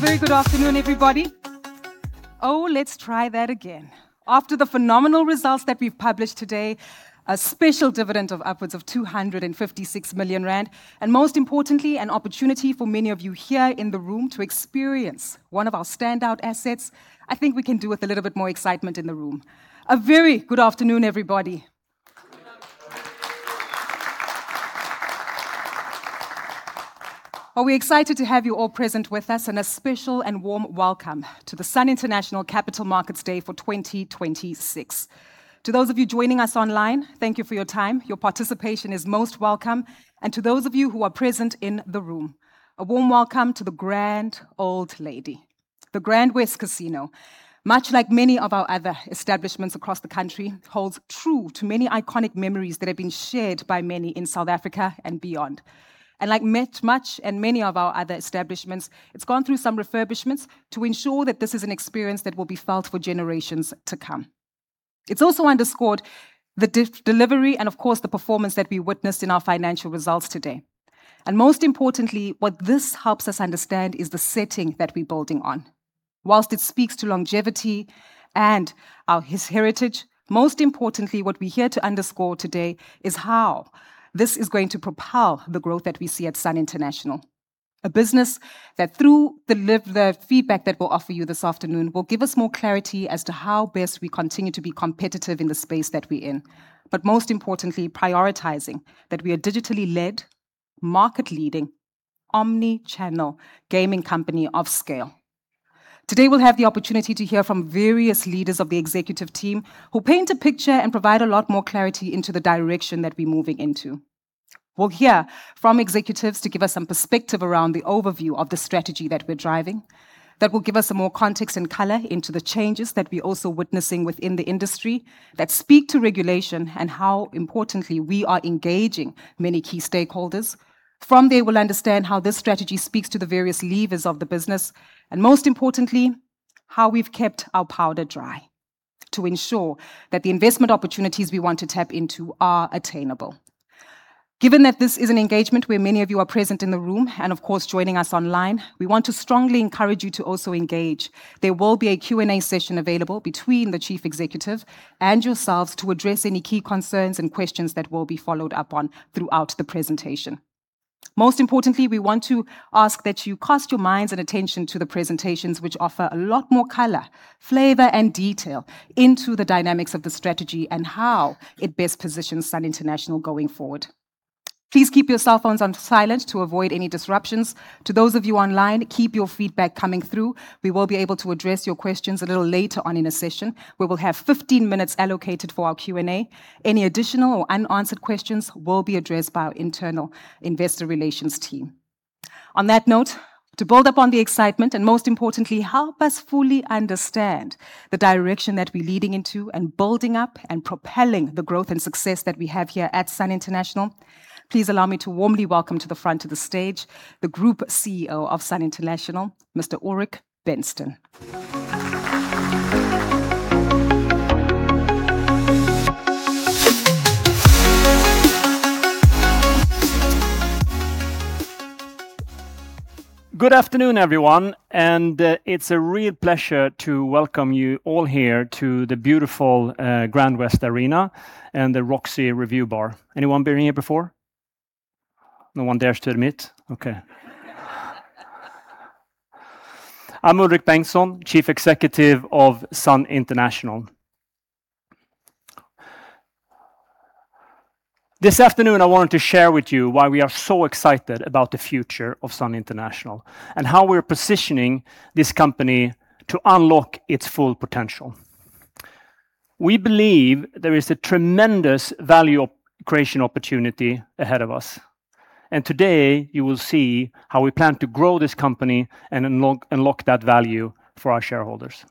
Very good afternoon, everybody. After the phenomenal results that we've published today, a special dividend of upwards of 256 million rand, and most importantly, an opportunity for many of you here in the room to experience one of our standout assets, I think we can do with a little bit more excitement in the room. A very good afternoon, everybody. Are we excited to have you all present with us? A special and warm welcome to the Sun International Capital Markets Day for 2026. To those of you joining us online, thank you for your time. Your participation is most welcome and to those of you who are present in the room, a warm welcome to the Grand Old Lady The GrandWest Casino, much like many of our other establishments across the country, holds true to many iconic memories that have been shared by many in South Africa and beyond. many of our other establishments, it's gone through some refurbishments to ensure that this is an experience that will be felt for generations to come. It's also underscored the delivery and of course, the performance that we witnessed in our financial results today. Most importantly, what this helps us understand is the setting that we're building on. While it speaks to longevity and our heritage, most importantly, what we're here to underscore today is how this is going to propel the growth that we see at Sun International. A business that through the feedback that we'll offer you this afternoon, will give us more clarity as to how best we continue to be competitive in the space that we're in. Most importantly, prioritizing that we are digitally led, market leading, omnichannel gaming company of scale. Today, we'll have the opportunity to hear from various leaders of the executive team who paint a picture and provide a lot more clarity into the direction that we're moving into. We'll hear from executives to give us some perspective around the overview of the strategy that we're driving, that will give us some more context and color into the changes that we're also witnessing within the industry, that speak to regulation and how importantly, we are engaging many key stakeholders. From there, we'll understand how this strategy speaks to the various levers of the business, and most importantly, how we've kept our powder dry to ensure that the investment opportunities we want to tap into are attainable. Given that this is an engagement where many of you are present in the room, and of course, joining us online, we want to strongly encourage you to also engage. There will be a Q&A session available between the chief executive and yourselves to address any key concerns and questions that will be followed up on throughout the presentation. Most importantly, we want to ask that you cast your minds and attention to the presentations which offer a lot more color, flavor, and detail into the dynamics of the strategy and how it best positions Sun International going forward. Please keep your cell phones on silent to avoid any disruptions. To those of you online, keep your feedback coming through. We will be able to address your questions a little later on in a session where we'll have 15 minutes allocated for our Q&A. Any additional or unanswered questions will be addressed by our internal investor relations team. On that note, to build upon the excitement, and most importantly, help us fully understand the direction that we're leading into and building up and propelling the growth and success that we have here at Sun International, please allow me to warmly welcome to the front of the stage, the Group CEO of Sun International, Mr. Ulrik Bengtsson. Good afternoon, everyone, and it's a real pleasure to welcome you all here to the beautiful GrandWest Arena and the Roxy Revue Bar. Anyone been here before? No one dares to admit. Okay. I'm Ulrik Bengtsson, Chief Executive of Sun International. This afternoon I wanted to share with you why we are so excited about the future of Sun International and how we're positioning this company to unlock its full potential. We believe there is a tremendous value creation opportunity ahead of us, and today you will see how we plan to grow this company and unlock that value for our shareholders.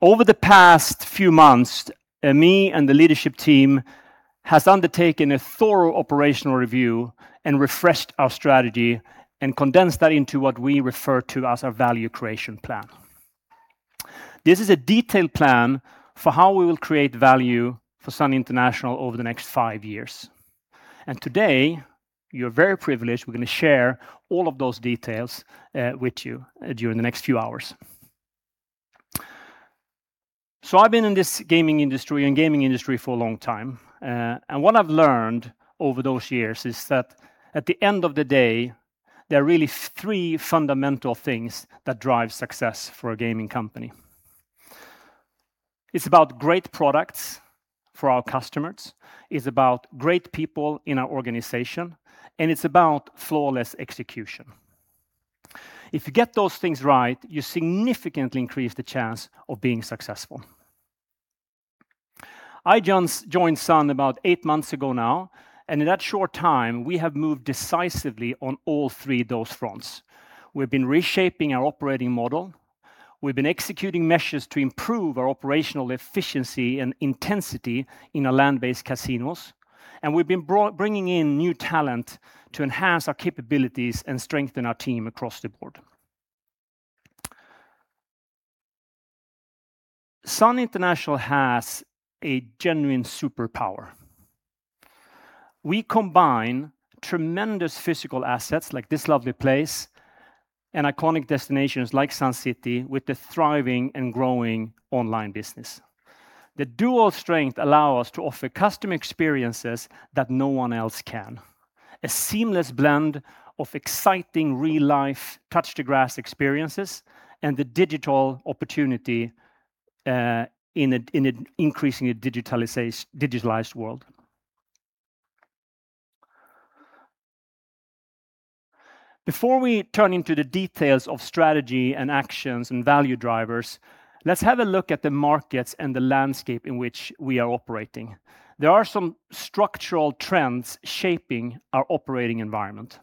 Over the past few months, me and the leadership team has undertaken a thorough operational review and refreshed our strategy and condensed that into what we refer to as our Value Creation Plan. This is a detailed plan for how we will create value for Sun International over the next five years. Today, you're very privileged, we're gonna share all of those details with you during the next few hours. I've been in this gaming industry for a long time, and what I've learned over those years is that at the end of the day, there are really three fundamental things that drive success for a gaming company. It's about great products for our customers, it's about great people in our organization, and it's about flawless execution. If you get those things right, you significantly increase the chance of being successful. I joined Sun about eight months ago now, and in that short time, we have moved decisively on all three those fronts. We've been reshaping our operating model, we've been executing measures to improve our operational efficiency and intensity in our land-based casinos, and we've been bringing in new talent to enhance our capabilities and strengthen our team across the board. Sun International has a genuine superpower. We combine tremendous physical assets like this lovely place and iconic destinations like Sun City with the thriving and growing online business. The dual strength allow us to offer customer experiences that no one else can. A seamless blend of exciting real-life touch to grass experiences and the digital opportunity in an increasingly digitalized world. Before we turn into the details of strategy and actions and value drivers, let's have a look at the markets and the landscape in which we are operating. There are some structural trends shaping our operating environment.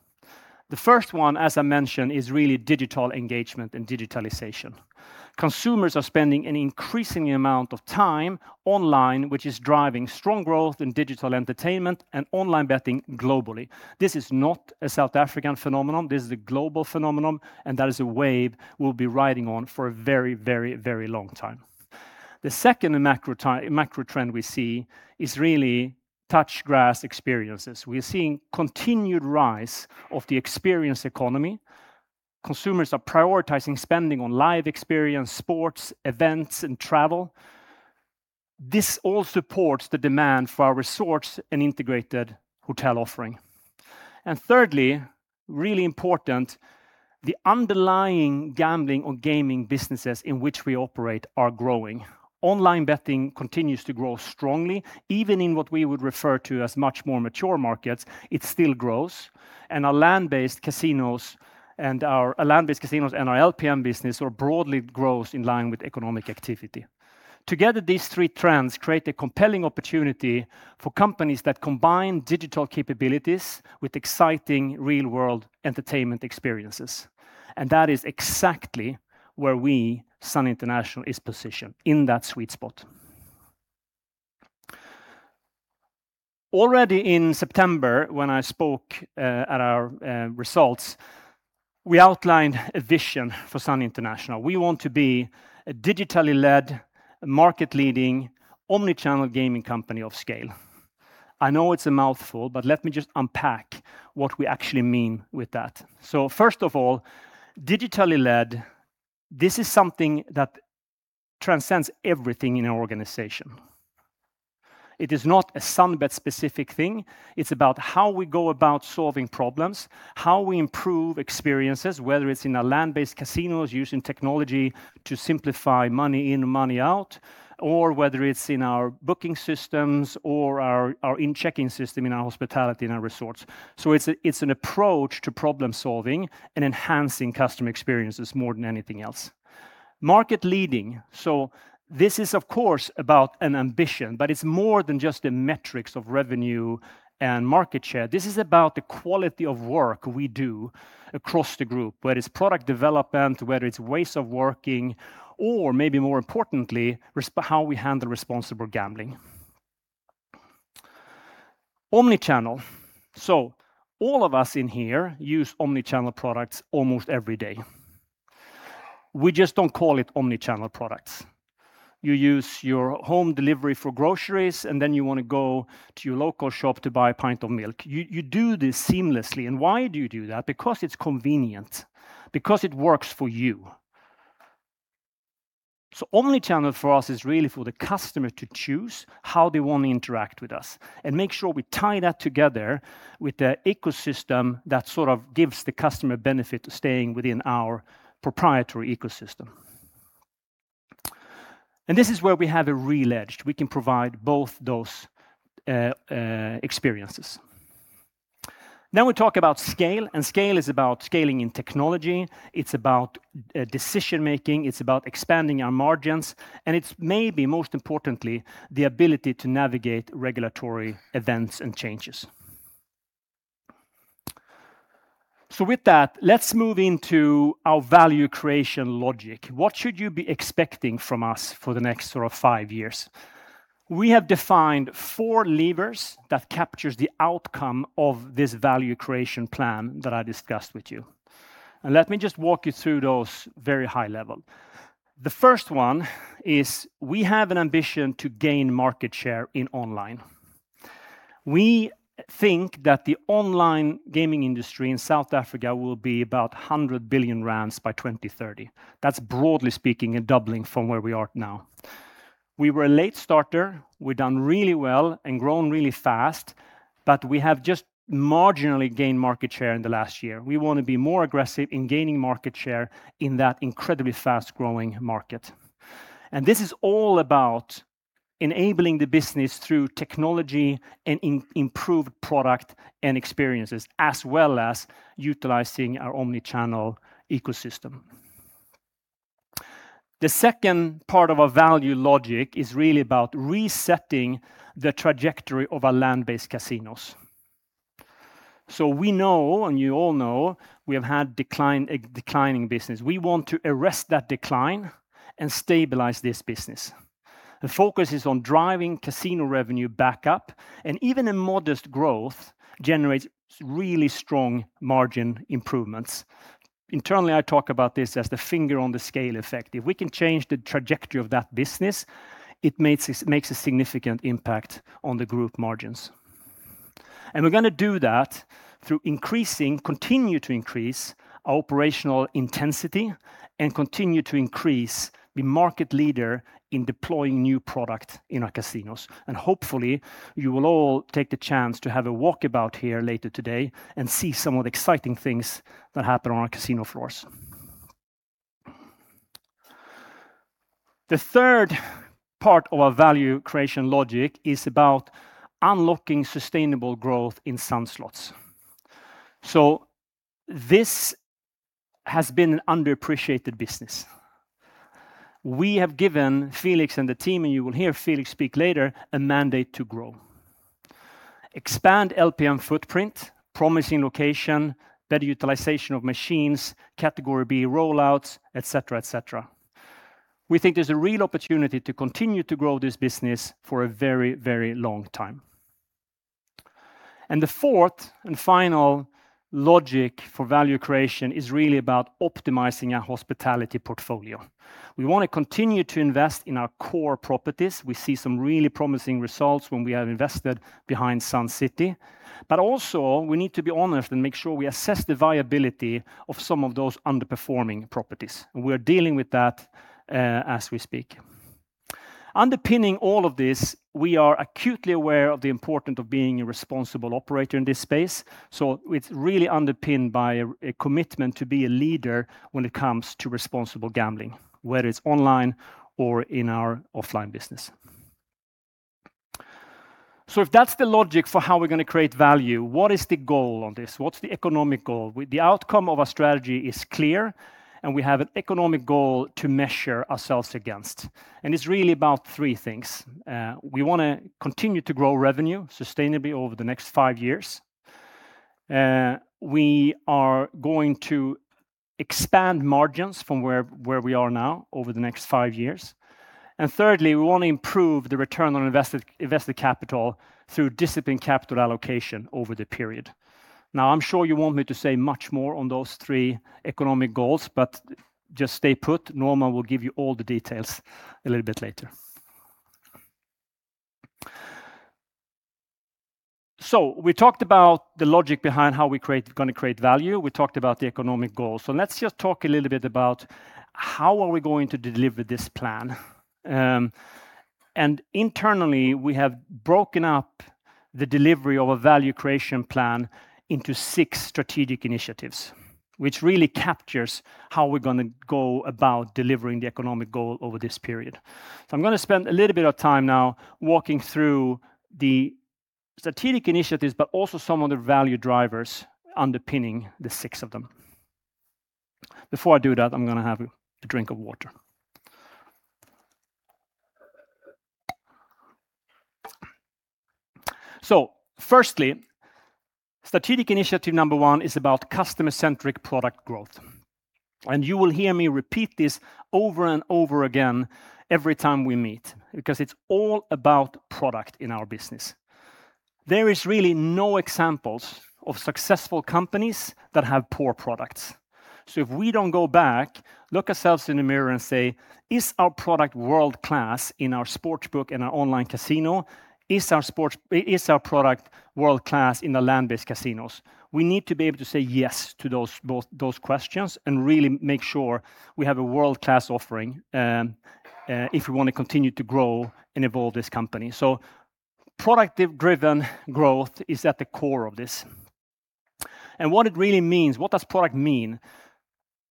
The first one, as I mentioned, is really digital engagement and digitalization. Consumers are spending an increasing amount of time online, which is driving strong growth in digital entertainment and online betting globally. This is not a South African phenomenon, this is a global phenomenon, and that is a wave we'll be riding on for a very, very, very long time. The second macro trend we see is really touch grass experiences. We're seeing continued rise of the experience economy. Consumers are prioritizing spending on live experience, sports, events, and travel. This all supports the demand for our resorts and integrated hotel offering. Thirdly, really important, the underlying gambling or gaming businesses in which we operate are growing. Online betting continues to grow strongly, even in what we would refer to as much more mature markets. It still grows. Our land-based casinos and our LPM business are broadly in line with economic activity. Together, these three trends create a compelling opportunity for companies that combine digital capabilities with exciting real-world entertainment experiences. That is exactly where we, Sun International, is positioned, in that sweet spot. Already in September, when I spoke at our results, we outlined a vision for Sun International. We want to be a digitally led, market-leading, omnichannel gaming company of scale. I know it's a mouthful, but let me just unpack what we actually mean with that. First of all, digitally led, this is something that transcends everything in an organization. It is not a Sunbet-specific thing. It's about how we go about solving problems, how we improve experiences, whether it's in our land-based casinos using technology to simplify money in, money out, or whether it's in our booking systems or our in check-in system in our hospitality in our resorts. It's an approach to problem-solving and enhancing customer experiences more than anything else. Market leading. This is of course about an ambition, but it's more than just the metrics of revenue and market share. This is about the quality of work we do across the group, whether it's product development, whether it's ways of working, or maybe more importantly, how we handle responsible gambling. Omni-channel. All of us in here use omni-channel products almost every day. We just don't call it omni-channel products. You use your home delivery for groceries, and then you wanna go to your local shop to buy a pint of milk. You do this seamlessly. Why do you do that? Because it's convenient. Because it works for you. Omnichannel for us is really for the customer to choose how they want to interact with us and make sure we tie that together with the ecosystem that sort of gives the customer benefit to staying within our proprietary ecosystem. This is where we have a real edge. We can provide both those experiences. Now we talk about scale, and scale is about scaling in technology. It's about decision-making. It's about expanding our margins. It's maybe most importantly, the ability to navigate regulatory events and changes. With that, let's move into our value creation logic. What should you be expecting from us for the next sort of five years? We have defined four levers that captures the outcome of this Value Creation Plan that I discussed with you. Let me just walk you through those very high level. The first one is we have an ambition to gain market share in online. We think that the online gaming industry in South Africa will be about 100 billion rand by 2030. That's broadly speaking a doubling from where we are now. We were a late starter. We've done really well and grown really fast, but we have just marginally gained market share in the last year. We wanna be more aggressive in gaining market share in that incredibly fast-growing market. This is all about enabling the business through technology and improved product and experiences, as well as utilizing our omnichannel ecosystem. The second part of our value logic is really about resetting the trajectory of our land-based casinos. We know, and you all know, we have had decline, a declining business. We want to arrest that decline and stabilize this business. The focus is on driving casino revenue back up, and even a modest growth generates really strong margin improvements. Internally, I talk about this as the finger on the scale effect. If we can change the trajectory of that business, it makes a significant impact on the group margins. We're gonna do that through continuing to increase our operational intensity and continuing to be the market leader in deploying new product in our casinos. Hopefully, you will all take the chance to have a walkabout here later today and see some of the exciting things that happen on our casino floors. The third part of our value creation logic is about unlocking sustainable growth in Sun Slots. This has been an underappreciated business. We have given Felix and the team, and you will hear Felix speak later, a mandate to grow. Expand LPM footprint, promising location, better utilization of machines, category B rollouts, et cetera, et cetera. We think there's a real opportunity to continue to grow this business for a very, very long time. The fourth and final logic for value creation is really about optimizing our hospitality portfolio. We wanna continue to invest in our core properties. We see some really promising results when we have invested behind Sun City. Also we need to be honest and make sure we assess the viability of some of those underperforming properties, and we're dealing with that as we speak. Underpinning all of this, we are acutely aware of the importance of being a responsible operator in this space, so it's really underpinned by a commitment to be a leader when it comes to responsible gambling, whether it's online or in our offline business. If that's the logic for how we're gonna create value, what is the goal on this? What's the economic goal? The outcome of our strategy is clear, and we have an economic goal to measure ourselves against, and it's really about three things. We wanna continue to grow revenue sustainably over the next five years. We are going to expand margins from where we are now over the next five years. And thirdly, we wanna improve the return on invested capital through disciplined capital allocation over the period. Now, I'm sure you want me to say much more on those three economic goals, but just stay put. Norman will give you all the details a little bit later. We talked about the logic behind how we gonna create value. We talked about the economic goals. Let's just talk a little bit about how are we going to deliver this plan. Internally, we have broken up the delivery of a Value Creation Plan into six strategic initiatives, which really captures how we're gonna go about delivering the economic goal over this period. I'm gonna spend a little bit of time now walking through the strategic initiatives, but also some of the value drivers underpinning the six of them. Before I do that, I'm gonna have a drink of water. Firstly, strategic initiative number one is about customer-centric product growth, and you will hear me repeat this over and over again every time we meet because it's all about product in our business. There is really no examples of successful companies that have poor products. If we don't go back, look ourselves in the mirror and say, "Is our product world-class in our sports book and our online casino? Is our product world-class in the land-based casinos?" We need to be able to say yes to those questions and really make sure we have a world-class offering, if we wanna continue to grow and evolve this company. Product-driven growth is at the core of this. What it really means, what does product mean?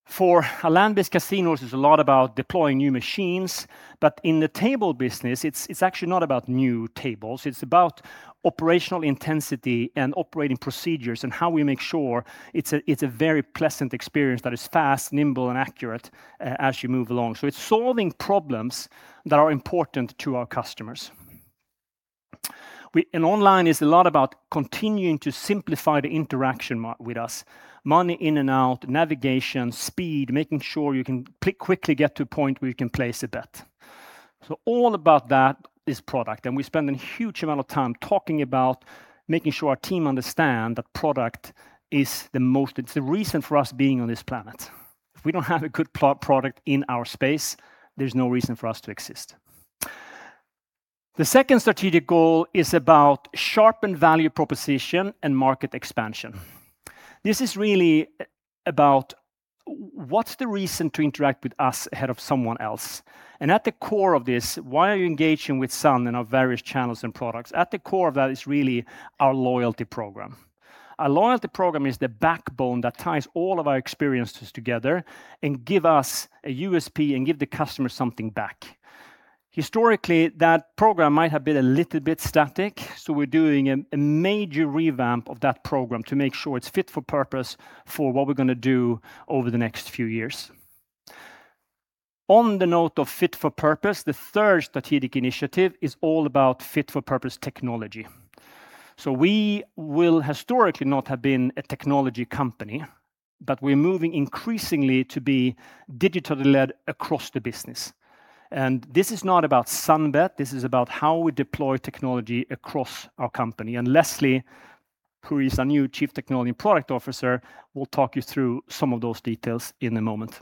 For our land-based casinos, it's a lot about deploying new machines, but in the table business, it's actually not about new tables. It's about operational intensity and operating procedures and how we make sure it's a very pleasant experience that is fast, nimble, and accurate as you move along. It's solving problems that are important to our customers. Online is a lot about continuing to simplify the interaction with us. Money in and out, navigation, speed, making sure you can quickly get to a point where you can place a bet. All about that is product, and we spend a huge amount of time talking about making sure our team understand that product is the most, it's the reason for us being on this planet. If we don't have a good product in our space, there's no reason for us to exist. The second strategic goal is about sharpened value proposition and market expansion. This is really about what's the reason to interact with us ahead of someone else? At the core of this, why are you engaging with Sun in our various channels and products? At the core of that is really our loyalty program. Our loyalty program is the backbone that ties all of our experiences together and give us a USP and give the customer something back. Historically, that program might have been a little bit static, so we're doing a major revamp of that program to make sure it's fit for purpose for what we're gonna do over the next few years. On the note of fit for purpose, the third strategic initiative is all about fit-for-purpose technology. We will historically not have been a technology company. We're moving increasingly to be digitally led across the business. This is not about Sunbet, this is about how we deploy technology across our company. Leslie, who is our new Chief Technology and Product Officer, will talk you through some of those details in a moment.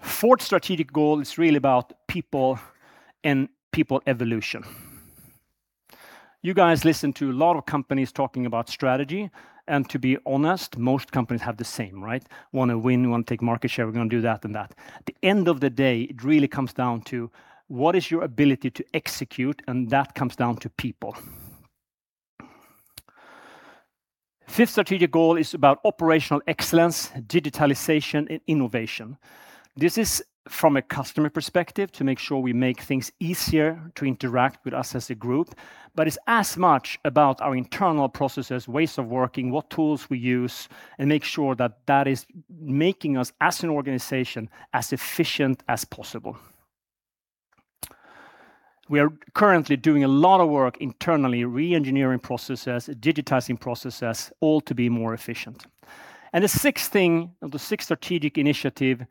Fourth strategic goal is really about people and people evolution. You guys listen to a lot of companies talking about strategy, and to be honest, most companies have the same, right? Wanna win, wanna take market share, we're gonna do that and that. At the end of the day, it really comes down to what is your ability to execute, and that comes down to people. Fifth strategic goal is about operational excellence, digitalization, and innovation. This is from a customer perspective to make sure we make things easier to interact with us as a group, but it's as much about our internal processes, ways of working, what tools we use, and make sure that that is making us as an organization as efficient as possible. We are currently doing a lot of work internally, re-engineering processes, digitizing processes, all to be more efficient. The sixth thing, or the sixth strategic initiative,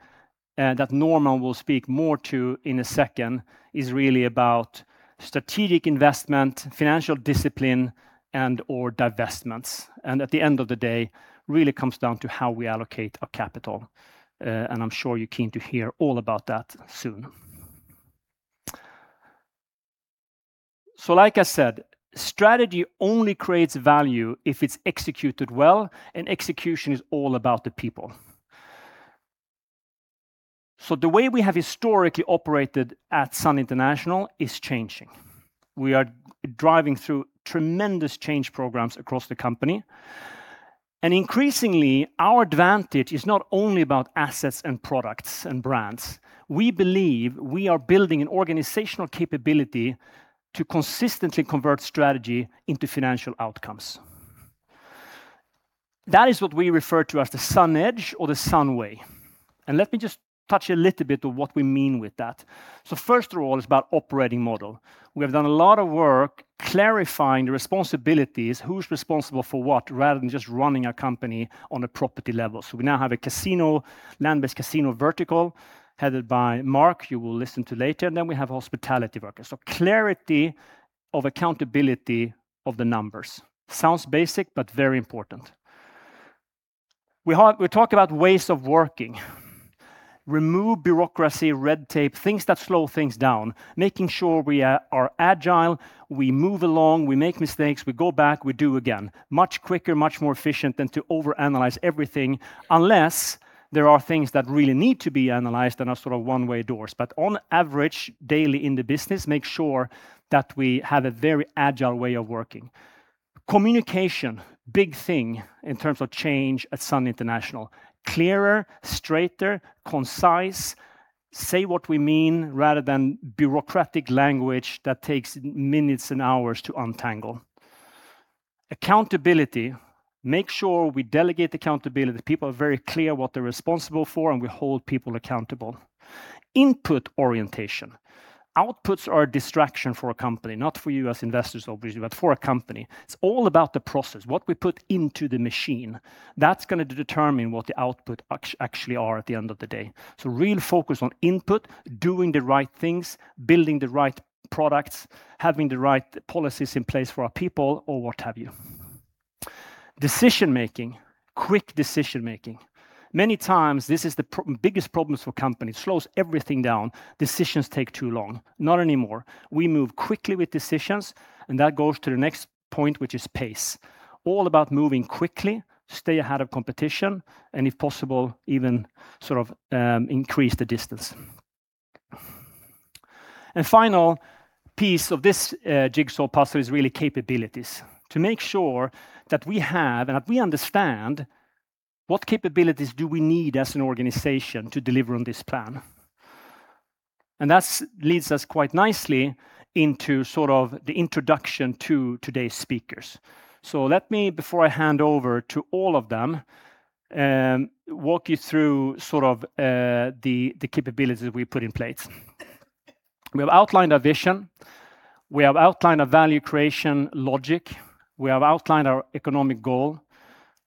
that Norman will speak more to in a second, is really about strategic investment, financial discipline, and/or divestments. At the end of the day, really comes down to how we allocate our capital. I'm sure you're keen to hear all about that soon. Like I said, strategy only creates value if it's executed well, and execution is all about the people. The way we have historically operated at Sun International is changing. We are driving through tremendous change programs across the company, and increasingly, our advantage is not only about assets and products and brands. We believe we are building an organizational capability to consistently convert strategy into financial outcomes. That is what we refer to as the Sun Edge or the Sun Way, and let me just touch a little bit of what we mean with that. First of all, it's about operating model. We have done a lot of work clarifying the responsibilities, who's responsible for what, rather than just running a company on a property level. We now have a casino, land-based casino vertical headed by Mark, who you will listen to later, and then we have hospitality vertical. Clarity of accountability of the numbers. Sounds basic, but very important. We talk about ways of working. Remove bureaucracy, red tape, things that slow things down, making sure we are agile, we move along, we make mistakes, we go back, we do again. Much quicker, much more efficient than to overanalyze everything unless there are things that really need to be analyzed and are sort of one-way doors. On average, daily in the business, make sure that we have a very agile way of working. Communication, big thing in terms of change at Sun International. Clearer, straighter, concise, say what we mean rather than bureaucratic language that takes minutes and hours to untangle. Accountability. Make sure we delegate accountability. People are very clear what they're responsible for, and we hold people accountable. Input orientation. Outputs are a distraction for a company, not for you as investors obviously, but for a company. It's all about the process, what we put into the machine. That's gonna determine what the output actually are at the end of the day. Real focus on input, doing the right things, building the right products, having the right policies in place for our people or what have you. Decision-making, quick decision-making. Many times this is the biggest problems for companies. Slows everything down. Decisions take too long. Not anymore. We move quickly with decisions, and that goes to the next point, which is pace. All about moving quickly, stay ahead of competition, and if possible, even sort of, increase the distance. Final piece of this jigsaw puzzle is really capabilities. To make sure that we have and that we understand what capabilities do we need as an organization to deliver on this plan. leads us quite nicely into sort of the introduction to today's speakers. Let me, before I hand over to all of them, walk you through sort of the capabilities we've put in place. We have outlined our vision, we have outlined our value creation logic, we have outlined our economic goal,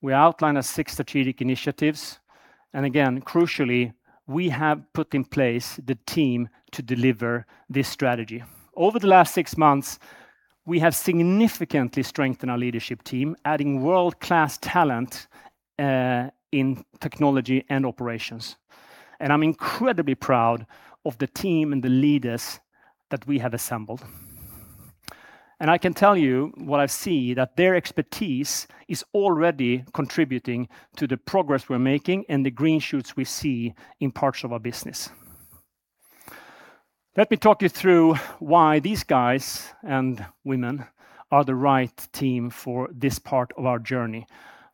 we outlined our six strategic initiatives, and again, crucially, we have put in place the team to deliver this strategy. Over the last six months, we have significantly strengthened our leadership team, adding world-class talent in technology and operations. I'm incredibly proud of the team and the leaders that we have assembled. I can tell you what I see, that their expertise is already contributing to the progress we're making and the green shoots we see in parts of our business. Let me talk you through why these guys and women are the right team for this part of our journey.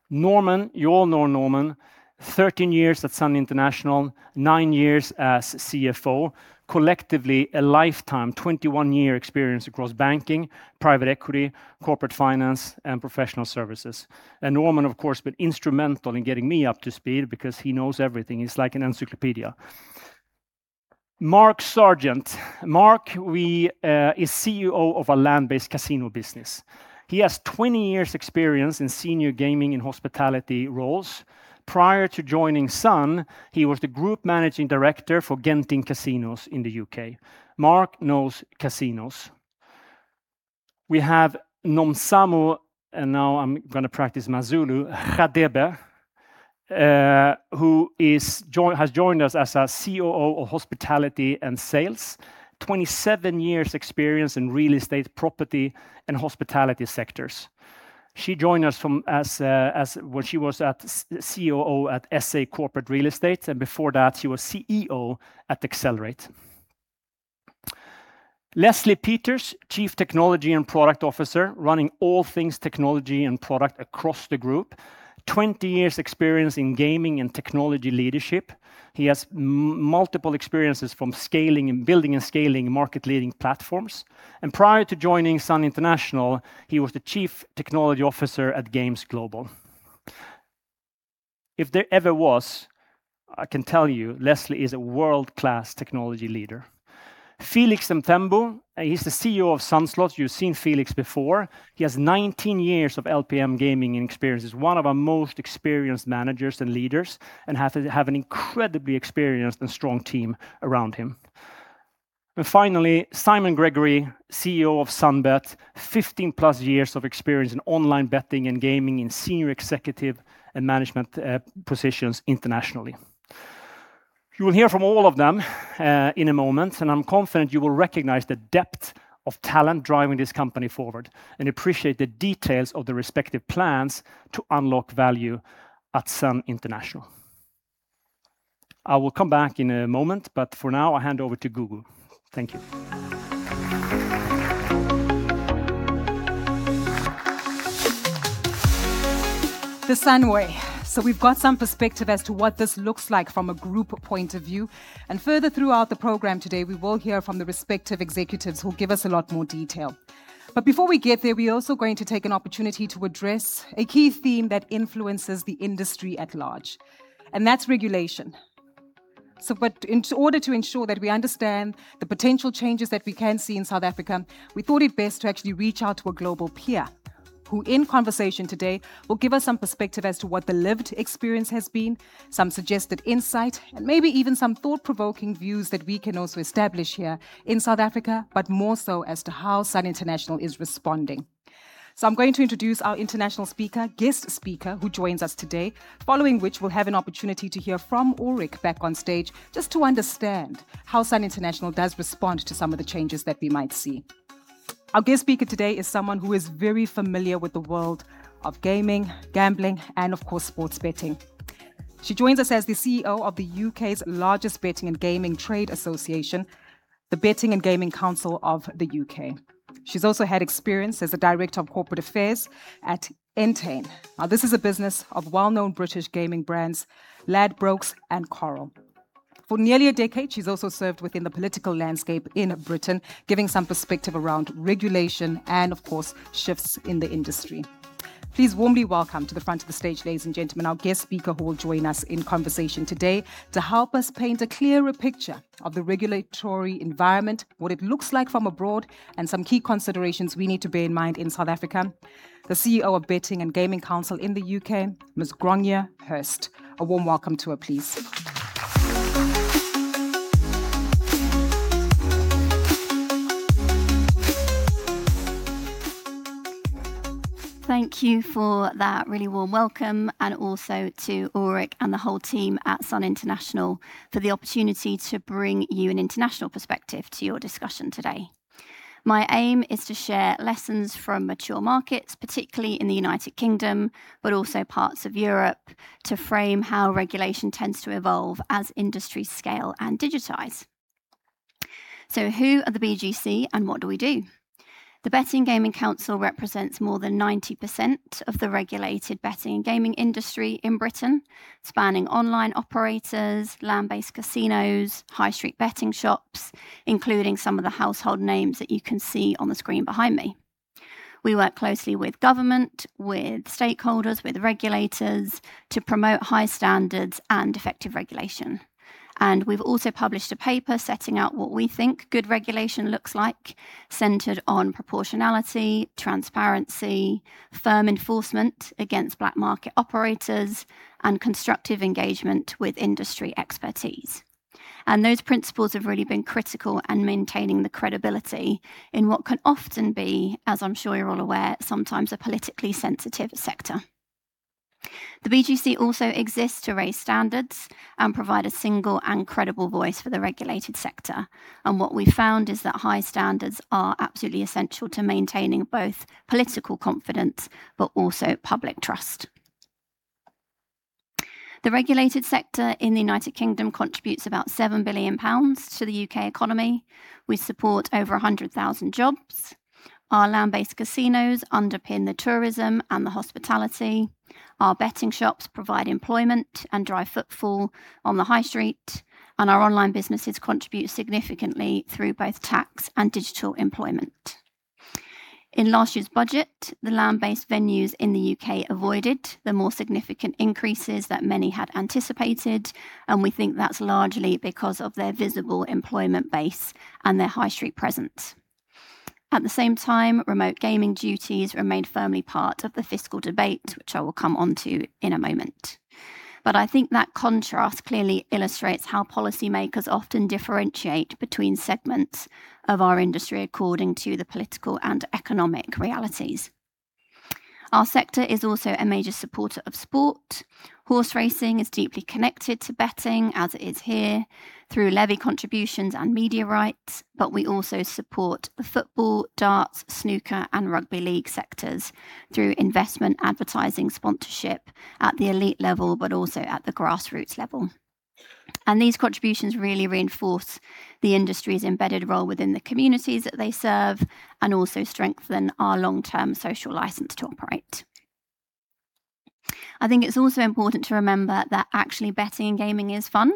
Norman, you all know Norman. 13 years at Sun International, nine years as CFO. Collectively, a lifetime 21-year experience across banking, private equity, corporate finance, and professional services. Norman, of course, been instrumental in getting me up to speed because he knows everything. He's like an encyclopedia. Mark Sergeant. Mark, he is CEO of a land-based casino business. He has 20 years experience in senior gaming and hospitality roles. Prior to joining Sun, he was the group managing director for Genting Casinos in the UK. Mark knows casinos. We have Nomzamo, and now I'm gonna practice my Zulu, Radebe, who has joined us as our COO of Hospitality and Sales. 27 years experience in real estate, property and hospitality sectors. She joined us when she was at CEO at SA Corporate Real Estate, and before that she was CEO at Accelerate. Leslie Peters, Chief Technology and Product Officer, running all things technology and product across the group. 20 years experience in gaming and technology leadership. He has multiple experiences from scaling and building and scaling market-leading platforms. Prior to joining Sun International, he was the Chief Technology Officer at Games Global. If there ever was, I can tell you, Leslie is a world-class technology leader. Felix Mthembu, he's the CEO of Sun Slots. You've seen Felix before. He has 19 years of LPM gaming experience, is one of our most experienced managers and leaders, and has an incredibly experienced and strong team around him. Finally, Simon Gregory, CEO of Sunbet, 15+ years of experience in online betting and gaming in senior executive and management positions internationally. You will hear from all of them in a moment, and I'm confident you will recognize the depth of talent driving this company forward and appreciate the details of the respective plans to unlock value at Sun International. I will come back in a moment, but for now I hand over to Gugu. Thank you. The Sun Way. We've got some perspective as to what this looks like from a group point of view, and further throughout the program today, we will hear from the respective executives who will give us a lot more detail. Before we get there, we're also going to take an opportunity to address a key theme that influences the industry at large, and that's regulation. In order to ensure that we understand the potential changes that we can see in South Africa, we thought it best to actually reach out to a global peer who, in conversation today, will give us some perspective as to what the lived experience has been, some suggested insight, and maybe even some thought-provoking views that we can also establish here in South Africa, but more so as to how Sun International is responding. I'm going to introduce our international speaker, guest speaker, who joins us today, following which we'll have an opportunity to hear from Ulrik back on stage just to understand how Sun International does respond to some of the changes that we might see. Our guest speaker today is someone who is very familiar with the world of gaming, gambling, and of course, sports betting. She joins us as the CEO of the UK's largest betting and gaming trade association, the Betting and Gaming Council of the UK. She's also had experience as a director of corporate affairs at Entain. Now, this is a business of well-known British gaming brands Ladbrokes and Coral. For nearly a decade, she's also served within the political landscape in Britain, giving some perspective around regulation and of course, shifts in the industry. Please warmly welcome to the front of the stage, ladies and gentlemen, our guest speaker who will join us in conversation today to help us paint a clearer picture of the regulatory environment, what it looks like from abroad, and some key considerations we need to bear in mind in South Africa, the CEO of Betting and Gaming Council in the UK, Ms. Grainne Hurst. A warm welcome to her, please. Thank you for that really warm welcome, and also to Ulrik and the whole team at Sun International for the opportunity to bring you an international perspective to your discussion today. My aim is to share lessons from mature markets, particularly in the United Kingdom, but also parts of Europe, to frame how regulation tends to evolve as industries scale and digitize. Who are the BGC and what do we do? The Betting and Gaming Council represents more than 90% of the regulated betting and gaming industry in Britain, spanning online operators, land-based casinos, high street betting shops, including some of the household names that you can see on the screen behind me. We work closely with government, with stakeholders, with regulators, to promote high standards and effective regulation. We've also published a paper setting out what we think good regulation looks like, centered on proportionality, transparency, firm enforcement against black market operators, and constructive engagement with industry expertise. Those principles have really been critical in maintaining the credibility in what can often be, as I'm sure you're all aware, sometimes a politically sensitive sector. The BGC also exists to raise standards and provide a single and credible voice for the regulated sector. What we found is that high standards are absolutely essential to maintaining both political confidence but also public trust. The regulated sector in the United Kingdom contributes about 7 billion pounds to the UK economy. We support over 100,000 jobs. Our land-based casinos underpin the tourism and the hospitality. Our betting shops provide employment and drive footfall on the high street. Our online businesses contribute significantly through both tax and digital employment. In last year's budget, the land-based venues in the U.K. avoided the more significant increases that many had anticipated, and we think that's largely because of their visible employment base and their high street presence. At the same time, remote gaming duties remained firmly part of the fiscal debate, which I will come onto in a moment. I think that contrast clearly illustrates how policymakers often differentiate between segments of our industry according to the political and economic realities. Our sector is also a major supporter of sport. Horse racing is deeply connected to betting as it is here through levy contributions and media rights, but we also support the football, darts, snooker, and rugby league sectors through investment, advertising, sponsorship at the elite level, but also at the grassroots level. These contributions really reinforce the industry's embedded role within the communities that they serve and also strengthen our long-term social license to operate. I think it's also important to remember that actually betting and gaming is fun.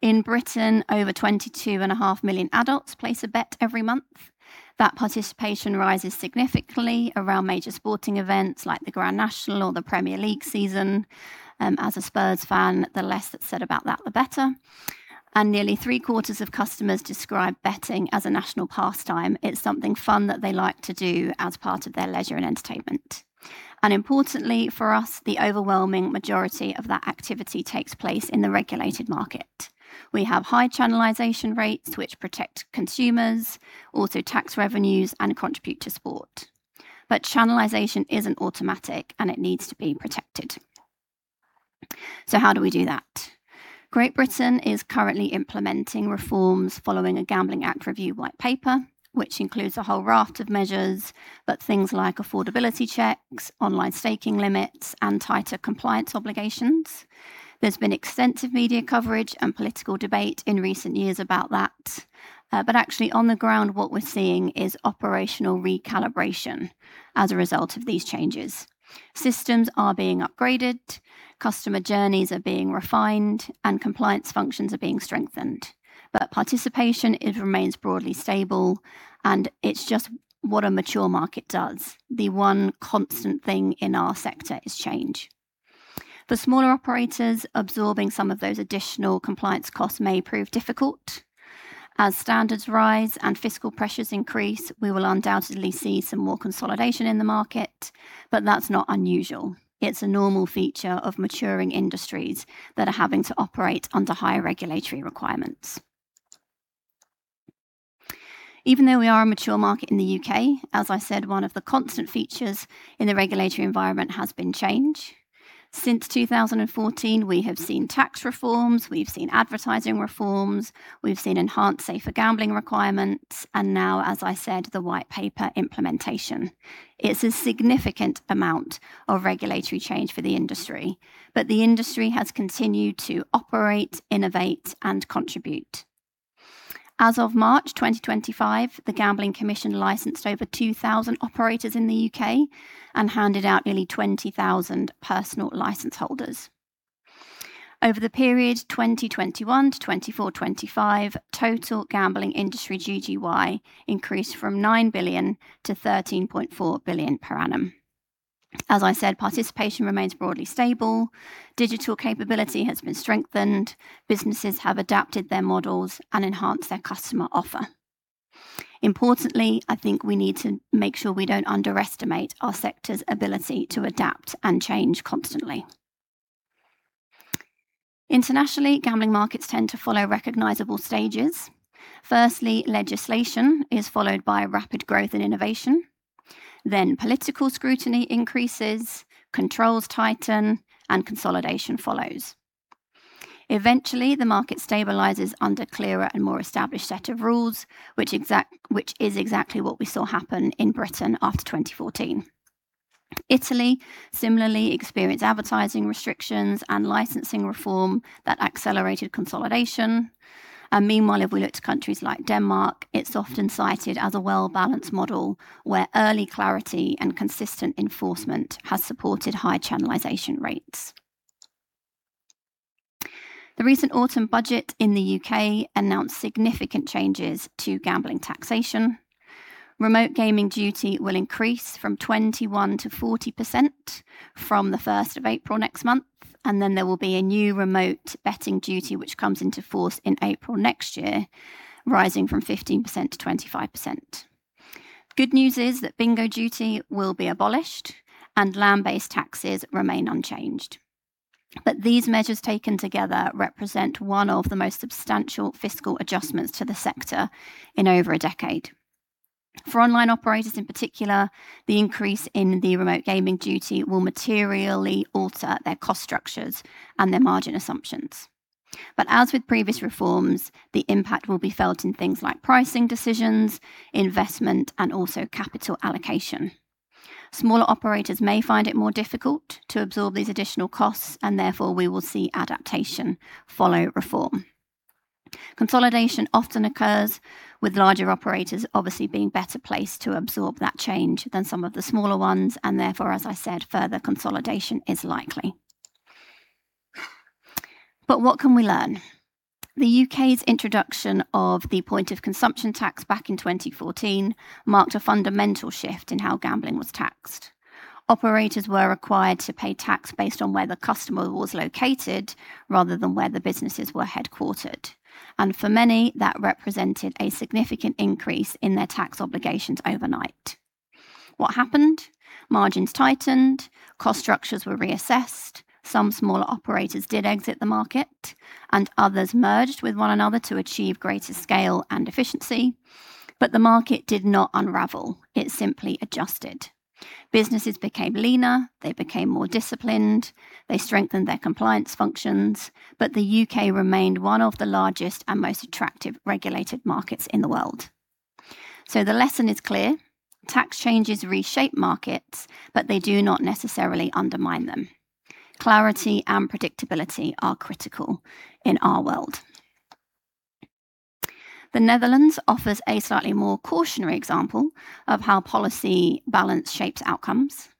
In Britain, over 22.5 million adults place a bet every month. That participation rises significantly around major sporting events like the Grand National or the Premier League season. As a Spurs fan, the less that's said about that, the better. Nearly three-quarters of customers describe betting as a national pastime. It's something fun that they like to do as part of their leisure and entertainment. Importantly for us, the overwhelming majority of that activity takes place in the regulated market. We have high channelization rates which protect consumers, also tax revenues, and contribute to sport. Channelization isn't automatic, and it needs to be protected. How do we do that? Great Britain is currently implementing reforms following a Gambling Act review white paper, which includes a whole raft of measures, but things like affordability checks, online staking limits, and tighter compliance obligations. There's been extensive media coverage and political debate in recent years about that. Actually on the ground, what we're seeing is operational recalibration as a result of these changes. Systems are being upgraded, customer journeys are being refined, and compliance functions are being strengthened. Participation, it remains broadly stable, and it's just what a mature market does. The one constant thing in our sector is change. For smaller operators, absorbing some of those additional compliance costs may prove difficult. As standards rise and fiscal pressures increase, we will undoubtedly see some more consolidation in the market, but that's not unusual. It's a normal feature of maturing industries that are having to operate under higher regulatory requirements. Even though we are a mature market in the UK, as I said, one of the constant features in the regulatory environment has been change. Since 2014, we have seen tax reforms, we've seen advertising reforms, we've seen enhanced safer gambling requirements, and now, as I said, the white paper implementation. It's a significant amount of regulatory change for the industry, but the industry has continued to operate, innovate, and contribute. As of March 2025, the Gambling Commission licensed over 2,000 operators in the UK and handed out nearly 20,000 personal license holders. Over the period 2021 to 2024-2025, total gambling industry GGY increased from 9 billion to 13.4 billion per annum. As I said, participation remains broadly stable. Digital capability has been strengthened. Businesses have adapted their models and enhanced their customer offer. Importantly, I think we need to make sure we don't underestimate our sector's ability to adapt and change constantly. Internationally, gambling markets tend to follow recognizable stages. Firstly, legislation is followed by rapid growth and innovation. Then political scrutiny increases, controls tighten, and consolidation follows. Eventually, the market stabilizes under clearer and more established set of rules, which is exactly what we saw happen in Britain after 2014. Italy similarly experienced advertising restrictions and licensing reform that accelerated consolidation. Meanwhile, if we look to countries like Denmark, it's often cited as a well-balanced model where early clarity and consistent enforcement has supported high channelization rates. The recent autumn budget in the UK announced significant changes to gambling taxation. Remote Gaming Duty will increase from 21% to 40% from the first of April next month, and then there will be a new Remote Betting Duty which comes into force in April next year, rising from 15% to 25%. Good news is that bingo duty will be abolished and land-based taxes remain unchanged. These measures taken together represent one of the most substantial fiscal adjustments to the sector in over a decade. For online operators in particular, the increase in the Remote Gaming Duty will materially alter their cost structures and their margin assumptions. As with previous reforms, the impact will be felt in things like pricing decisions, investment, and also capital allocation. Smaller operators may find it more difficult to absorb these additional costs, and therefore we will see adaptation follow reform. Consolidation often occurs with larger operators obviously being better placed to absorb that change than some of the smaller ones. Therefore, as I said, further consolidation is likely. What can we learn? The UK's introduction of the point of consumption tax back in 2014 marked a fundamental shift in how gambling was taxed. Operators were required to pay tax based on where the customer was located rather than where the businesses were headquartered, and for many, that represented a significant increase in their tax obligations overnight. What happened? Margins tightened, cost structures were reassessed, some smaller operators did exit the market, and others merged with one another to achieve greater scale and efficiency. The market did not unravel. It simply adjusted. Businesses became leaner. They became more disciplined. They strengthened their compliance functions. The UK remained one of the largest and most attractive regulated markets in the world. The lesson is clear. Tax changes reshape markets, but they do not necessarily undermine them. Clarity and predictability are critical in our world. The Netherlands offers a slightly more cautionary example of how policy balance shapes outcomes.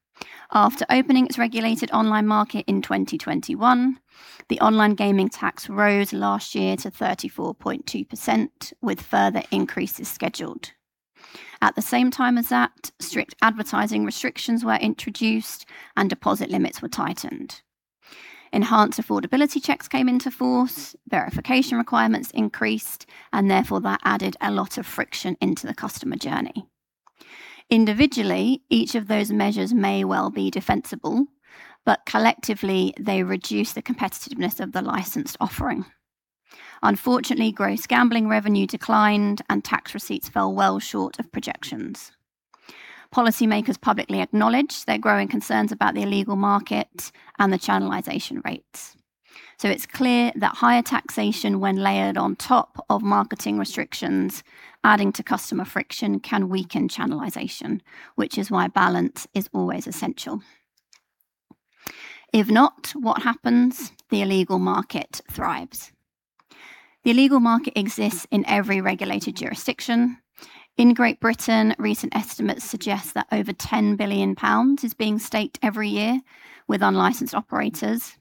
After opening its regulated online market in 2021, the online gaming tax rose last year to 34.2% with further increases scheduled. At the same time as that, strict advertising restrictions were introduced and deposit limits were tightened. Enhanced affordability checks came into force, verification requirements increased, and therefore that added a lot of friction into the customer journey. Individually, each of those measures may well be defensible, but collectively, they reduce the competitiveness of the licensed offering. Unfortunately, gross gambling revenue declined and tax receipts fell well short of projections. Policy makers publicly acknowledged their growing concerns about the illegal market and the channelization rates. It's clear that higher taxation when layered on top of marketing restrictions adding to customer friction can weaken channelization, which is why balance is always essential. If not, what happens? The illegal market thrives. The illegal market exists in every regulated jurisdiction. In Great Britain, recent estimates suggest that over 10 billion pounds is being staked every year with unlicensed operators.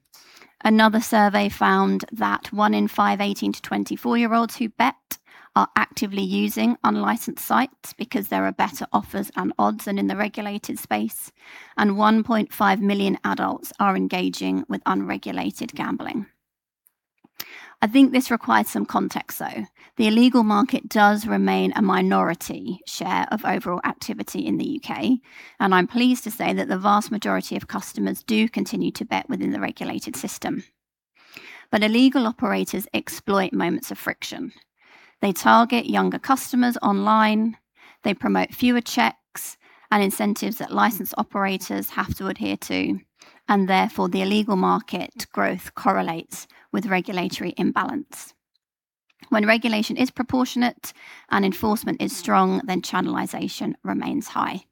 Another survey found that one in five 18 to 24 year old who bet are actively using unlicensed sites because there are better offers and odds than in the regulated space, and 1.5 million adults are engaging with unregulated gambling. I think this requires some context, though. The illegal market does remain a minority share of overall activity in the U.K., and I'm pleased to say that the vast majority of customers do continue to bet within the regulated system. Illegal operators exploit moments of friction. They target younger customers online. They promote fewer checks and incentives that licensed operators have to adhere to, and therefore the illegal market growth correlates with regulatory imbalance. When regulation is proportionate and enforcement is strong, then channelization remains high.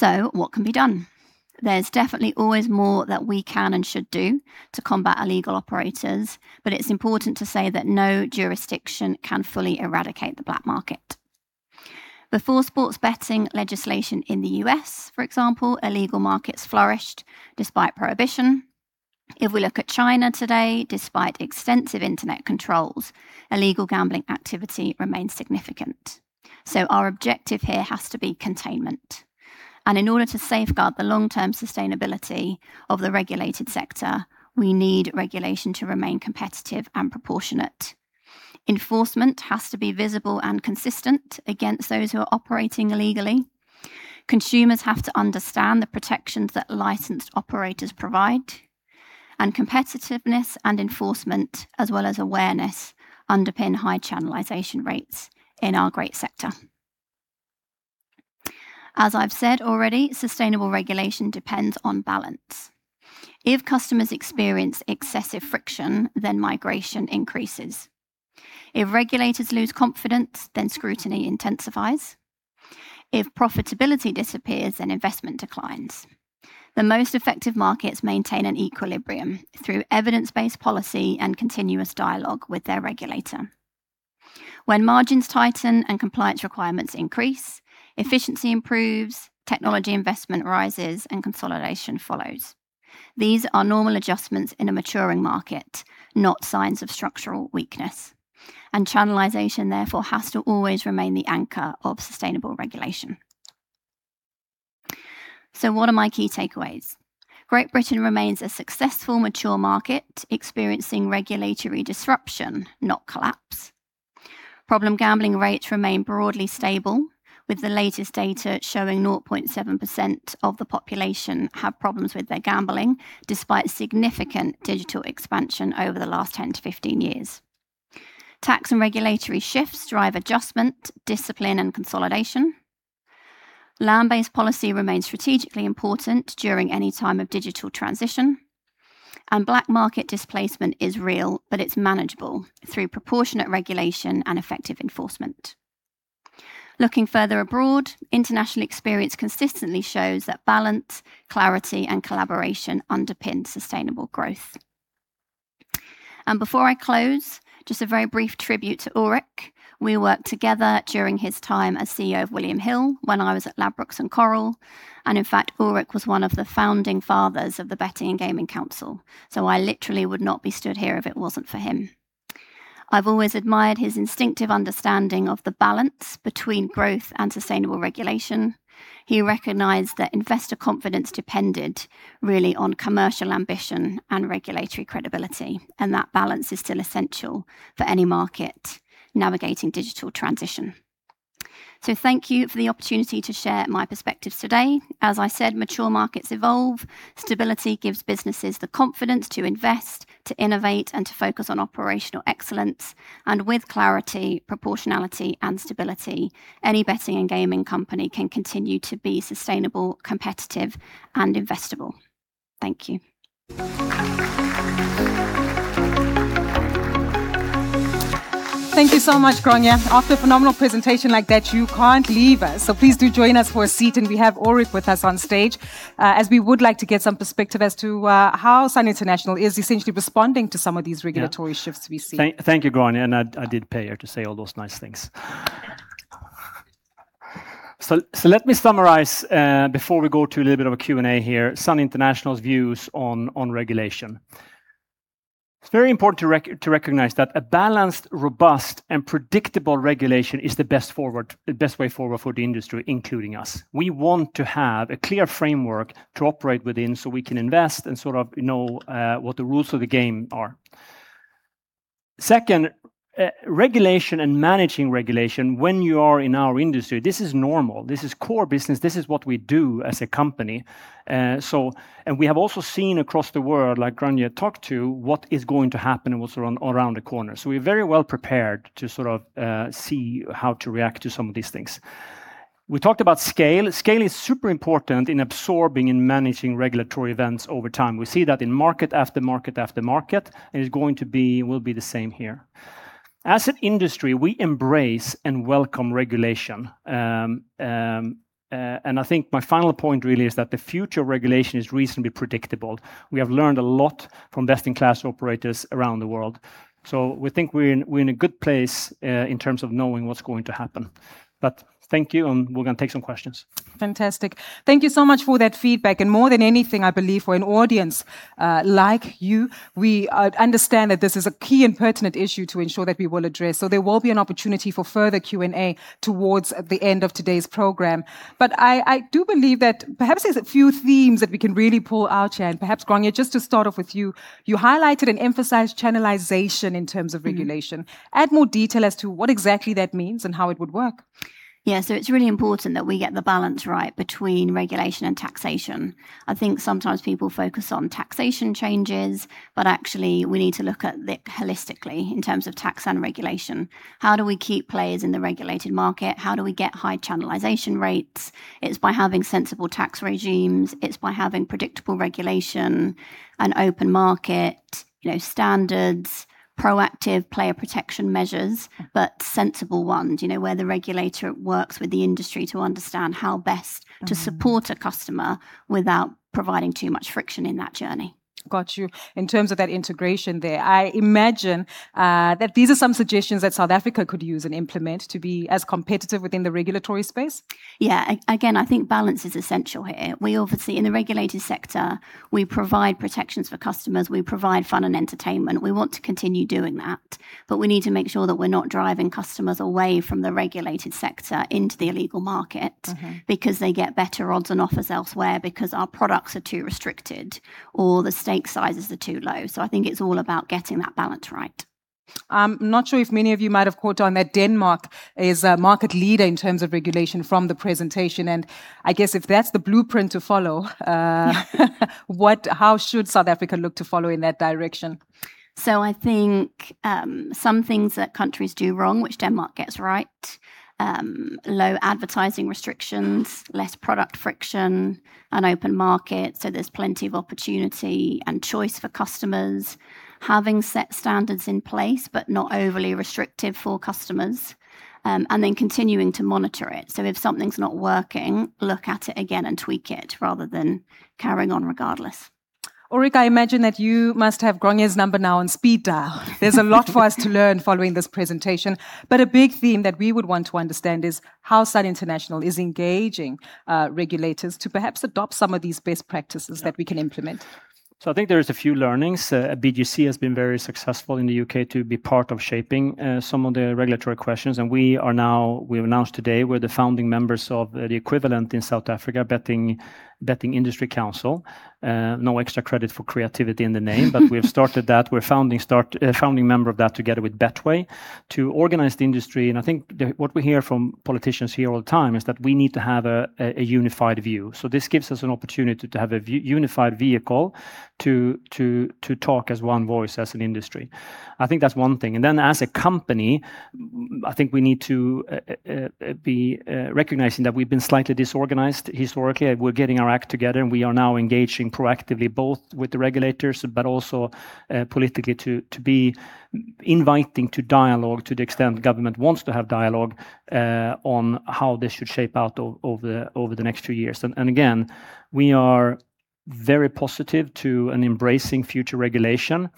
What can be done? There's definitely always more that we can and should do to combat illegal operators, but it's important to say that no jurisdiction can fully eradicate the black market. Before sports betting legislation in the U.S., for example, illegal markets flourished despite prohibition. If we look at China today, despite extensive internet controls, illegal gambling activity remains significant. Our objective here has to be containment. In order to safeguard the long-term sustainability of the regulated sector, we need regulation to remain competitive and proportionate. Enforcement has to be visible and consistent against those who are operating illegally. Consumers have to understand the protections that licensed operators provide, and competitiveness and enforcement as well as awareness underpin high channelization rates in our great sector. As I've said already, sustainable regulation depends on balance. If customers experience excessive friction, then migration increases. If regulators lose confidence, then scrutiny intensifies. If profitability disappears, then investment declines. The most effective markets maintain an equilibrium through evidence-based policy and continuous dialogue with their regulator. When margins tighten and compliance requirements increase, efficiency improves, technology investment rises, and consolidation follows. These are normal adjustments in a maturing market, not signs of structural weakness. Channelization, therefore, has to always remain the anchor of sustainable regulation. What are my key takeaways? Great Britain remains a successful, mature market experiencing regulatory disruption, not collapse. Problem gambling rates remain broadly stable, with the latest data showing 0.7% of the population have problems with their gambling despite significant digital expansion over the last 10-15 years. Tax and regulatory shifts drive adjustment, discipline, and consolidation. Land-based policy remains strategically important during any time of digital transition. Black market displacement is real, but it's manageable through proportionate regulation and effective enforcement. Looking further abroad, international experience consistently shows that balance, clarity, and collaboration underpin sustainable growth. Before I close, just a very brief tribute to Ulrik. We worked together during his time as CEO of William Hill when I was at Ladbrokes and Coral, and in fact Ulrik was one of the founding fathers of the Betting and Gaming Council. I literally would not be stood here if it wasn't for him. I've always admired his instinctive understanding of the balance between growth and sustainable regulation. He recognized that investor confidence depended really on commercial ambition and regulatory credibility, and that balance is still essential for any market navigating digital transition. Thank you for the opportunity to share my perspectives today. As I said, mature markets evolve. Stability gives businesses the confidence to invest, to innovate, and to focus on operational excellence, and with clarity, proportionality, and stability, any betting and gaming company can continue to be sustainable, competitive, and investable. Thank you. Thank you so much, Grainne. After a phenomenal presentation like that, you can't leave us. Please do join us for a seat, and we have Ulrik with us on stage, as we would like to get some perspective as to how Sun International is essentially responding to some of these regulatory shifts we see. Thank you, Grainne, and I did pay her to say all those nice things. Let me summarize before we go to a little bit of a Q&A here, Sun International's views on regulation. It's very important to recognize that a balanced, robust, and predictable regulation is the best way forward for the industry, including us. We want to have a clear framework to operate within so we can invest and sort of know what the rules of the game are. Second, regulation and managing regulation when you are in our industry, this is normal. This is core business. This is what we do as a company. And we have also seen across the world, like Grainne talked to, what is going to happen and what's around the corner. We're very well prepared to sort of see how to react to some of these things. We talked about scale. Scale is super important in absorbing and managing regulatory events over time. We see that in market after market after market, and it will be the same here. As an industry, we embrace and welcome regulation. I think my final point really is that the future regulation is reasonably predictable. We have learned a lot from best-in-class operators around the world. We think we're in a good place in terms of knowing what's going to happen. Thank you, and we're gonna take some questions. Fantastic. Thank you so much for that feedback. More than anything, I believe for an audience like you, we understand that this is a key and pertinent issue to ensure that we will address. There will be an opportunity for further Q&A towards the end of today's program. I do believe that perhaps there's a few themes that we can really pull out here. Perhaps, Grainne, just to start off with you highlighted and emphasized channelization in terms of regulation. Mm-hmm. Add more detail as to what exactly that means and how it would work. Yeah. It's really important that we get the balance right between regulation and taxation. I think sometimes people focus on taxation changes, but actually we need to look at it holistically in terms of tax and regulation. How do we keep players in the regulated market? How do we get high channelization rates? It's by having sensible tax regimes. It's by having predictable regulation, an open market, you know, standards, proactive player protection measures. Mm-hmm. Sensible ones, you know, where the regulator works with the industry to understand how best. Mm-hmm. to support a customer without providing too much friction in that journey. Got you. In terms of that integration there, I imagine, that these are some suggestions that South Africa could use and implement to be as competitive within the regulatory space? Yeah. Again, I think balance is essential here. We obviously, in the regulated sector, we provide protections for customers. We provide fun and entertainment. We want to continue doing that, but we need to make sure that we're not driving customers away from the regulated sector into the illegal market. Mm-hmm. because they get better odds and offers elsewhere because our products are too restricted or the stake sizes are too low. I think it's all about getting that balance right. I'm not sure if many of you might have caught on that Denmark is a market leader in terms of regulation from the presentation. I guess if that's the blueprint to follow, how should South Africa look to follow in that direction? I think some things that countries do wrong which Denmark gets right, low advertising restrictions, less product friction, an open market, so there's plenty of opportunity and choice for customers. Having set standards in place but not overly restrictive for customers, and then continuing to monitor it. If something's not working, look at it again and tweak it rather than carrying on regardless. Ulrik, I imagine that you must have Grainne's number now on speed dial. There's a lot for us to learn following this presentation, but a big theme that we would want to understand is how Sun International is engaging regulators to perhaps adopt some of these best practices that we can implement. I think there is a few learnings. BGC has been very successful in the UK to be part of shaping some of the regulatory questions, and we have announced today we're the founding members of the equivalent in South Africa, Betting Industry Council. No extra credit for creativity in the name. We have started that. We're founding member of that together with Betway to organize the industry. I think what we hear from politicians here all the time is that we need to have a unified view. This gives us an opportunity to have a unified vehicle to talk as one voice as an industry. I think that's one thing. As a company, I think we need to be recognizing that we've been slightly disorganized historically. We're getting our act together, and we are now engaging proactively both with the regulators, but also politically to be inviting to dialogue to the extent the government wants to have dialogue on how this should shake out over the next two years. Again, we are very positive to and embracing future regulation,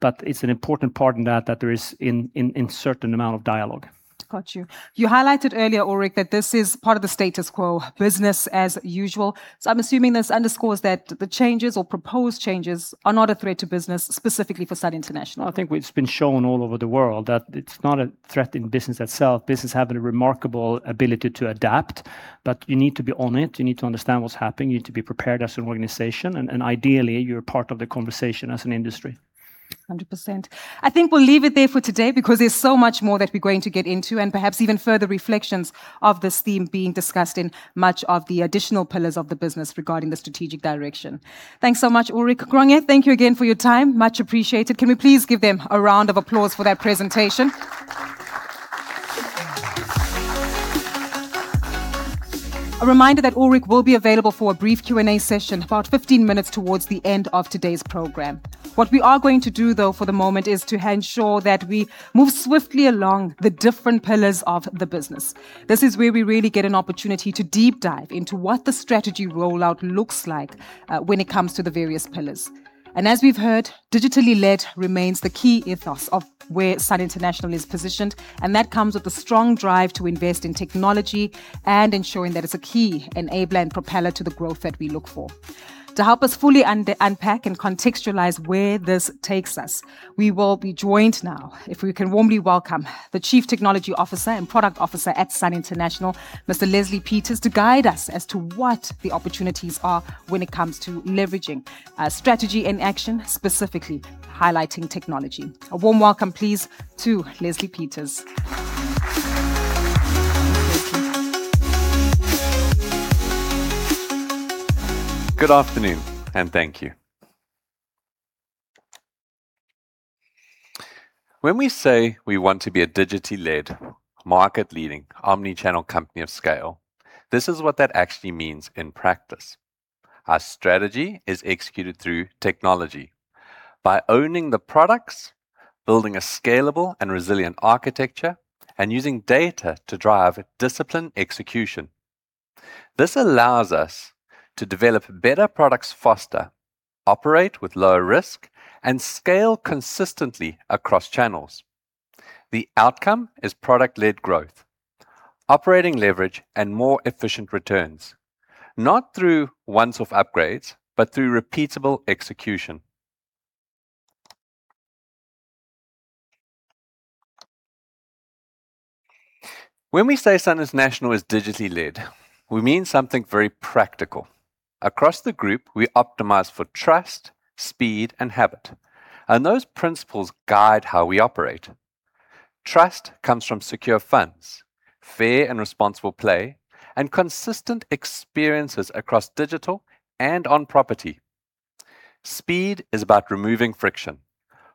but it's an important part in that there is a certain amount of dialogue. Got you. You highlighted earlier, Ulrik, that this is part of the status quo, business as usual, so I'm assuming this underscores that the changes or proposed changes are not a threat to business, specifically for Sun International. I think it's been shown all over the world that it's not a threat in business itself. Businesses have a remarkable ability to adapt, but you need to be on it. You need to understand what's happening. You need to be prepared as an organization, and ideally you're part of the conversation as an industry. 100%. I think we'll leave it there for today because there's so much more that we're going to get into, and perhaps even further reflections of this theme being discussed in much of the additional pillars of the business regarding the strategic direction. Thanks so much, Ulrik Bengtsson. Thank you again for your time. Much appreciated. Can we please give them a round of applause for that presentation? A reminder that Ulrik will be available for a brief Q&A session about 15 minutes towards the end of today's program. What we are going to do, though, for the moment is to ensure that we move swiftly along the different pillars of the business. This is where we really get an opportunity to deep dive into what the strategy rollout looks like, when it comes to the various pillars. As we've heard, digitally led remains the key ethos of where Sun International is positioned, and that comes with a strong drive to invest in technology and ensuring that it's a key enabler and propeller to the growth that we look for. To help us fully unpack and contextualize where this takes us, we will be joined now, if we can warmly welcome the Chief Technology and Product Officer at Sun International, Mr. Leslie Peters, to guide us as to what the opportunities are when it comes to leveraging our strategy and action, specifically highlighting technology. A warm welcome, please, to Leslie Peters. Thank you. Good afternoon, and thank you. When we say we want to be a digitally led, market-leading, omnichannel company of scale, this is what that actually means in practice. Our strategy is executed through technology by owning the products, building a scalable and resilient architecture, and using data to drive disciplined execution. This allows us to develop better products faster, operate with lower risk, and scale consistently across channels. The outcome is product-led growth, operating leverage, and more efficient returns, not through once-off upgrades, but through repeatable execution. When we say Sun International is digitally led, we mean something very practical. Across the group, we optimize for trust, speed, and habit, and those principles guide how we operate. Trust comes from secure funds, fair and responsible play, and consistent experiences across digital and on property. Speed is about removing friction,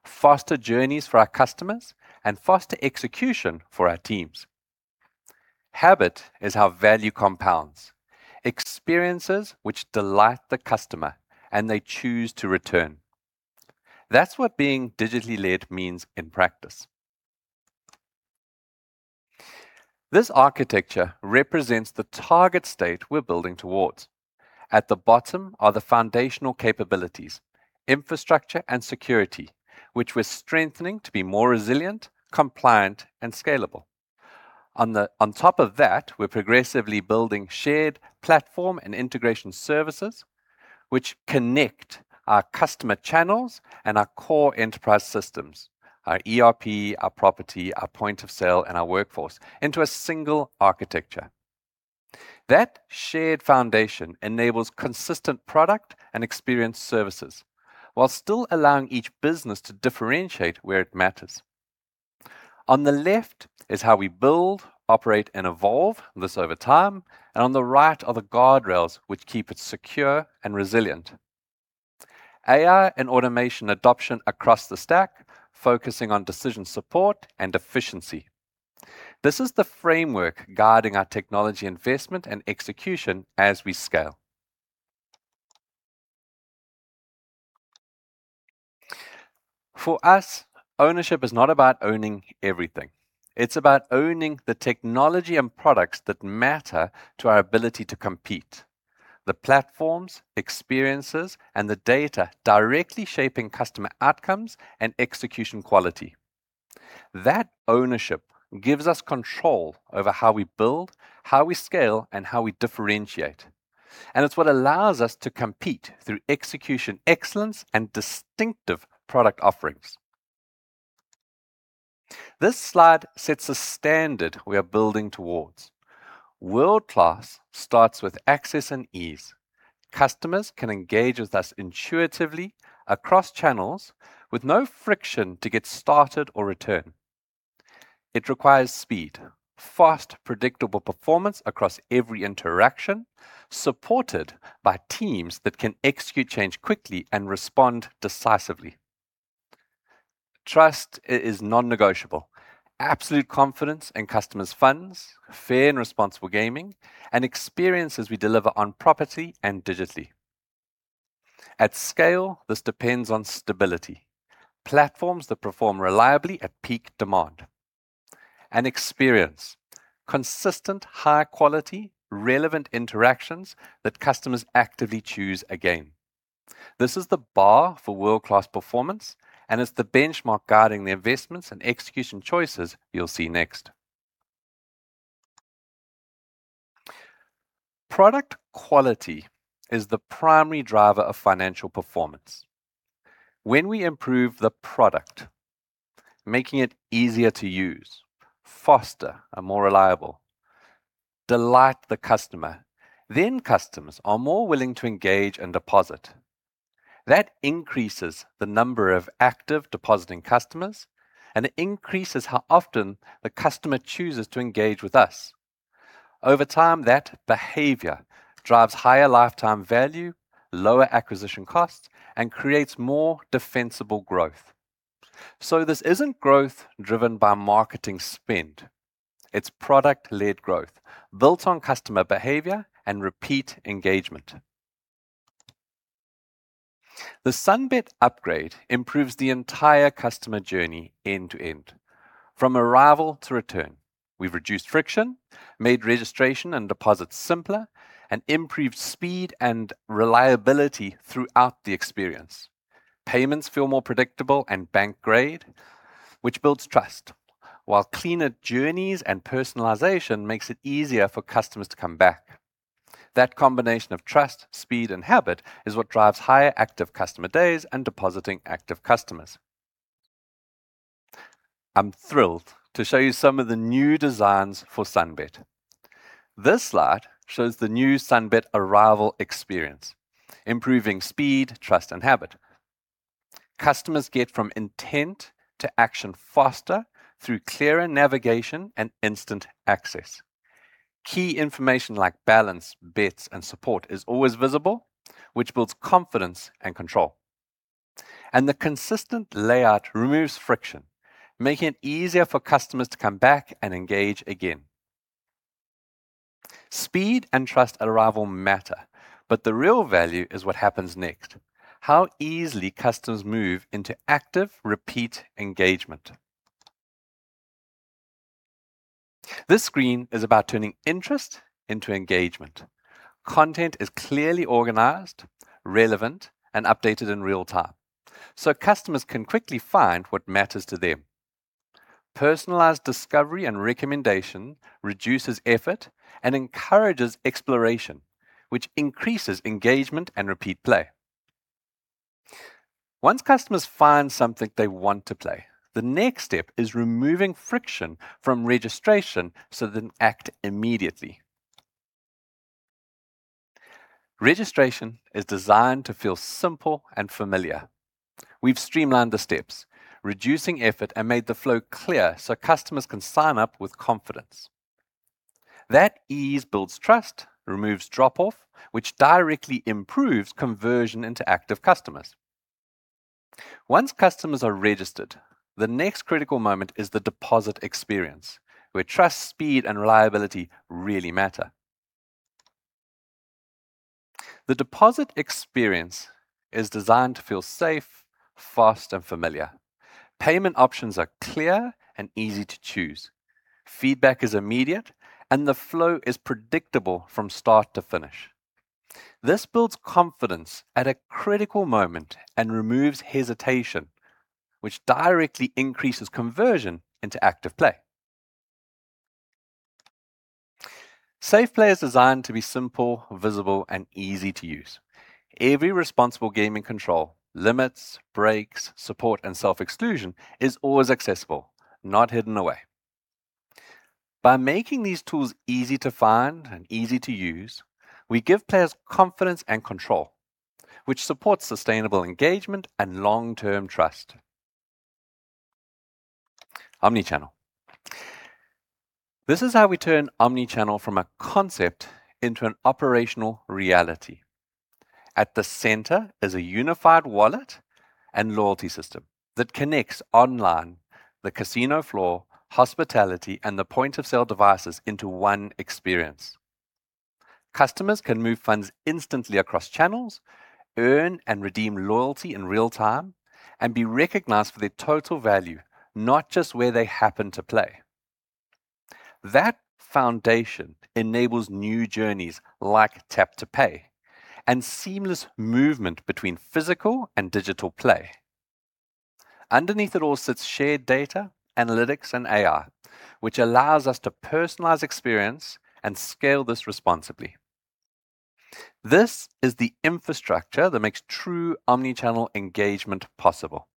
faster journeys for our customers, and faster execution for our teams. Habit is how value compounds, experiences which delight the customer, and they choose to return. That's what being digitally led means in practice. This architecture represents the target state we're building towards. At the bottom are the foundational capabilities, infrastructure and security, which we're strengthening to be more resilient, compliant, and scalable. On top of that, we're progressively building shared platform and integration services which connect our customer channels and our core enterprise systems, our ERP, our property, our point of sale, and our workforce into a single architecture. That shared foundation enables consistent product and experience services while still allowing each business to differentiate where it matters. On the left is how we build, operate, and evolve this over time, and on the right are the guardrails which keep it secure and resilient. AI and automation adoption across the stack, focusing on decision support and efficiency. This is the framework guiding our technology investment and execution as we scale. For us, ownership is not about owning everything. It's about owning the technology and products that matter to our ability to compete. The platforms, experiences, and the data directly shaping customer outcomes and execution quality. That ownership gives us control over how we build, how we scale, and how we differentiate, and it's what allows us to compete through execution excellence, and distinctive product offerings. This slide sets a standard we are building towards. World-class starts with access and ease. Customers can engage with us intuitively across channels with no friction to get started or return. It requires speed. Fast, predictable performance across every interaction, supported by teams that can execute change quickly and respond decisively. Trust is non-negotiable. Absolute confidence in customers' funds, fair and responsible gaming, and experiences we deliver on property and digitally. At scale, this depends on stability. Platforms that perform reliably at peak demand experience consistent, high quality, relevant interactions that customers actively choose again. This is the bar for world-class performance, and it's the benchmark guiding the investments and execution choices you'll see next. Product quality is the primary driver of financial performance. When we improve the product, making it easier to use, faster and more reliable, delight the customer, then customers are more willing to engage and deposit. That increases the number of active depositing customers, and it increases how often the customer chooses to engage with us. Over time, that behavior drives higher lifetime value, lower acquisition costs, and creates more defensible growth. This isn't growth driven by marketing spend. It's product-led growth built on customer behavior and repeat engagement. The Sunbet upgrade improves the entire customer journey end-to-end, from arrival to return. We've reduced friction, made registration and deposits simpler, and improved speed and reliability throughout the experience. Payments feel more predictable and bank-grade, which builds trust. While cleaner journeys and personalization makes it easier for customers to come back. That combination of trust, speed, and habit is what drives higher active customer days and depositing active customers. I'm thrilled to show you some of the new designs for Sunbet. This slide shows the new Sunbet arrival experience, improving speed, trust, and habit. Customers get from intent to action faster through clearer navigation and instant access. Key information like balance, bets, and support is always visible, which builds confidence and control. The consistent layout removes friction, making it easier for customers to come back and engage again. Speed and trust at arrival matter, but the real value is what happens next. How easily customers move into active repeat engagement. This screen is about turning interest into engagement. Content is clearly organized, relevant, and updated in real-time, so customers can quickly find what matters to them. Personalized discovery and recommendation reduces effort and encourages exploration, which increases engagement and repeat play. Once customers find something they want to play, the next step is removing friction from registration so they can act immediately. Registration is designed to feel simple and familiar. We've streamlined the steps, reducing effort and made the flow clear so customers can sign up with confidence. That ease builds trust, removes drop-off, which directly improves conversion into active customers. Once customers are registered, the next critical moment is the deposit experience, where trust, speed, and reliability really matter. The deposit experience is designed to feel safe, fast, and familiar. Payment options are clear and easy to choose. Feedback is immediate, and the flow is predictable from start to finish. This builds confidence at a critical moment and removes hesitation, which directly increases conversion into active play. Safe Play is designed to be simple, visible, and easy to use. Every responsible gaming control limits, breaks, support, and self-exclusion is always accessible, not hidden away. By making these tools easy to find and easy to use, we give players confidence and control, which supports sustainable engagement and long-term trust. Omnichannel. This is how we turn omnichannel from a concept into an operational reality. At the center is a unified wallet and loyalty system that connects online the casino floor, hospitality, and the point-of-sale devices into one experience. Customers can move funds instantly across channels, earn and redeem loyalty in real time, and be recognized for their total value, not just where they happen to play. That foundation enables new journeys like tap-to-pay and seamless movement between physical and digital play. Underneath it all sits shared data, analytics, and AI, which allows us to personalize experience and scale this responsibly. This is the infrastructure that makes true omnichannel engagement possible.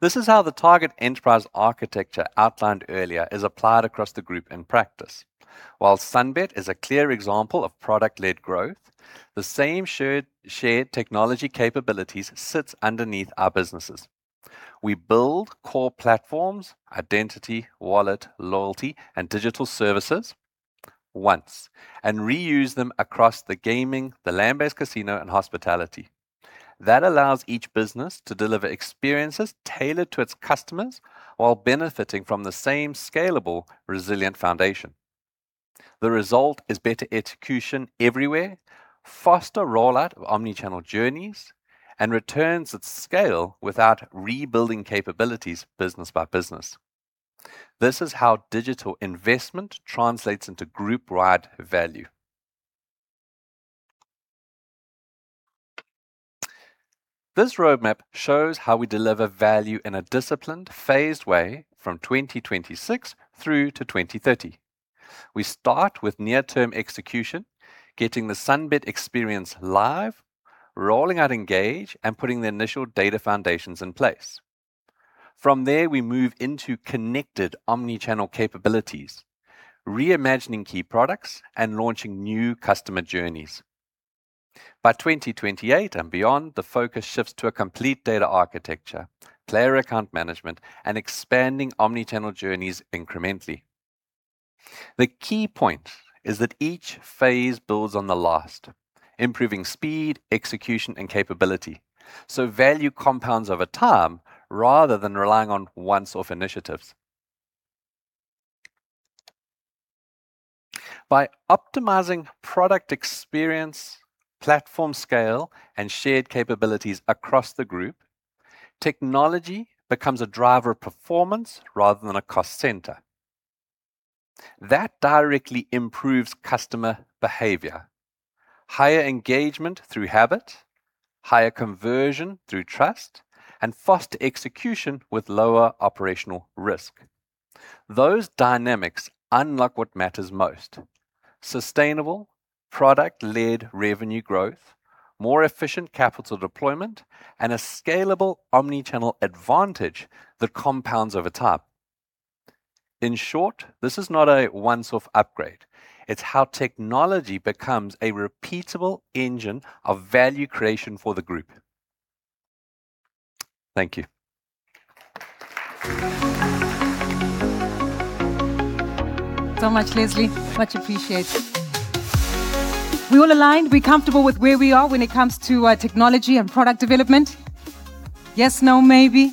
This is how the target enterprise architecture outlined earlier is applied across the group in practice. While Sunbet is a clear example of product-led growth, the same shared technology capabilities sits underneath our businesses. We build core platforms, identity, wallet, loyalty, and digital services once and reuse them across the gaming, the land-based casino and hospitality. That allows each business to deliver experiences tailored to its customers while benefiting from the same scalable, resilient foundation. The result is better execution everywhere, faster rollout of omnichannel journeys, and returns at scale without rebuilding capabilities business by business. This is how digital investment translates into group-wide value. This roadmap shows how we deliver value in a disciplined, phased way from 2026 through to 2030. We start with near-term execution, getting the Sunbet experience live, rolling out Engage, and putting the initial data foundations in place. From there, we move into connected omnichannel capabilities, reimagining key products, and launching new customer journeys. By 2028 and beyond, the focus shifts to a complete data architecture, player account management, and expanding omnichannel journeys incrementally. The key point is that each phase builds on the last, improving speed, execution, and capability, so value compounds over time rather than relying on one-off initiatives. By optimizing product experience, platform scale, and shared capabilities across the group, technology becomes a driver of performance rather than a cost center. That directly improves customer behavior, higher engagement through habit, higher conversion through trust, and faster execution with lower operational risk. Those dynamics unlock what matters most, sustainable product-led revenue growth, more efficient capital deployment, and a scalable omnichannel advantage that compounds over time. In short, this is not a once-off upgrade. It's how technology becomes a repeatable engine of value creation for the group. Thank you. Much, Leslie. Much appreciated. We all aligned, we comfortable with where we are when it comes to technology and product development? Yes, no, maybe?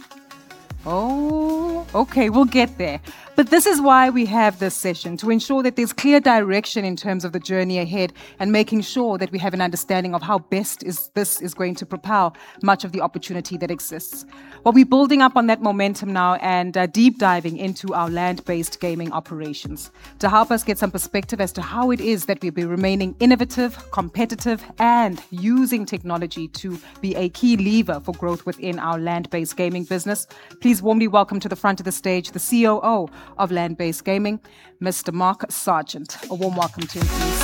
Oh, okay, we'll get there. This is why we have this session, to ensure that there's clear direction in terms of the journey ahead and making sure that we have an understanding of how best this is going to propel much of the opportunity that exists. We're building up on that momentum now and deep diving into our land-based gaming operations. To help us get some perspective as to how it is that we'll be remaining innovative, competitive, and using technology to be a key lever for growth within our land-based gaming business, please warmly welcome to the front of the stage the COO of Land-Based Gaming, Mr. Mark Sergeant. A warm welcome to you, please.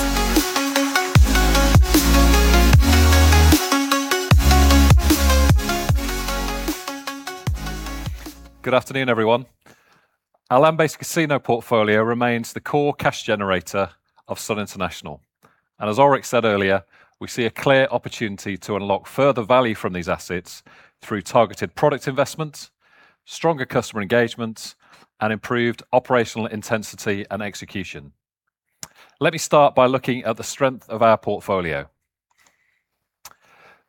Good afternoon, everyone. Our land-based casino portfolio remains the core cash generator of Sun International. As Ulrik said earlier, we see a clear opportunity to unlock further value from these assets through targeted product investments, stronger customer engagements, and improved operational intensity and execution. Let me start by looking at the strength of our portfolio.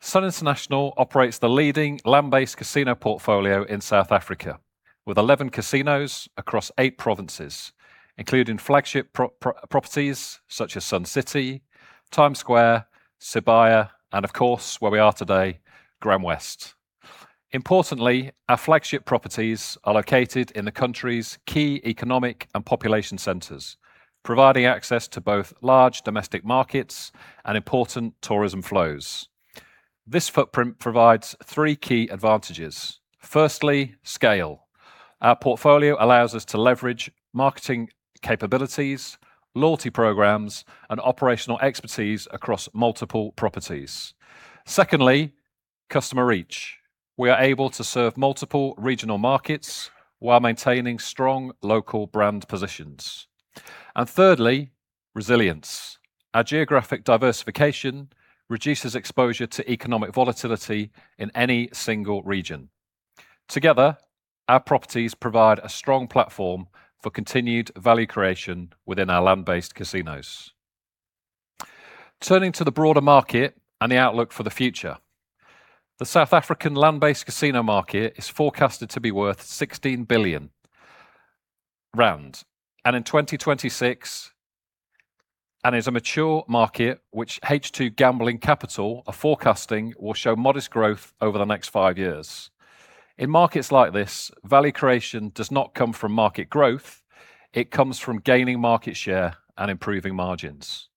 Sun International operates the leading land-based casino portfolio in South Africa, with 11 casinos across eight provinces, including flagship properties such as Sun City, Time Square, Sibaya, and of course, where we are today, GrandWest. Importantly, our flagship properties are located in the country's key economic and population centers, providing access to both large domestic markets and important tourism flows. This footprint provides three key advantages. Firstly, scale. Our portfolio allows us to leverage marketing capabilities, loyalty programs, and operational expertise across multiple properties. Secondly, customer reach. We are able to serve multiple regional markets while maintaining strong local brand positions. Thirdly, resilience. Our geographic diversification reduces exposure to economic volatility in any single region. Together, our properties provide a strong platform for continued value creation within our land-based casinos. Turning to the broader market and the outlook for the future. The South African land-based casino market is forecasted to be worth 16 billion rand, and in 2026, and is a mature market which H2 Gambling Capital are forecasting will show modest growth over the next five years. In markets like this, value creation does not come from market growth, it comes from gaining market share and improving margins.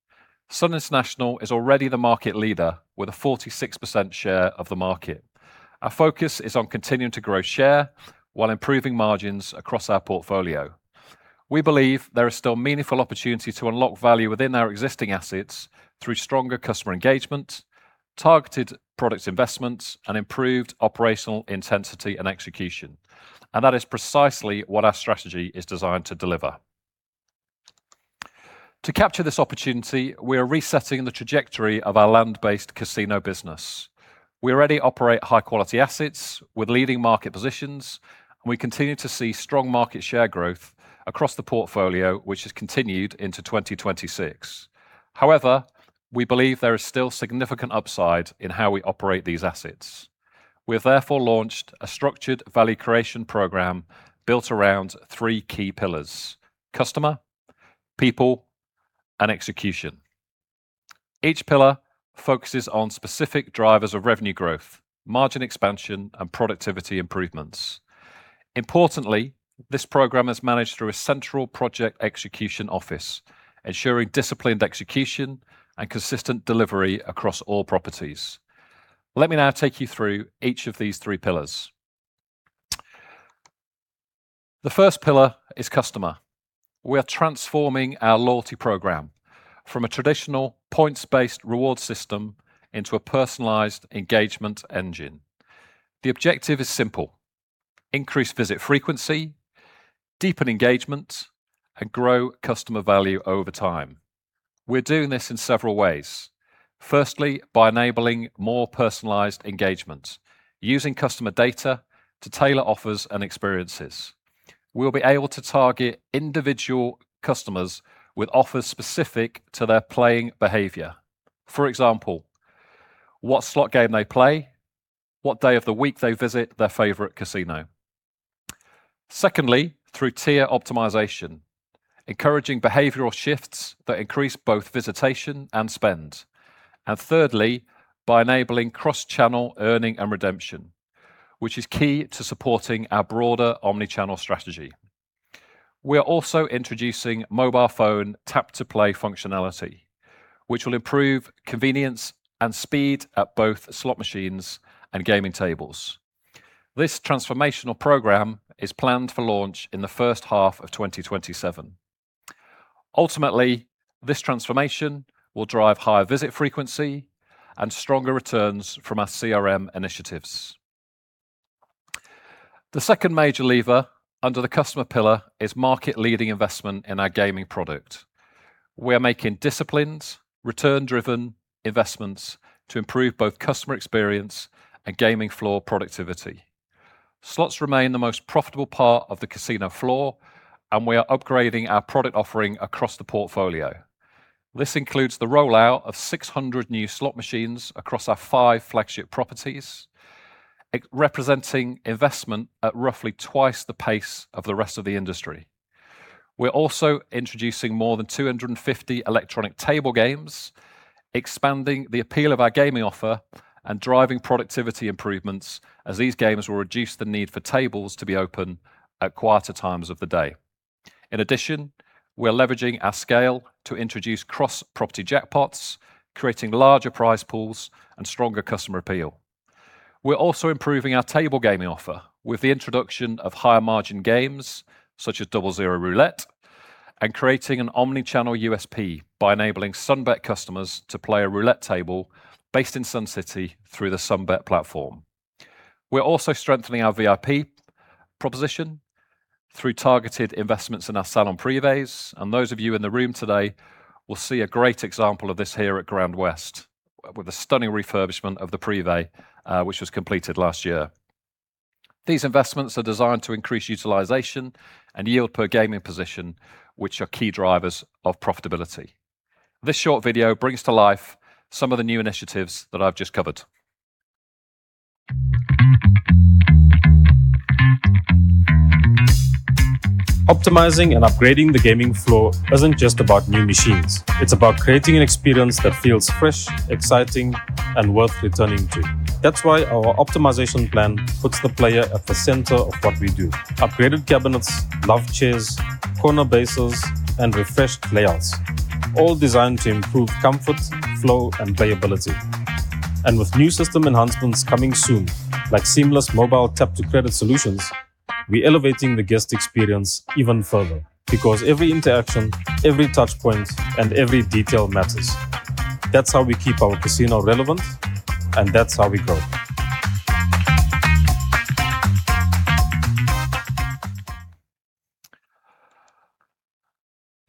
Sun International is already the market leader with a 46% share of the market. Our focus is on continuing to grow share while improving margins across our portfolio. We believe there is still meaningful opportunity to unlock value within our existing assets through stronger customer engagement, targeted product investments, and improved operational intensity and execution. That is precisely what our strategy is designed to deliver. To capture this opportunity, we are resetting the trajectory of our land-based casino business. We already operate high-quality assets with leading market positions, and we continue to see strong market share growth across the portfolio, which has continued into 2026. However, we believe there is still significant upside in how we operate these assets. We have therefore launched a structured value creation program built around three key pillars, customer, people, and execution. Each pillar focuses on specific drivers of revenue growth, margin expansion, and productivity improvements. Importantly, this program is managed through a central project execution office, ensuring disciplined execution and consistent delivery across all properties. Let me now take you through each of these three pillars. The first pillar is customer. We are transforming our loyalty program from a traditional points-based reward system into a personalized engagement engine. The objective is simple. Increase visit frequency, deepen engagement, and grow customer value over time. We're doing this in several ways. Firstly, by enabling more personalized engagement using customer data to tailor offers and experiences. We'll be able to target individual customers with offers specific to their playing behavior. For example, what slot game they play, what day of the week they visit their favorite casino. Secondly, through tier optimization, encouraging behavioral shifts that increase both visitation and spend. Thirdly, by enabling cross-channel earning and redemption, which is key to supporting our broader omnichannel strategy. We are also introducing mobile phone tap-to-play functionality, which will improve convenience and speed at both slot machines and gaming tables. This transformational program is planned for launch in the first half of 2027. Ultimately, this transformation will drive higher visit frequency and stronger returns from our CRM initiatives. The second major lever under the customer pillar is market-leading investment in our gaming product. We are making disciplined, return-driven investments to improve both customer experience and gaming floor productivity. Slots remain the most profitable part of the casino floor, and we are upgrading our product offering across the portfolio. This includes the rollout of 600 new slot machines across our five flagship properties, representing investment at roughly twice the pace of the rest of the industry. We're also introducing more than 250 electronic table games, expanding the appeal of our gaming offer and driving productivity improvements as these games will reduce the need for tables to be open at quieter times of the day. In addition, we are leveraging our scale to introduce cross-property jackpots, creating larger prize pools and stronger customer appeal. We're also improving our table gaming offer with the introduction of higher-margin games such as Double Zero Roulette and creating an omnichannel USP by enabling Sunbet customers to play a roulette table based in Sun City through the Sunbet platform. We're also strengthening our VIP proposition through targeted investments in our Salon Privé, and those of you in the room today will see a great example of this here at GrandWest with a stunning refurbishment of the Salon Privé, which was completed last year. These investments are designed to increase utilization and yield per gaming position, which are key drivers of profitability. This short video brings to life some of the new initiatives that I've just covered. Optimizing and upgrading the gaming floor isn't just about new machines. It's about creating an experience that feels fresh, exciting, and worth returning to. That's why our optimization plan puts the player at the center of what we do. Upgraded cabinets, lounge chairs, corner bases, and refreshed layouts, all designed to improve comfort, flow, and playability. With new system enhancements coming soon, like seamless mobile tap-to-credit solutions, we're elevating the guest experience even further because every interaction, every touch point, and every detail matters. That's how we keep our casino relevant, and that's how we grow.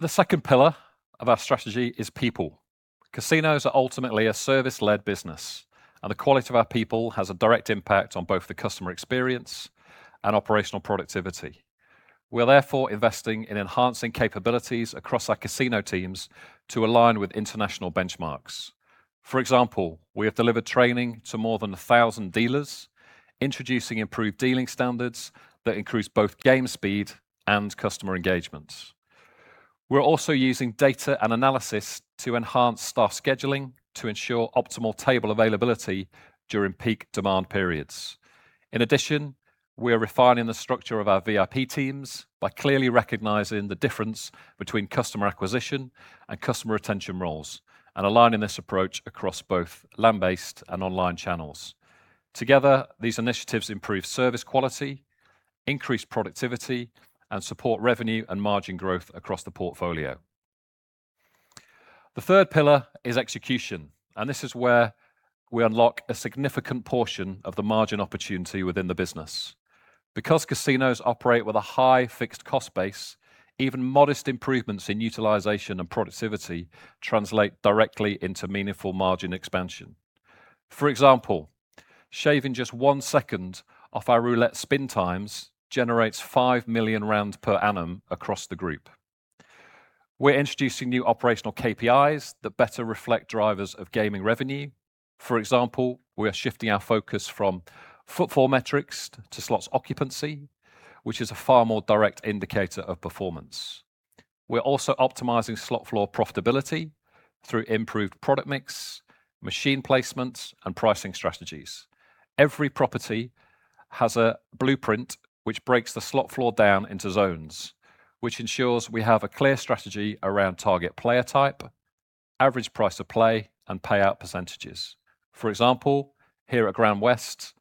The second pillar of our strategy is people. Casinos are ultimately a service-led business, and the quality of our people has a direct impact on both the customer experience and operational productivity. We're therefore investing in enhancing capabilities across our casino teams to align with international benchmarks. For example, we have delivered training to more than 1,000 dealers, introducing improved dealing standards that increase both game speed and customer engagement. We're also using data and analysis to enhance staff scheduling to ensure optimal table availability during peak demand periods. In addition, we are refining the structure of our VIP teams by clearly recognizing the difference between customer acquisition and customer retention roles and aligning this approach across both land-based and online channels. Together, these initiatives improve service quality, increase productivity, and support revenue and margin growth across the portfolio. The third pillar is execution, and this is where we unlock a significant portion of the margin opportunity within the business. Because casinos operate with a high fixed cost base, even modest improvements in utilization and productivity translate directly into meaningful margin expansion. For example, shaving just one second off our roulette spin times generates 5 million per annum across the group. We're introducing new operational KPIs that better reflect drivers of gaming revenue. For example, we are shifting our focus from footfall metrics to slots occupancy, which is a far more direct indicator of performance. We're also optimizing slot floor profitability through improved product mix, machine placements, and pricing strategies. Every property has a blueprint which breaks the slot floor down into zones, which ensures we have a clear strategy around target player type, average price of play, and payout percentages. For example, here at GrandWest,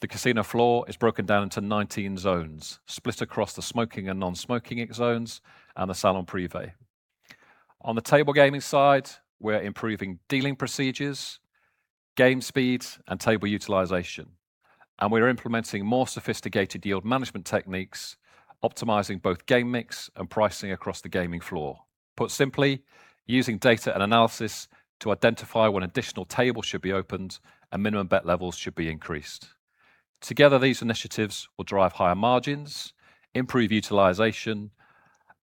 the casino floor is broken down into 19 zones, split across the smoking and non-smoking ex zones and the Salon Privé. On the table gaming side, we're improving dealing procedures, game speeds, and table utilization, and we're implementing more sophisticated yield management techniques, optimizing both game mix and pricing across the gaming floor. Put simply, using data and analysis to identify when additional tables should be opened and minimum bet levels should be increased. Together, these initiatives will drive higher margins, improve utilization,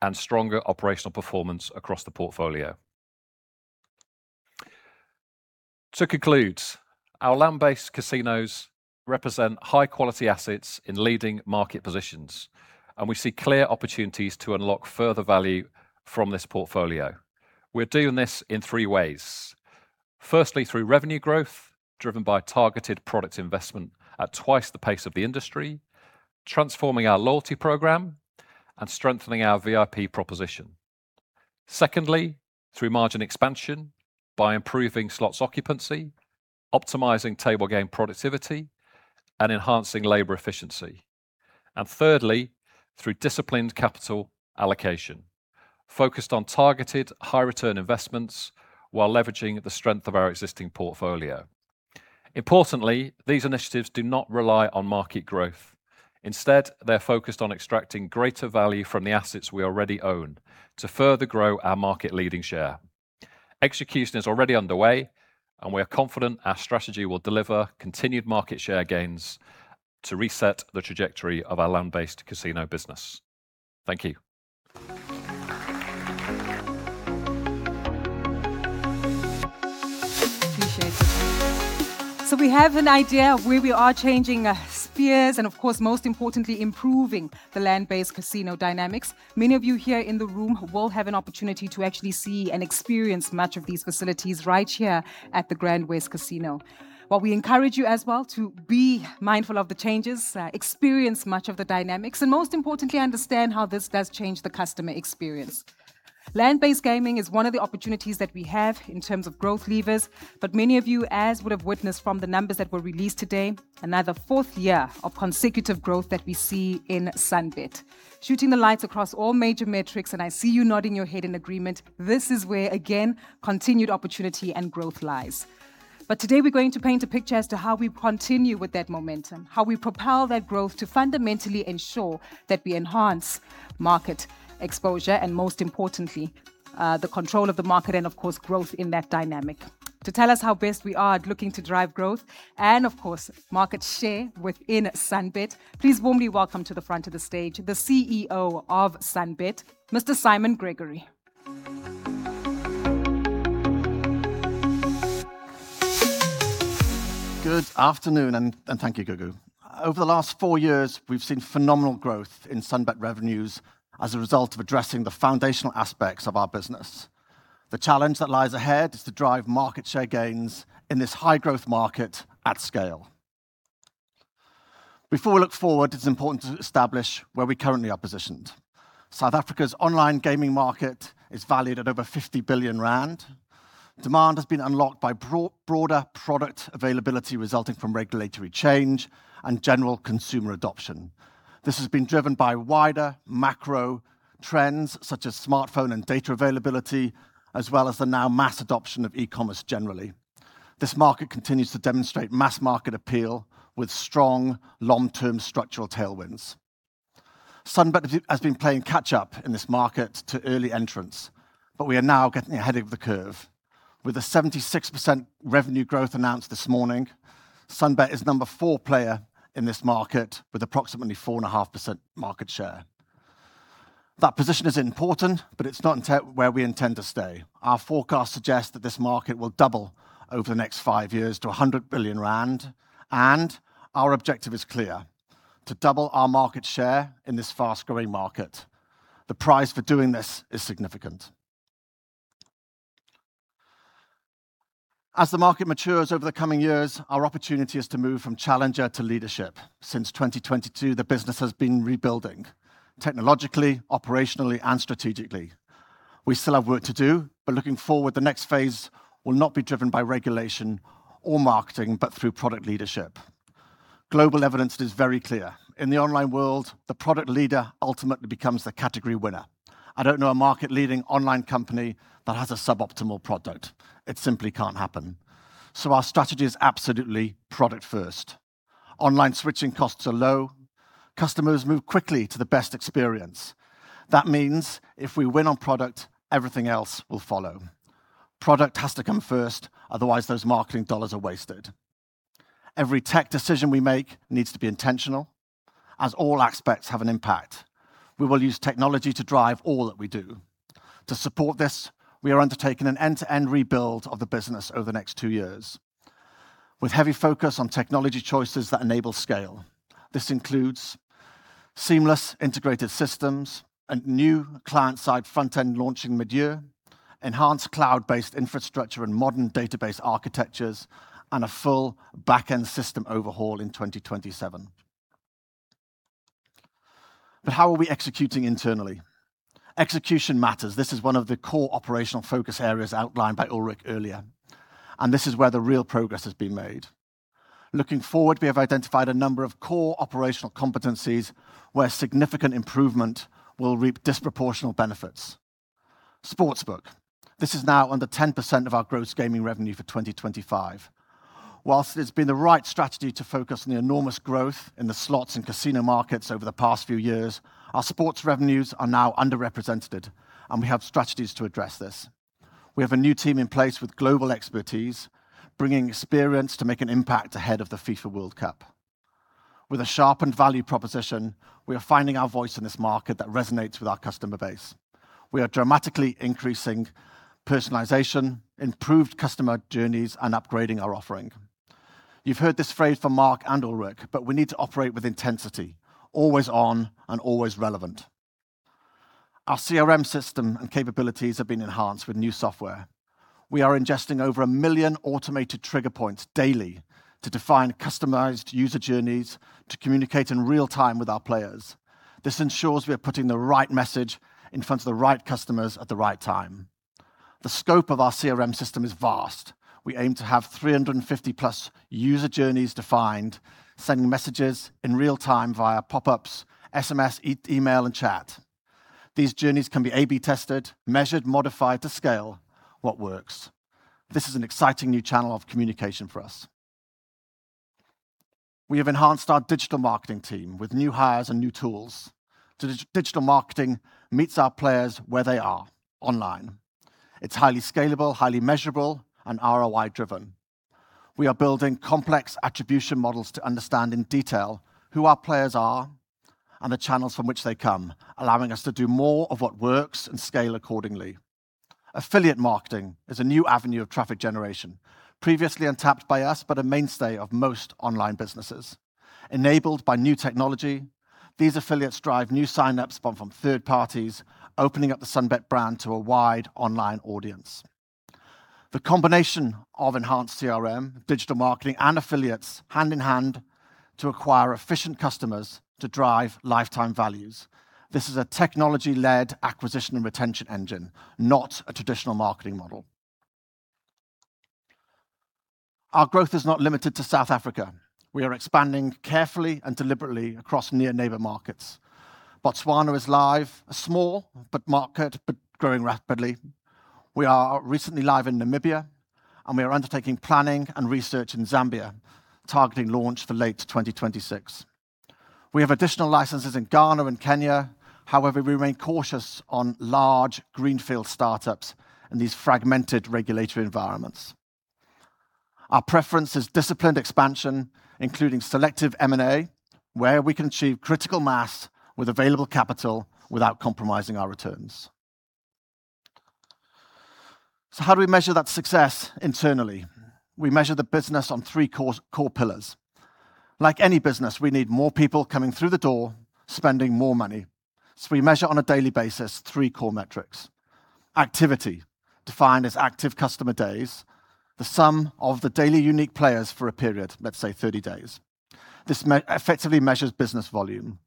and stronger operational performance across the portfolio. To conclude, our land-based casinos represent high-quality assets in leading market positions, and we see clear opportunities to unlock further value from this portfolio. We're doing this in three ways. Firstly, through revenue growth driven by targeted product investment at twice the pace of the industry, transforming our loyalty program, and strengthening our VIP proposition. Secondly, through margin expansion by improving slots occupancy, optimizing table game productivity, and enhancing labor efficiency. Thirdly, through disciplined capital allocation focused on targeted high-return investments while leveraging the strength of our existing portfolio. Importantly, these initiatives do not rely on market growth. Instead, they're focused on extracting greater value from the assets we already own to further grow our market-leading share. Execution is already underway, and we are confident our strategy will deliver continued market share gains to reset the trajectory of our land-based casino business. Thank you. Appreciate it. We have an idea of where we are changing spheres and of course, most importantly, improving the land-based casino dynamics. Many of you here in the room will have an opportunity to actually see and experience much of these facilities right here at the GrandWest Casino. While we encourage you as well to be mindful of the changes, experience much of the dynamics, and most importantly, understand how this does change the customer experience. Land-based gaming is one of the opportunities that we have in terms of growth levers, but many of you, as you would have witnessed from the numbers that were released today, another fourth year of consecutive growth that we see in Sunbet. Shooting the lights out across all major metrics, and I see you nodding your head in agreement, this is where again, continued opportunity and growth lies. Today we're going to paint a picture as to how we continue with that momentum, how we propel that growth to fundamentally ensure that we enhance market exposure and most importantly, the control of the market and of course, growth in that dynamic. To tell us how best we are at looking to drive growth and of course, market share within Sunbet, please warmly welcome to the front of the stage, the CEO of Sunbet, Mr. Simon Gregory. Good afternoon, thank you, Gugu. Over the last four years, we've seen phenomenal growth in Sunbet revenues as a result of addressing the foundational aspects of our business. The challenge that lies ahead is to drive market share gains in this high-growth market at scale. Before we look forward, it's important to establish where we currently are positioned. South Africa's online gaming market is valued at over 50 billion rand. Demand has been unlocked by broader product availability resulting from regulatory change and general consumer adoption. This has been driven by wider macro trends such as smartphone and data availability, as well as the now mass adoption of e-commerce generally. This market continues to demonstrate mass market appeal with strong long-term structural tailwinds. Sunbet has been playing catch-up in this market to early entrants, but we are now getting ahead of the curve. With 76% revenue growth announced this morning, Sunbet is the number four player in this market with approximately 4.5% market share. That position is important, but it's not where we intend to stay. Our forecast suggests that this market will double over the next five years to 100 billion rand, and our objective is clear, to double our market share in this fast-growing market. The prize for doing this is significant. As the market matures over the coming years, our opportunity is to move from challenger to leadership. Since 2022, the business has been rebuilding technologically, operationally and strategically. We still have work to do, but looking forward, the next phase will not be driven by regulation or marketing, but through product leadership. Global evidence is very clear. In the online world, the product leader ultimately becomes the category winner. I don't know a market leading online company that has a suboptimal product. It simply can't happen. Our strategy is absolutely product first. Online switching costs are low. Customers move quickly to the best experience. That means if we win on product, everything else will follow. Product has to come first, otherwise those marketing dollars are wasted. Every tech decision we make needs to be intentional, as all aspects have an impact. We will use technology to drive all that we do. To support this, we are undertaking an end-to-end rebuild of the business over the next two years, with heavy focus on technology choices that enable scale. This includes seamless integrated systems and new client-side front-end launching mid-year, enhanced cloud-based infrastructure and modern database architectures, and a full back-end system overhaul in 2027. How are we executing internally? Execution matters. This is one of the core operational focus areas outlined by Ulrik earlier, and this is where the real progress has been made. Looking forward, we have identified a number of core operational competencies where significant improvement will reap disproportionate benefits. Sportsbook. This is now under 10% of our gross gaming revenue for 2025. While it has been the right strategy to focus on the enormous growth in the slots and casino markets over the past few years, our sports revenues are now underrepresented, and we have strategies to address this. We have a new team in place with global expertise, bringing experience to make an impact ahead of the FIFA World Cup. With a sharpened value proposition, we are finding our voice in this market that resonates with our customer base. We are dramatically increasing personalization, improved customer journeys, and upgrading our offering. You've heard this phrase from Mark Sergeant and Ulrik Bengtsson, but we need to operate with intensity, always on and always relevant. Our CRM system and capabilities have been enhanced with new software. We are ingesting over 1 million automated trigger points daily to define customized user journeys to communicate in real time with our players. This ensures we are putting the right message in front of the right customers at the right time. The scope of our CRM system is vast. We aim to have 350+ user journeys defined, sending messages in real time via pop-ups, SMS, email, and chat. These journeys can be A/B tested, measured, modified to scale what works. This is an exciting new channel of communication for us. We have enhanced our digital marketing team with new hires and new tools. Digital marketing meets our players where they are, online. It's highly scalable, highly measurable, and ROI-driven. We are building complex attribution models to understand in detail who our players are and the channels from which they come, allowing us to do more of what works and scale accordingly. Affiliate marketing is a new avenue of traffic generation, previously untapped by us, but a mainstay of most online businesses. Enabled by new technology, these affiliates drive new signups from third parties, opening up the Sunbet brand to a wide online audience. The combination of enhanced CRM, digital marketing, and affiliates hand-in-hand to acquire efficient customers to drive lifetime values. This is a technology-led acquisition and retention engine, not a traditional marketing model. Our growth is not limited to South Africa. We are expanding carefully and deliberately across near neighbor markets. Botswana is live, a small but market, but growing rapidly. We are recently live in Namibia, and we are undertaking planning and research in Zambia, targeting launch for late 2026. We have additional licenses in Ghana and Kenya. However, we remain cautious on large greenfield startups in these fragmented regulatory environments. Our preference is disciplined expansion, including selective M&A, where we can achieve critical mass with available capital without compromising our returns. How do we measure that success internally? We measure the business on three core pillars. Like any business, we need more people coming through the door, spending more money. We measure on a daily basis three core metrics. Activity, defined as active customer days, the sum of the daily unique players for a period, let's say 30 days. This effectively measures business volume.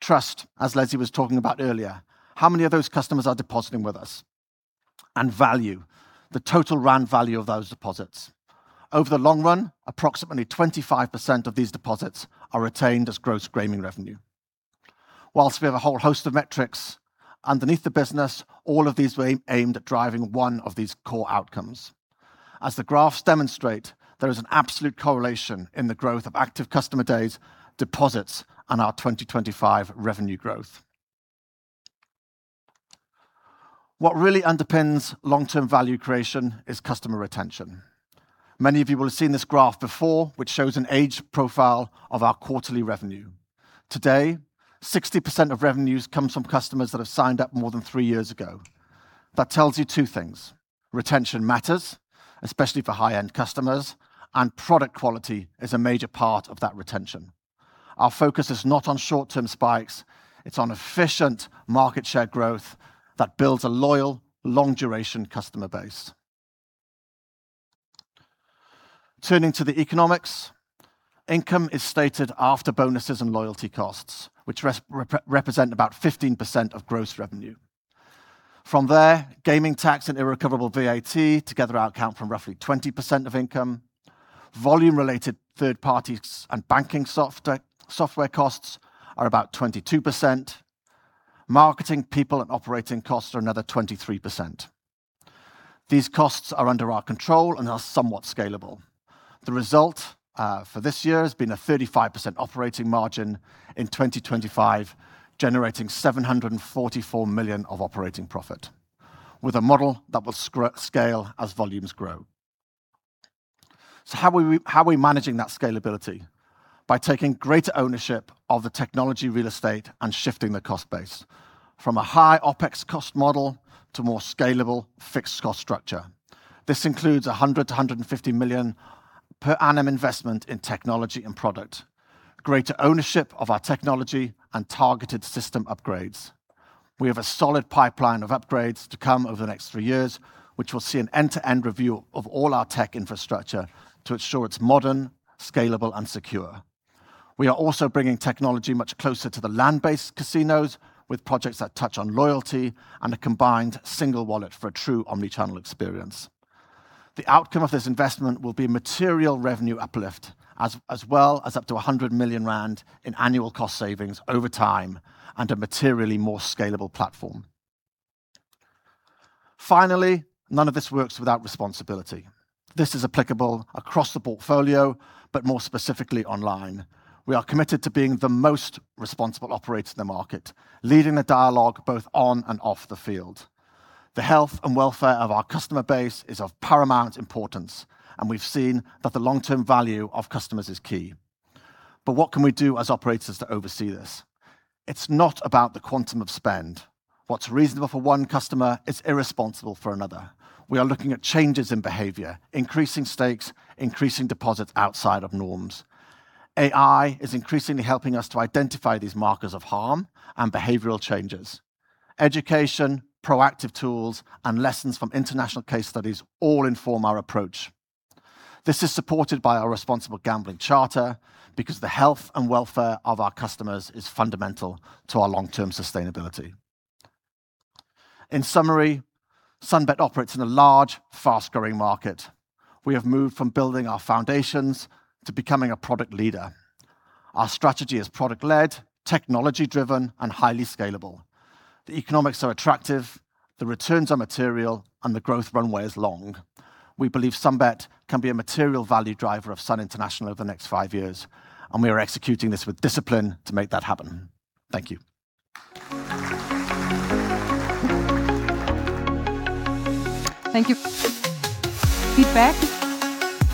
Trust, as Leslie was talking about earlier, how many of those customers are depositing with us? Value, the total Rand value of those deposits. Over the long run, approximately 25% of these deposits are retained as gross gaming revenue. While we have a whole host of metrics underneath the business, all of these were aimed at driving one of these core outcomes. As the graphs demonstrate, there is an absolute correlation in the growth of active customer days, deposits, and our 2025 revenue growth. What really underpins long-term value creation is customer retention. Many of you will have seen this graph before, which shows an age profile of our quarterly revenue. Today, 60% of revenues come from customers that have signed up more than three years ago. That tells you two things. Retention matters, especially for high-end customers, and product quality is a major part of that retention. Our focus is not on short-term spikes. It's on efficient market share growth that builds a loyal, long-duration customer base. Turning to the economics, income is stated after bonuses and loyalty costs, which represent about 15% of gross revenue. From there, gaming tax and irrecoverable VAT together account for roughly 20% of income. Volume-related third parties and banking software costs are about 22%. Marketing, people, and operating costs are another 23%. These costs are under our control and are somewhat scalable. The result for this year has been a 35% operating margin, in 2025 generating 744 million of operating profit with a model that will scale as volumes grow. How are we managing that scalability? By taking greater ownership of the technology real estate and shifting the cost base from a high OpEx cost model to more scalable fixed cost structure. This includes 100-150 million per annum investment in technology and product, greater ownership of our technology, and targeted system upgrades. We have a solid pipeline of upgrades to come over the next three years, which will see an end-to-end review of all our tech infrastructure to ensure it's modern, scalable, and secure. We are also bringing technology much closer to the land-based casinos with projects that touch on loyalty and a combined single wallet for a true omnichannel experience. The outcome of this investment will be material revenue uplift as well as up to 100 million rand in annual cost savings over time and a materially more scalable platform. Finally, none of this works without responsibility. This is applicable across the portfolio, but more specifically online. We are committed to being the most responsible operator in the market, leading the dialogue both on and off the field. The health and welfare of our customer base is of paramount importance, and we've seen that the long-term value of customers is key. What can we do as operators to oversee this? It's not about the quantum of spend. What's reasonable for one customer is irresponsible for another. We are looking at changes in behavior, increasing stakes, increasing deposits outside of norms. AI is increasingly helping us to identify these markers of harm and behavioral changes. Education, proactive tools, and lessons from international case studies all inform our approach. This is supported by our responsible gambling charter because the health and welfare of our customers is fundamental to our long-term sustainability. In summary, Sunbet operates in a large, fast-growing market. We have moved from building our foundations to becoming a product leader. Our strategy is product-led, technology-driven, and highly scalable. The economics are attractive, the returns are material, and the growth runway is long. We believe Sunbet can be a material value driver of Sun International over the next five years, and we are executing this with discipline to make that happen. Thank you. Thank you. Feedback.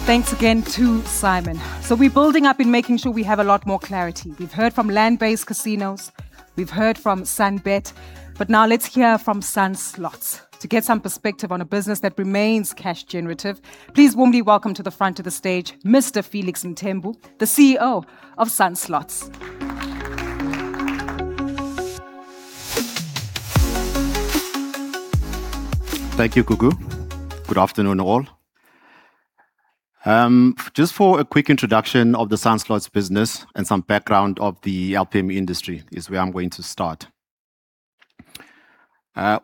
Thanks again to Simon. We're building up in making sure we have a lot more clarity. We've heard from land-based casinos. We've heard from Sunbet. Now let's hear from Sun Slots to get some perspective on a business that remains cash generative. Please warmly welcome to the front of the stage, Mr. Felix Mthembu, the CEO of Sun Slots. Thank you, Gugu. Good afternoon, all. Just for a quick introduction of the Sun Slots business and some background of the LPM industry is where I'm going to start.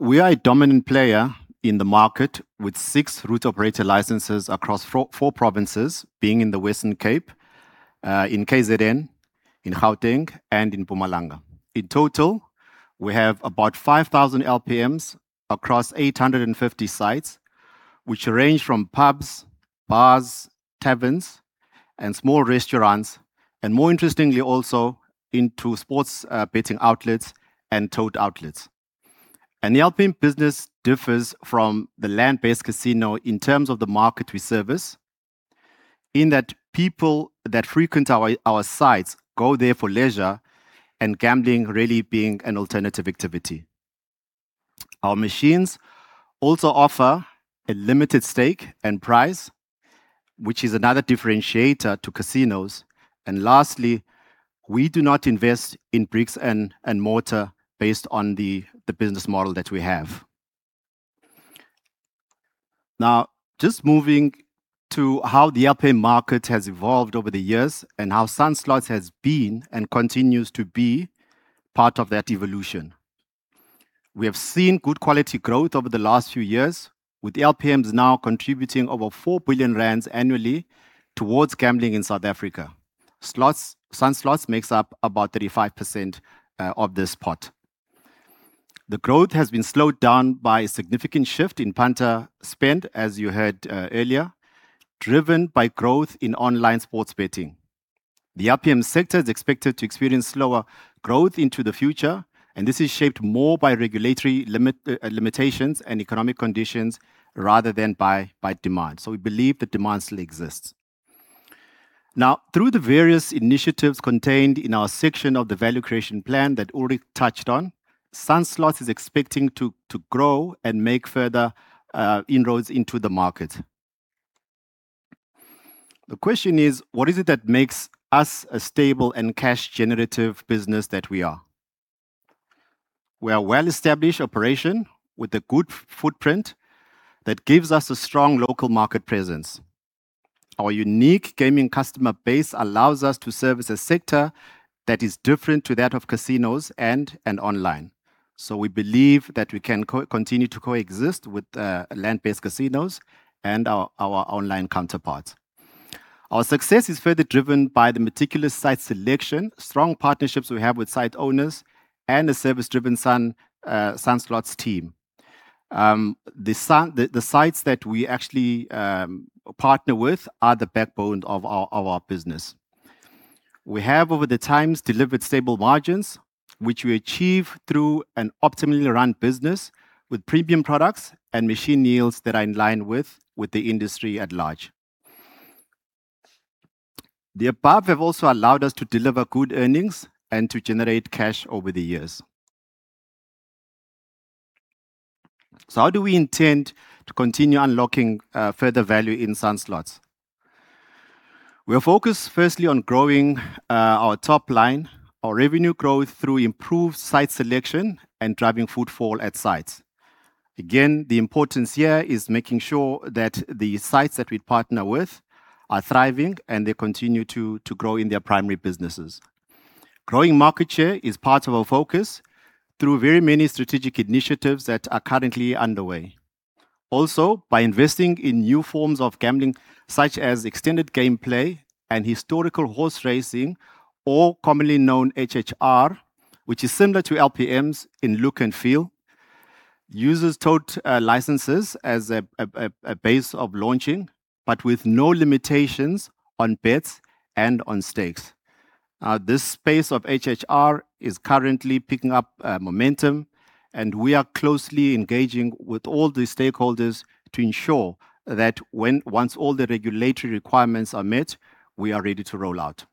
We are a dominant player in the market with six route operator licenses across four provinces, being in the Western Cape, in KZN, in Gauteng, and in Mpumalanga. In total, we have about 5,000 LPMs across 850 sites, which range from pubs, bars, taverns and small restaurants, and more interestingly also into sports betting outlets and tote outlets. The LPM business differs from the land-based casino in terms of the market we service, in that people that frequent our sites go there for leisure and gambling really being an alternative activity. Our machines also offer a limited stake and prize, which is another differentiator to casinos. Lastly, we do not invest in bricks and mortar based on the business model that we have. Now, just moving to how the LPM market has evolved over the years and how Sun Slots has been and continues to be part of that evolution. We have seen good quality growth over the last few years, with LPMs now contributing over 4 billion rand annually towards gambling in South Africa. Sun Slots makes up about 35% of this pot. The growth has been slowed down by a significant shift in punter spend, as you heard earlier, driven by growth in online sports betting. The LPM sector is expected to experience slower growth into the future, and this is shaped more by regulatory limitations and economic conditions rather than by demand. We believe the demand still exists. Now, through the various initiatives contained in our section of the Value Creation Plan that Ulrik touched on, Sun Slots is expecting to grow and make further inroads into the market. The question is, what is it that makes us a stable and cash generative business that we are? We are a well-established operation with a good footprint that gives us a strong local market presence. Our unique gaming customer base allows us to service a sector that is different to that of casinos and online. We believe that we can continue to coexist with land-based casinos and our online counterparts. Our success is further driven by the meticulous site selection, strong partnerships we have with site owners, and a service-driven Sun Slots team. The sites that we actually partner with are the backbone of our business. We have, over time, delivered stable margins, which we achieve through an optimally run business with premium products and machine yields that are in line with the industry at large. The above have also allowed us to deliver good earnings and to generate cash over the years. How do we intend to continue unlocking further value in Sun Slots? We are focused firstly on growing our top line, our revenue growth through improved site selection and driving footfall at sites. Again, the importance here is making sure that the sites that we partner with are thriving and they continue to grow in their primary businesses. Growing market share is part of our focus through various strategic initiatives that are currently underway. Also, by investing in new forms of gambling, such as extended gameplay and historical horse racing, or commonly known HHR, which is similar to LPMs in look and feel. Uses tote licenses as a basis for launching, but with no limitations on bets and on stakes. This space of HHR is currently picking up momentum, and we are closely engaging with all the stakeholders to ensure that once all the regulatory requirements are met, we are ready to roll out.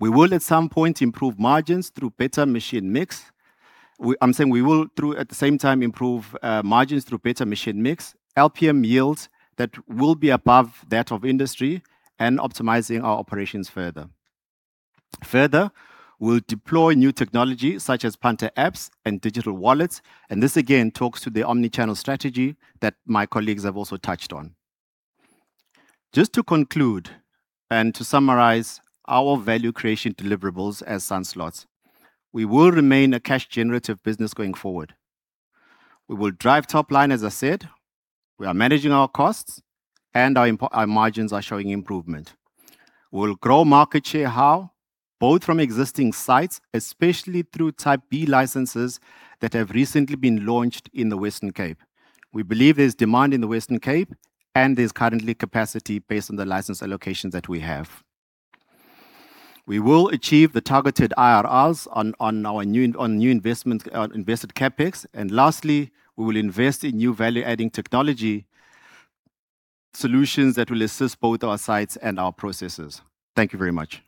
We will at some point improve margins through better machine mix. I'm saying we will through, at the same time, improve margins through better machine mix, LPM yields that will be above that of industry and optimizing our operations further. Further, we'll deploy new technology such as punter apps and digital wallets, and this again talks to the omnichannel strategy that my colleagues have also touched on. Just to conclude and to summarize our value creation deliverables as Sun Slots, we will remain a cash-generative business going forward. We will drive top line, as I said. We are managing our costs, and our margins are showing improvement. We'll grow market share, how? Both from existing sites, especially through Type B licenses that have recently been launched in the Western Cape. We believe there's demand in the Western Cape, and there's currently capacity based on the license allocations that we have. We will achieve the targeted IRRs on new investment on invested CapEx. Lastly, we will invest in new value-adding technology solutions that will assist both our sites and our processes. Thank you very much.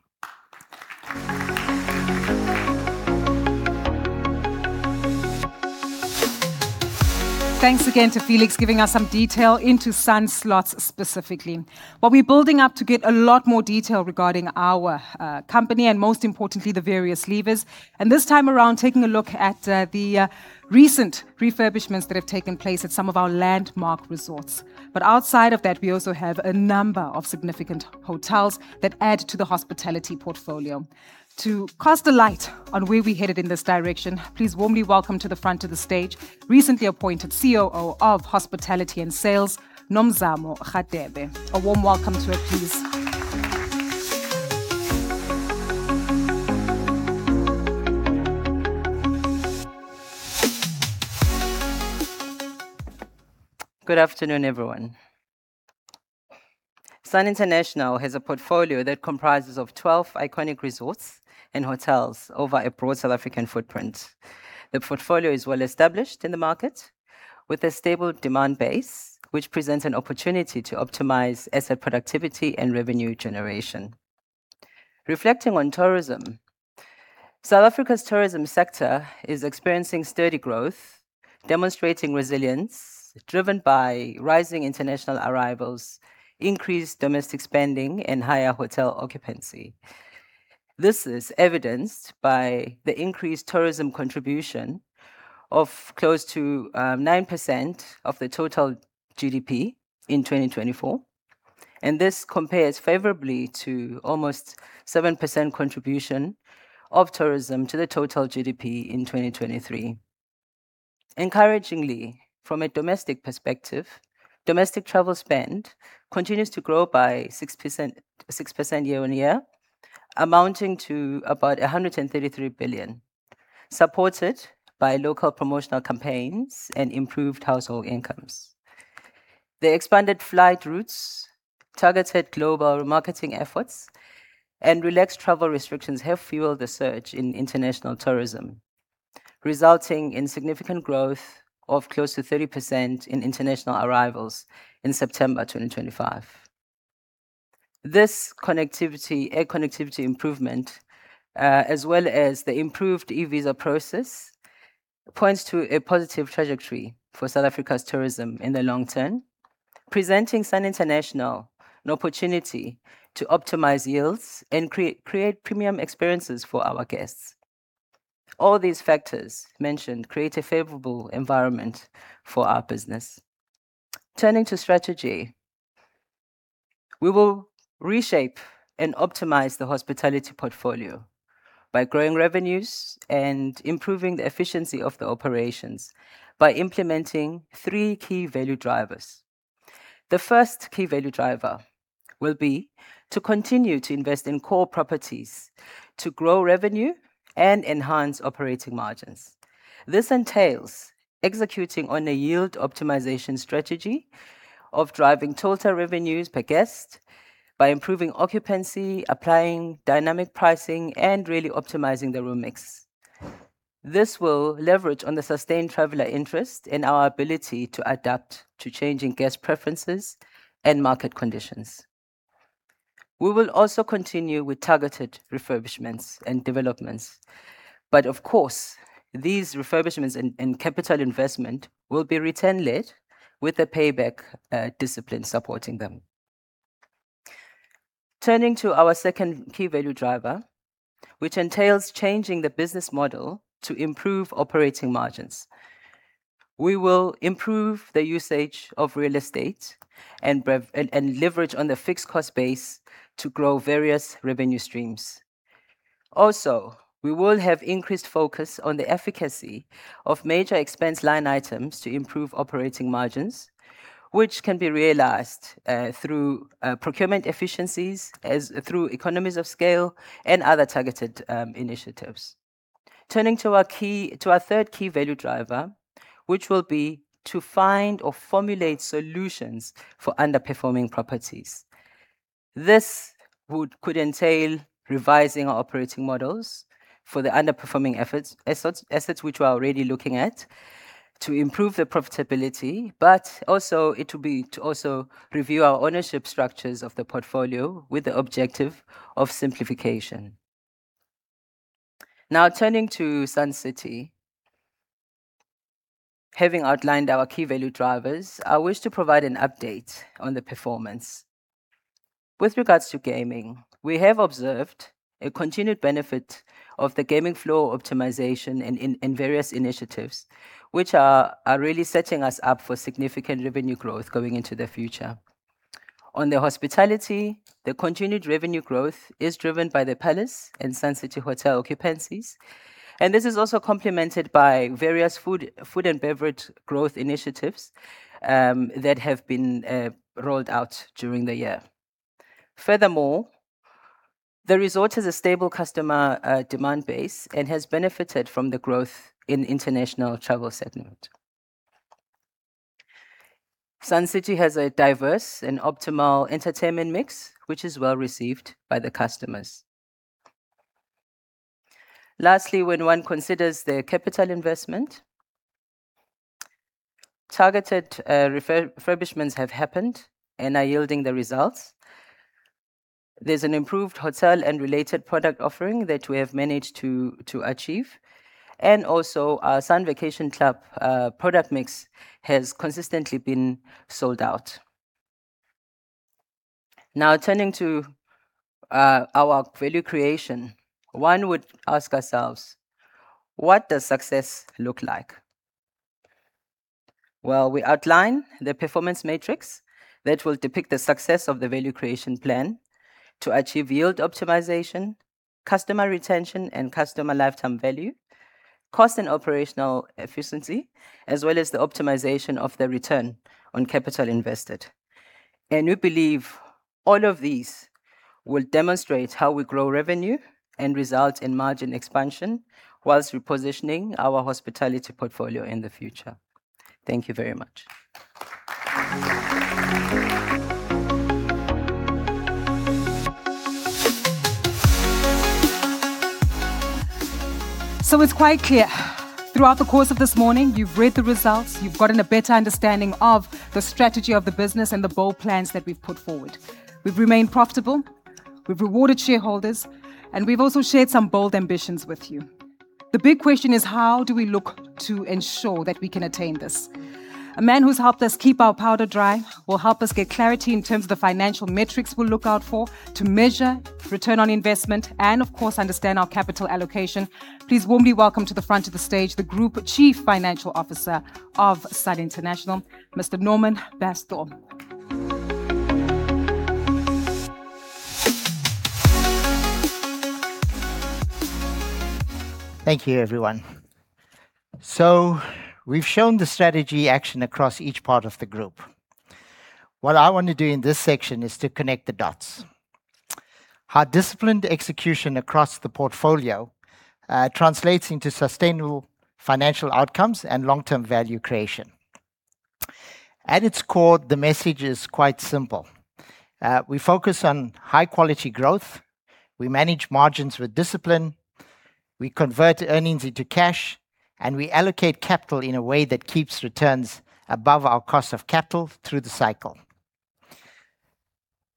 Thanks again to Felix giving us some detail into Sun Slots specifically. Well, we're building up to get a lot more detail regarding our company and most importantly, the various levers. This time around, taking a look at the recent refurbishments that have taken place at some of our landmark resorts. Outside of that, we also have a number of significant hotels that add to the hospitality portfolio. To cast a light on where we're headed in this direction, please warmly welcome to the front of the stage recently appointed COO of Hospitality and Sales, Nomzamo Radebe. A warm welcome to her, please. Good afternoon, everyone. Sun International has a portfolio that comprises of 12 iconic resorts and hotels over a broad South African footprint. The portfolio is well-established in the market with a stable demand base, which presents an opportunity to optimize asset productivity and revenue generation. Reflecting on tourism, South Africa's tourism sector is experiencing steady growth, demonstrating resilience driven by rising international arrivals, increased domestic spending, and higher hotel occupancy. This is evidenced by the increased tourism contribution of close to 9% of the total GDP in 2024, and this compares favorably to almost 7% contribution of tourism to the total GDP in 2023. Encouragingly, from a domestic perspective, domestic travel spend continues to grow by 6% year-on-year, amounting to about 133 billion, supported by local promotional campaigns and improved household incomes. The expanded flight routes, targeted global marketing efforts, and relaxed travel restrictions have fueled the surge in international tourism, resulting in significant growth of close to 30% in international arrivals in September 2025. This connectivity, air connectivity improvement, as well as the improved e-visa process, points to a positive trajectory for South Africa's tourism in the long term, presenting Sun International an opportunity to optimize yields and create premium experiences for our guests. All these factors mentioned create a favorable environment for our business. Turning to strategy, we will reshape and optimize the hospitality portfolio by growing revenues and improving the efficiency of the operations by implementing three key value drivers. The first key value driver will be to continue to invest in core properties to grow revenue and enhance operating margins. This entails executing on a yield optimization strategy of driving total revenues per guest by improving occupancy, applying dynamic pricing, and really optimizing the room mix. This will leverage on the sustained traveler interest and our ability to adapt to changing guest preferences and market conditions. We will also continue with targeted refurbishments and developments, but of course, these refurbishments and capital investment will be return led with the payback, discipline supporting them. Turning to our second key value driver, which entails changing the business model to improve operating margins. We will improve the usage of real estate and leverage on the fixed cost base to grow various revenue streams. Also, we will have increased focus on the efficacy of major expense line items to improve operating margins, which can be realized through procurement efficiencies as through economies of scale and other targeted initiatives. Turning to our third key value driver, which will be to find or formulate solutions for underperforming properties. This could entail revising our operating models for the underperforming assets which we're already looking at to improve the profitability, but also it will be to review our ownership structures of the portfolio with the objective of simplification. Now turning to Sun City. Having outlined our key value drivers, I wish to provide an update on the performance. With regards to gaming, we have observed a continued benefit of the gaming flow optimization in various initiatives, which are really setting us up for significant revenue growth going into the future. On the hospitality, the continued revenue growth is driven by the Palace and Sun City hotel occupancies, and this is also complemented by various food and beverage growth initiatives that have been rolled out during the year. Furthermore, the resort has a stable customer demand base and has benefited from the growth in international travel sentiment. Sun City has a diverse and optimal entertainment mix, which is well received by the customers. Lastly, when one considers the capital investment, targeted refurbishments have happened and are yielding the results. There's an improved hotel and related product offering that we have managed to achieve, and also our Sun Vacation Club product mix has consistently been sold out. Now, turning to our value creation, one would ask ourselves, "What does success look like?" Well, we outline the performance matrix that will depict the success of the Value Creation Plan to achieve yield optimization, customer retention, and customer lifetime value, cost and operational efficiency, as well as the optimization of the return on capital invested. We believe all of these will demonstrate how we grow revenue and result in margin expansion while repositioning our hospitality portfolio in the future. Thank you very much. It's quite clear throughout the course of this morning, you've read the results, you've gotten a better understanding of the strategy of the business and the bold plans that we've put forward. We've remained profitable, we've rewarded shareholders, and we've also shared some bold ambitions with you. The big question is, how do we look to ensure that we can attain this? A man who's helped us keep our powder dry will help us get clarity in terms of the financial metrics we'll look out for to measure return on investment and, of course, understand our capital allocation. Please warmly welcome to the front of the stage, the Group Chief Financial Officer of Sun International, Mr. Norman Basthdaw. Thank you, everyone. We've shown the strategy action across each part of the group. What I want to do in this section is to connect the dots, how disciplined execution across the portfolio translates into sustainable financial outcomes and long-term value creation. At its core, the message is quite simple. We focus on high quality growth. We manage margins with discipline. We convert earnings into cash, and we allocate capital in a way that keeps returns above our cost of capital through the cycle.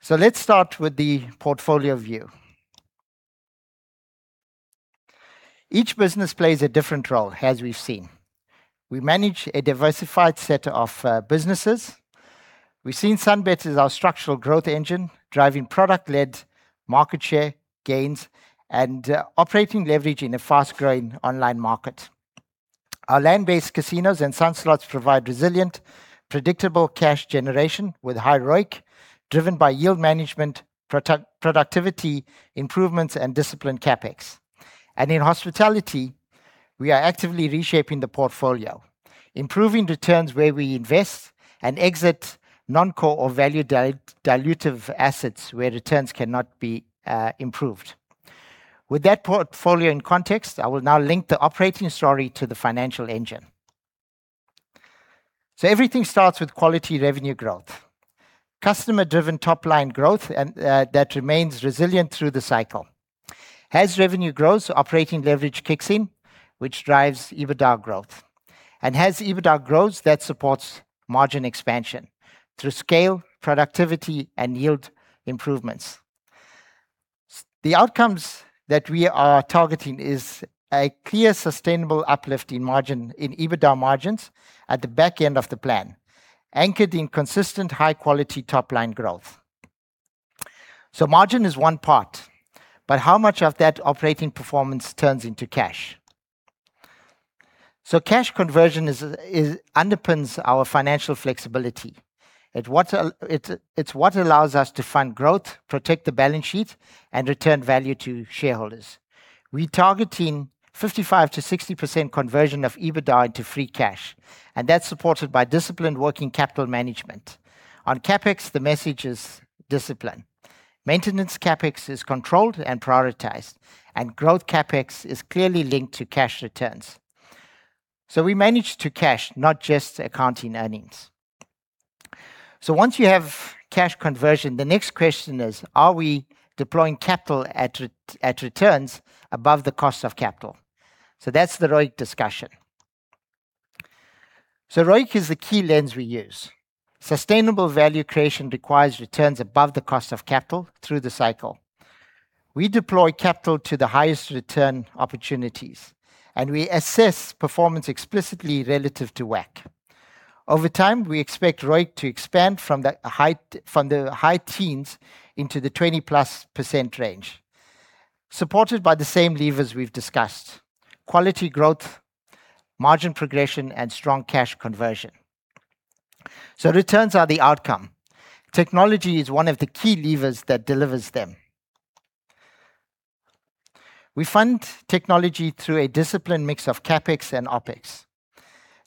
Let's start with the portfolio view. Each business plays a different role, as we've seen. We manage a diversified set of businesses. We've seen Sunbet as our structural growth engine, driving product-led market share gains and operating leverage in a fast-growing online market. Our land-based casinos and Sun Slots provide resilient, predictable cash generation with high ROIC, driven by yield management, productivity improvements, and disciplined CapEx. In hospitality, we are actively reshaping the portfolio, improving returns where we invest, and exit non-core or value dilutive assets where returns cannot be improved. With that portfolio in context, I will now link the operating story to the financial engine. Everything starts with quality revenue growth. Customer-driven top-line growth and that remains resilient through the cycle. As revenue grows, operating leverage kicks in, which drives EBITDA growth. As EBITDA grows, that supports margin expansion through scale, productivity, and yield improvements. The outcomes that we are targeting is a clear, sustainable uplift in margin, in EBITDA margins at the back end of the plan, anchored in consistent high-quality top-line growth. Margin is one part, but how much of that operating performance turns into cash? Cash conversion underpins our financial flexibility. It's what allows us to fund growth, protect the balance sheet, and return value to shareholders. We're targeting 55%-60% conversion of EBITDA into free cash, and that's supported by disciplined working capital management. On CapEx, the message is discipline. Maintenance CapEx is controlled and prioritized, and growth CapEx is clearly linked to cash returns. We manage to cash, not just accounting earnings. Once you have cash conversion, the next question is, are we deploying capital at attractive returns above the cost of capital? That's the ROIC discussion. ROIC is the key lens we use. Sustainable value creation requires returns above the cost of capital through the cycle. We deploy capital to the highest return opportunities, and we assess performance explicitly relative to WACC. Over time, we expect ROIC to expand from the high teens into the 20%+ range, supported by the same levers we've discussed: quality growth, margin progression, and strong cash conversion. Returns are the outcome. Technology is one of the key levers that delivers them. We fund technology through a disciplined mix of CapEx and OpEx,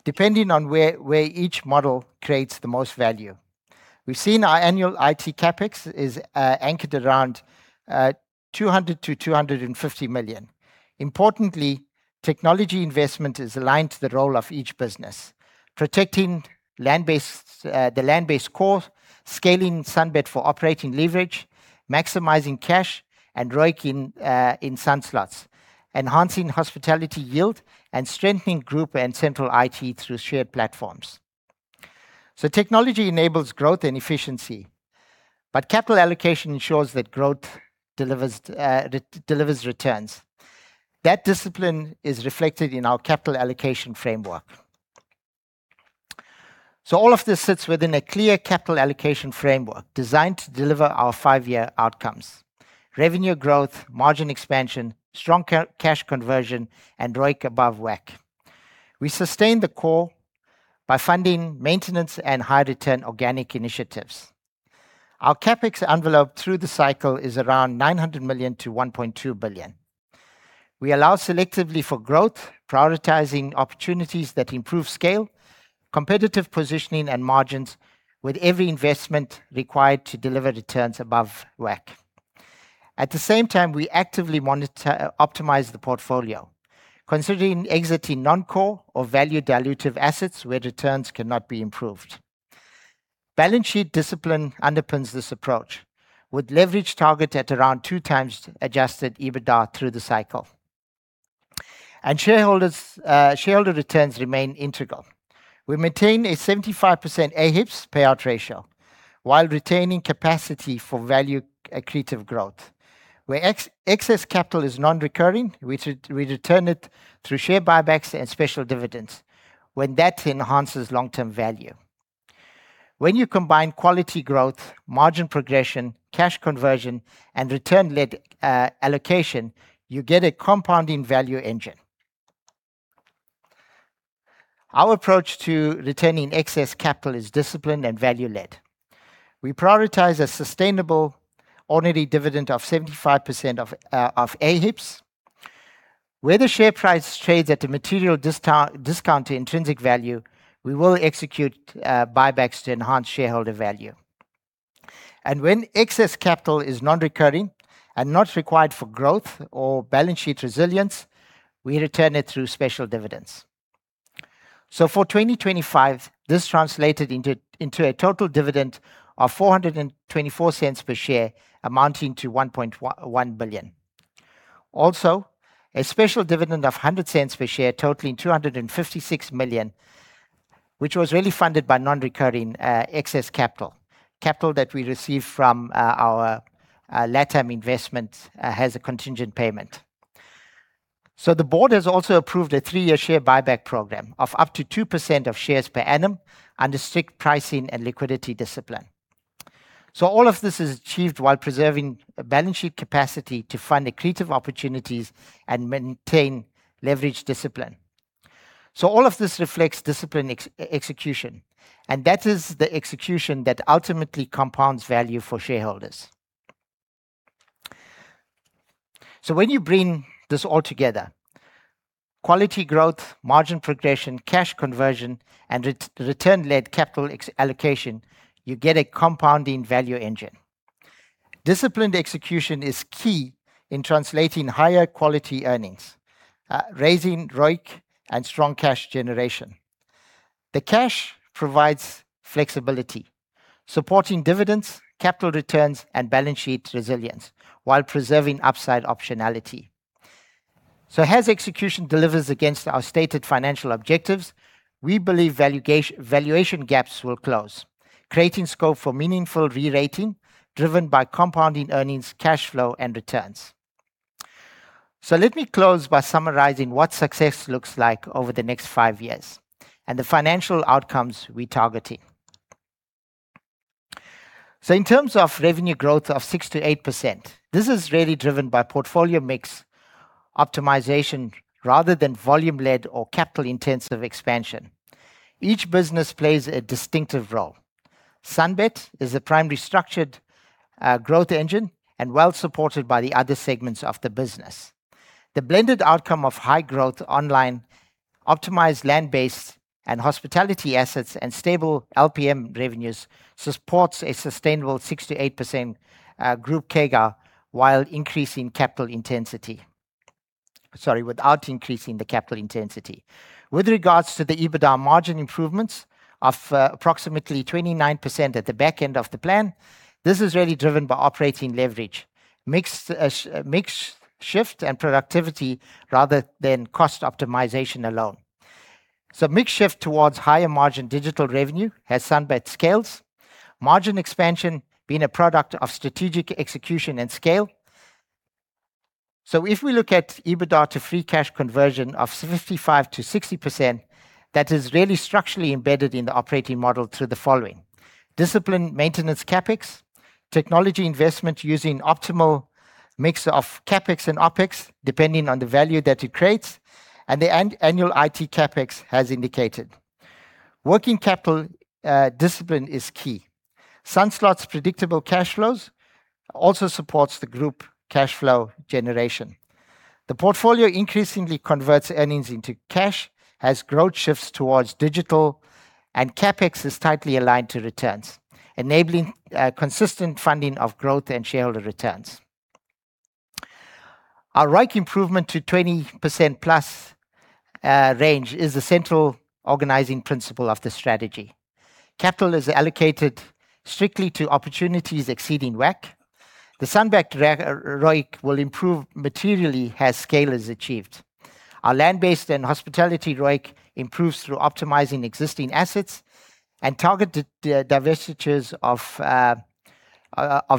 depending on where each model creates the most value. We've seen our annual IT CapEx anchored around 200 million-250 million. Importantly, technology investment is aligned to the role of each business. Protecting land-based, the land-based core, scaling Sunbet for operating leverage, maximizing cash and ROIC in Sun Slots, enhancing hospitality yield, and strengthening group and central IT through shared platforms. Technology enables growth and efficiency, but capital allocation ensures that growth delivers returns. That discipline is reflected in our capital allocation framework. All of this sits within a clear capital allocation framework designed to deliver our five-year outcomes. Revenue growth, margin expansion, strong cash conversion, and ROIC above WACC. We sustain the core by funding maintenance and high-return organic initiatives. Our CapEx envelope through the cycle is around 900 million-1.2 billion. We allow selectively for growth, prioritizing opportunities that improve scale, competitive positioning, and margins with every investment required to deliver returns above WACC. At the same time, we actively monitor and optimize the portfolio, considering exiting non-core or value dilutive assets where returns cannot be improved. Balance sheet discipline underpins this approach with leverage targeted at around 2x Adjusted EBITDA through the cycle. Shareholder returns remain integral. We maintain a 75% AHIPS payout ratio while retaining capacity for value accretive growth. Where excess capital is non-recurring, we return it through share buybacks and special dividends when that enhances long-term value. When you combine quality growth, margin progression, cash conversion, and return-led allocation, you get a compounding value engine. Our approach to retaining excess capital is disciplined and value-led. We prioritize a sustainable ordinary dividend of 75% of AHIPS. Where the share price trades at a material discount to intrinsic value, we will execute buybacks to enhance shareholder value. When excess capital is non-recurring and not required for growth or balance sheet resilience, we return it through special dividends. For 2025, this translated into a total dividend of 424 cents per share, amounting to 1.01 billion. Also, a special dividend of 100 cents per share, totaling 256 million, which was really funded by non-recurring excess capital that we received from our LatAm investment as a contingent payment. The board has also approved a three-year share buyback program of up to 2% of shares per annum under strict pricing and liquidity discipline. All of this is achieved while preserving a balance sheet capacity to fund accretive opportunities and maintain leverage discipline. All of this reflects disciplined execution, and that is the execution that ultimately compounds value for shareholders. When you bring this all together, quality growth, margin progression, cash conversion, and return-led capital allocation, you get a compounding value engine. Disciplined execution is key in translating higher quality earnings, raising ROIC and strong cash generation. The cash provides flexibility, supporting dividends, capital returns and balance sheet resilience, while preserving upside optionality. As execution delivers against our stated financial objectives, we believe valuation gaps will close, creating scope for meaningful re-rating driven by compounding earnings, cash flow and returns. Let me close by summarizing what success looks like over the next five years and the financial outcomes we're targeting. In terms of revenue growth of 6%-8%, this is really driven by portfolio mix optimization rather than volume-led or capital-intensive expansion. Each business plays a distinctive role. Sunbet is the primary structured growth engine and well supported by the other segments of the business. The blended outcome of high growth online optimized land-based and hospitality assets and stable LPM revenues supports a sustainable 6%-8% group CAGR, while increasing capital intensity. Sorry, without increasing the capital intensity. With regards to the EBITDA margin improvements of approximately 29% at the back end of the plan, this is really driven by operating leverage, mix shift and productivity rather than cost optimization alone. Mix shift towards higher margin digital revenue as Sunbet scales. Margin expansion being a product of strategic execution and scale. If we look at EBITDA to free cash conversion of 55%-60%, that is really structurally embedded in the operating model through the following, disciplined maintenance CapEx, technology investment using optimal mix of CapEx and OpEx, depending on the value that it creates, and the annual IT CapEx as indicated. Working capital discipline is key. Sun Slots' predictable cash flows also supports the group cash flow generation. The portfolio increasingly converts earnings into cash as growth shifts towards digital and CapEx is tightly aligned to returns, enabling consistent funding of growth and shareholder returns. Our ROIC improvement to 20%+ range is the central organizing principle of the strategy. Capital is allocated strictly to opportunities exceeding WACC. The Sunbet ROIC will improve materially as scale is achieved. Our land-based and hospitality ROIC improves through optimizing existing assets and targeted divestitures of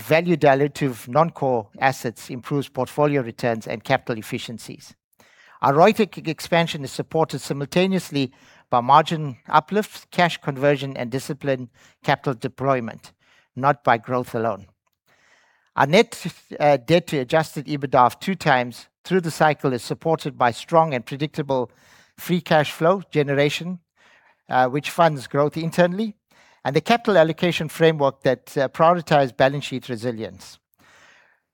value dilutive non-core assets, improves portfolio returns and capital efficiencies. Our ROIC expansion is supported simultaneously by margin uplifts, cash conversion and disciplined capital deployment, not by growth alone. Our net debt to adjusted EBITDA of 2x through the cycle is supported by strong and predictable free cash flow generation, which funds growth internally and the capital allocation framework that prioritize balance sheet resilience.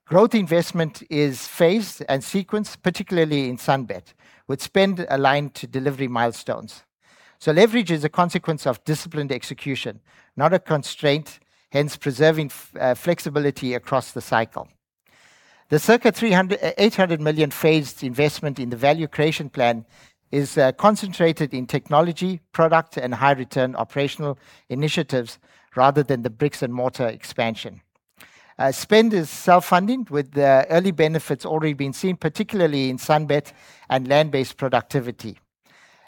Growth investment is phased and sequenced, particularly in Sunbet, with spend aligned to delivery milestones. Leverage is a consequence of disciplined execution, not a constraint, hence preserving flexibility across the cycle. The circa 300 million-800 million phased investment in the Value Creation Plan is concentrated in technology, product and high return operational initiatives rather than the bricks and mortar expansion. Spend is self-funding with the early benefits already being seen, particularly in Sunbet and land-based productivity.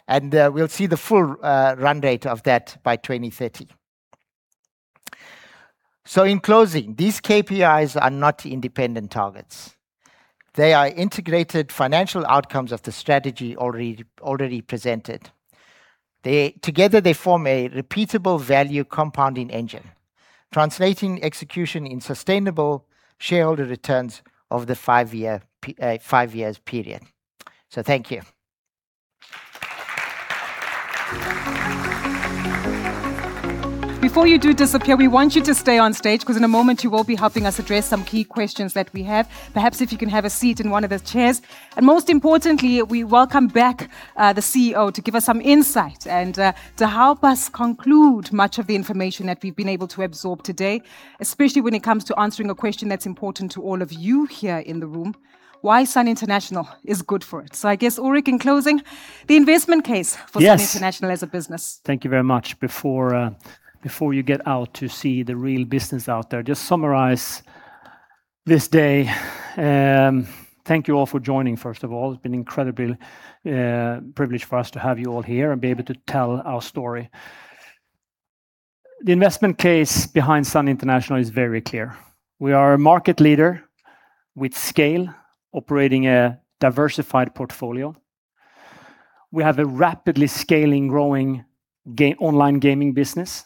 We'll see the full run rate of that by 2030. In closing, these KPIs are not independent targets. They are integrated financial outcomes of the strategy already presented. Together, they form a repeatable value compounding engine. Translating execution into sustainable shareholder returns of the five-year period. Thank you. Before you do disappear, we want you to stay on stage because in a moment, you will be helping us address some key questions that we have. Perhaps if you can have a seat in one of those chairs. Most importantly, we welcome back the CEO to give us some insight and to help us conclude much of the information that we've been able to absorb today, especially when it comes to answering a question that's important to all of you here in the room. Why Sun International is good for it. I guess, Ulrik, in closing, the investment case- Yes. for Sun International as a business. Thank you very much. Before you get out to see the real business out there, just summarize this day. Thank you all for joining, first of all. It's been an incredible privilege for us to have you all here and be able to tell our story. The investment case behind Sun International is very clear. We are a market leader with scale, operating a diversified portfolio. We have a rapidly scaling, growing online gaming business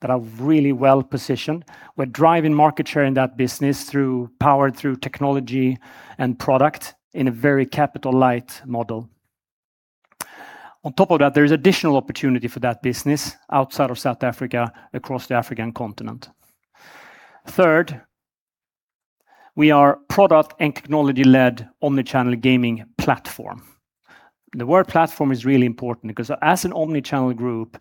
that are really well-positioned. We're driving market share in that business through technology and product in a very capital light model. On top of that, there is additional opportunity for that business outside of South Africa across the African continent. Third, we are product and technology-led omnichannel gaming platform. The word platform is really important because as an omnichannel group,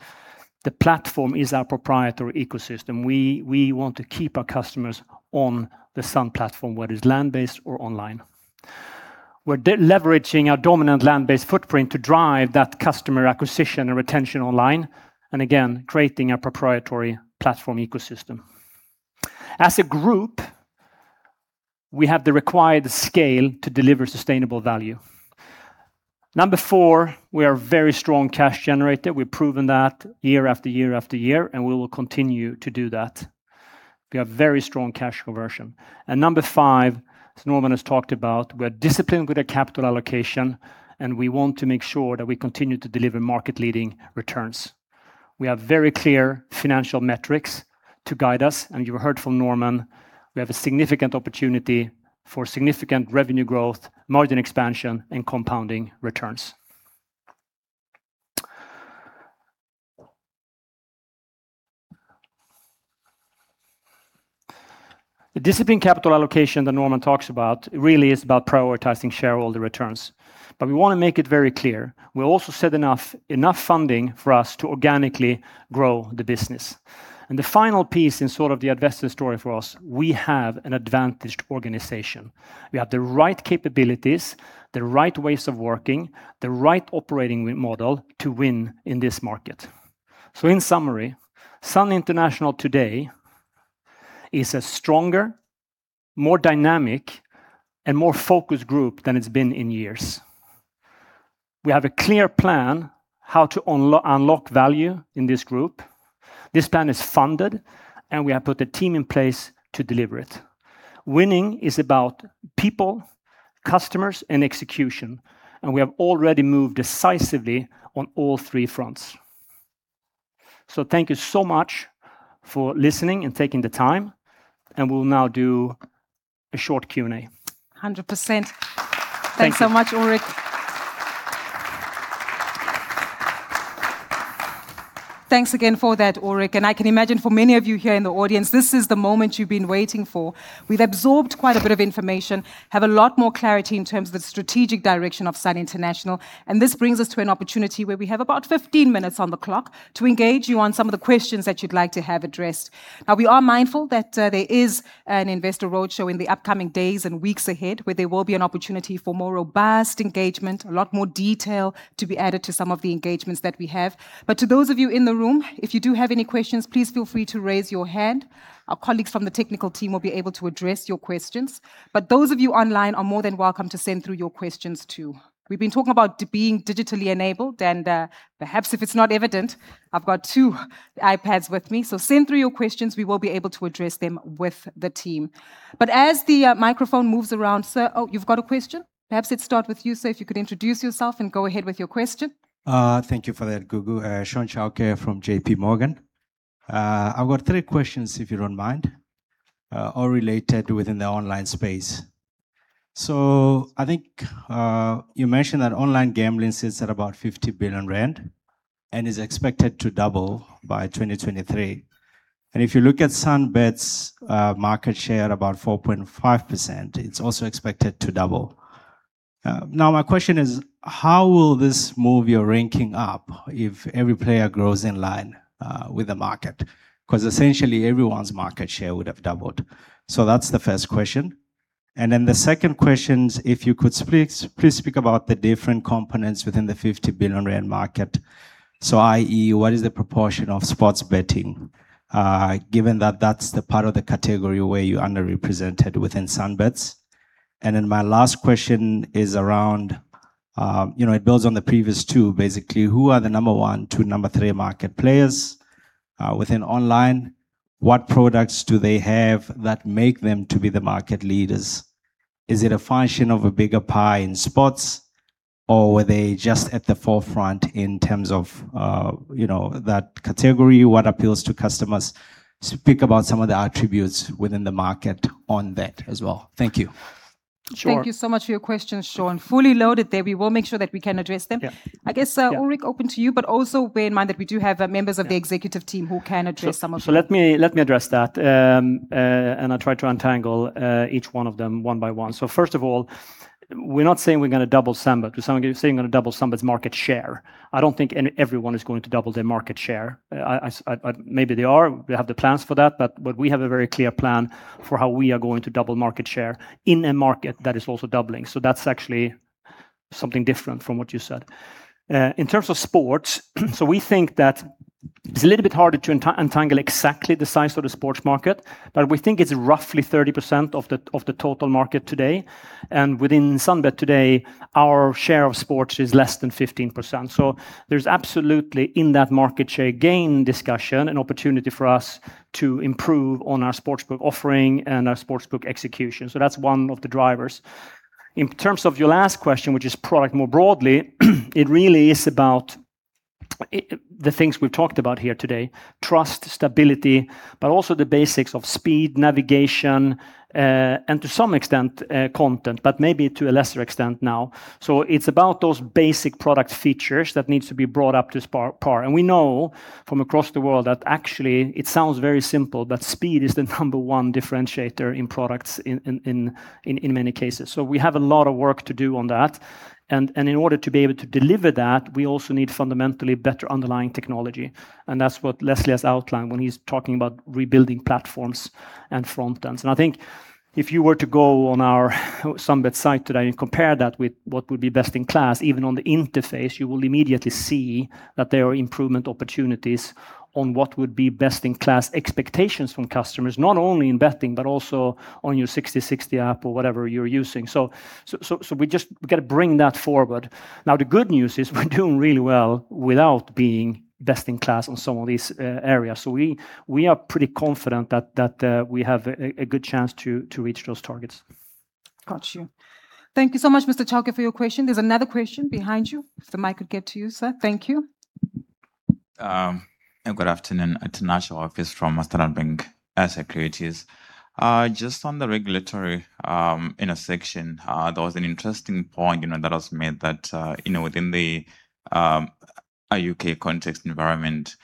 the platform is our proprietary ecosystem. We want to keep our customers on the Sun platform, whether it's land-based or online. We're leveraging our dominant land-based footprint to drive that customer acquisition and retention online, and again, creating a proprietary platform ecosystem. As a group, we have the required scale to deliver sustainable value. Number four, we are a very strong cash generator. We've proven that year after year after year, and we will continue to do that. We have very strong cash conversion. Number five, as Norman has talked about, we're disciplined with our capital allocation, and we want to make sure that we continue to deliver market-leading returns. We have very clear financial metrics to guide us, and you heard from Norman, we have a significant opportunity for significant revenue growth, margin expansion, and compounding returns. The disciplined capital allocation that Norman talks about really is about prioritizing shareholder returns. We wanna make it very clear, we also set enough funding for us to organically grow the business. The final piece in sort of the investor story for us, we have an advantaged organization. We have the right capabilities, the right ways of working, the right operating model to win in this market. In summary, Sun International today is a stronger, more dynamic, and more focused group than it's been in years. We have a clear plan how to unlock value in this group. This plan is funded, and we have put a team in place to deliver it. Winning is about people, customers, and execution, and we have already moved decisively on all three fronts. Thank you so much for listening and taking the time, and we'll now do a short Q&A. 100%. Thank you so much, Ulrik. Thanks again for that, Ulrik, and I can imagine for many of you here in the audience, this is the moment you've been waiting for. We've absorbed quite a bit of information, have a lot more clarity in terms of the strategic direction of Sun International, and this brings us to an opportunity where we have about 15 minutes on the clock to engage you on some of the questions that you'd like to have addressed. Now, we are mindful that there is an investor roadshow in the upcoming days and weeks ahead, where there will be an opportunity for more robust engagement, a lot more detail to be added to some of the engagements that we have. To those of you in the room, if you do have any questions, please feel free to raise your hand. Our colleagues from the technical team will be able to address your questions. Those of you online are more than welcome to send through your questions too. We've been talking about digitally enabled, and perhaps if it's not evident, I've got two iPads with me. Send through your questions. We will be able to address them with the team. As the microphone moves around. Sir, oh, you've got a question? Perhaps let's start with you, sir. If you could introduce yourself and go ahead with your question. Thank you for that, Gugu. Sean Gillingham from JP Morgan. I've got three questions, if you don't mind, all related within the online space. I think you mentioned that online gambling sits at about 50 billion rand and is expected to double by 2023. If you look at Sunbet's market share at about 4.5%, it's also expected to double. Now my question is, how will this move your ranking up if every player grows in line with the market? 'Cause essentially everyone's market share would have doubled. That's the first question. The second question, if you could please speak about the different components within the 50 billion rand market. i.e., what is the proportion of sports betting, given that that's the part of the category where you're underrepresented within Sunbet's? My last question is around, it builds on the previous two. Basically, who are the number 1 to number 3 market players, within online? What products do they have that make them to be the market leaders? Is it a function of a bigger pie in sports, or were they just at the forefront in terms of, that category? What appeals to customers? Speak about some of the attributes within the market on that as well. Thank you. Sure. Thank you so much for your questions, Sean. Fully loaded there. We will make sure that we can address them. Yeah. I guess. Yeah Ulrik, open to you, but also bear in mind that we do have members of the executive team who can address some of them. Let me address that. I'll try to untangle each one of them one by one. First of all, we're not saying we're gonna double Sunbet. Someone here is saying we're gonna double Sunbet's market share. I don't think everyone is going to double their market share. Maybe they are. We have the plans for that, but we have a very clear plan for how we are going to double market share in a market that is also doubling. That's actually something different from what you said. In terms of sports, we think that it's a little bit harder to untangle exactly the size of the sports market, but we think it's roughly 30% of the total market today. Within Sunbet today, our share of sports is less than 15%. There's absolutely, in that market share gain discussion, an opportunity for us to improve on our sportsbook offering and our sportsbook execution. That's one of the drivers. In terms of your last question, which is product more broadly, it really is about the things we've talked about here today, trust, stability, but also the basics of speed, navigation, and to some extent, content, but maybe to a lesser extent now. It's about those basic product features that needs to be brought up to par. We know from across the world that actually it sounds very simple, but speed is the number one differentiator in products in many cases. We have a lot of work to do on that. In order to be able to deliver that, we also need fundamentally better underlying technology, and that's what Leslie has outlined when he's talking about rebuilding platforms and frontends. I think if you were to go on our Sunbet site today and compare that with what would be best in class, even on the interface, you will immediately see that there are improvement opportunities on what would be best in class expectations from customers, not only in betting but also on your Checkers Sixty60 or whatever you're using. We gotta bring that forward. Now, the good news is we're doing really well without being best in class on some of these areas. We are pretty confident that we have a good chance to reach those targets. Got you. Thank you so much, Mr. Sean, for your question. There's another question behind you, if the mic could get to you, sir. Thank you. Good afternoon. Tinashe Hofisi from Standard Bank Group Securities. Just on the regulatory intersection, there was an interesting point, you know, that was made that, you know, within the UK context environment,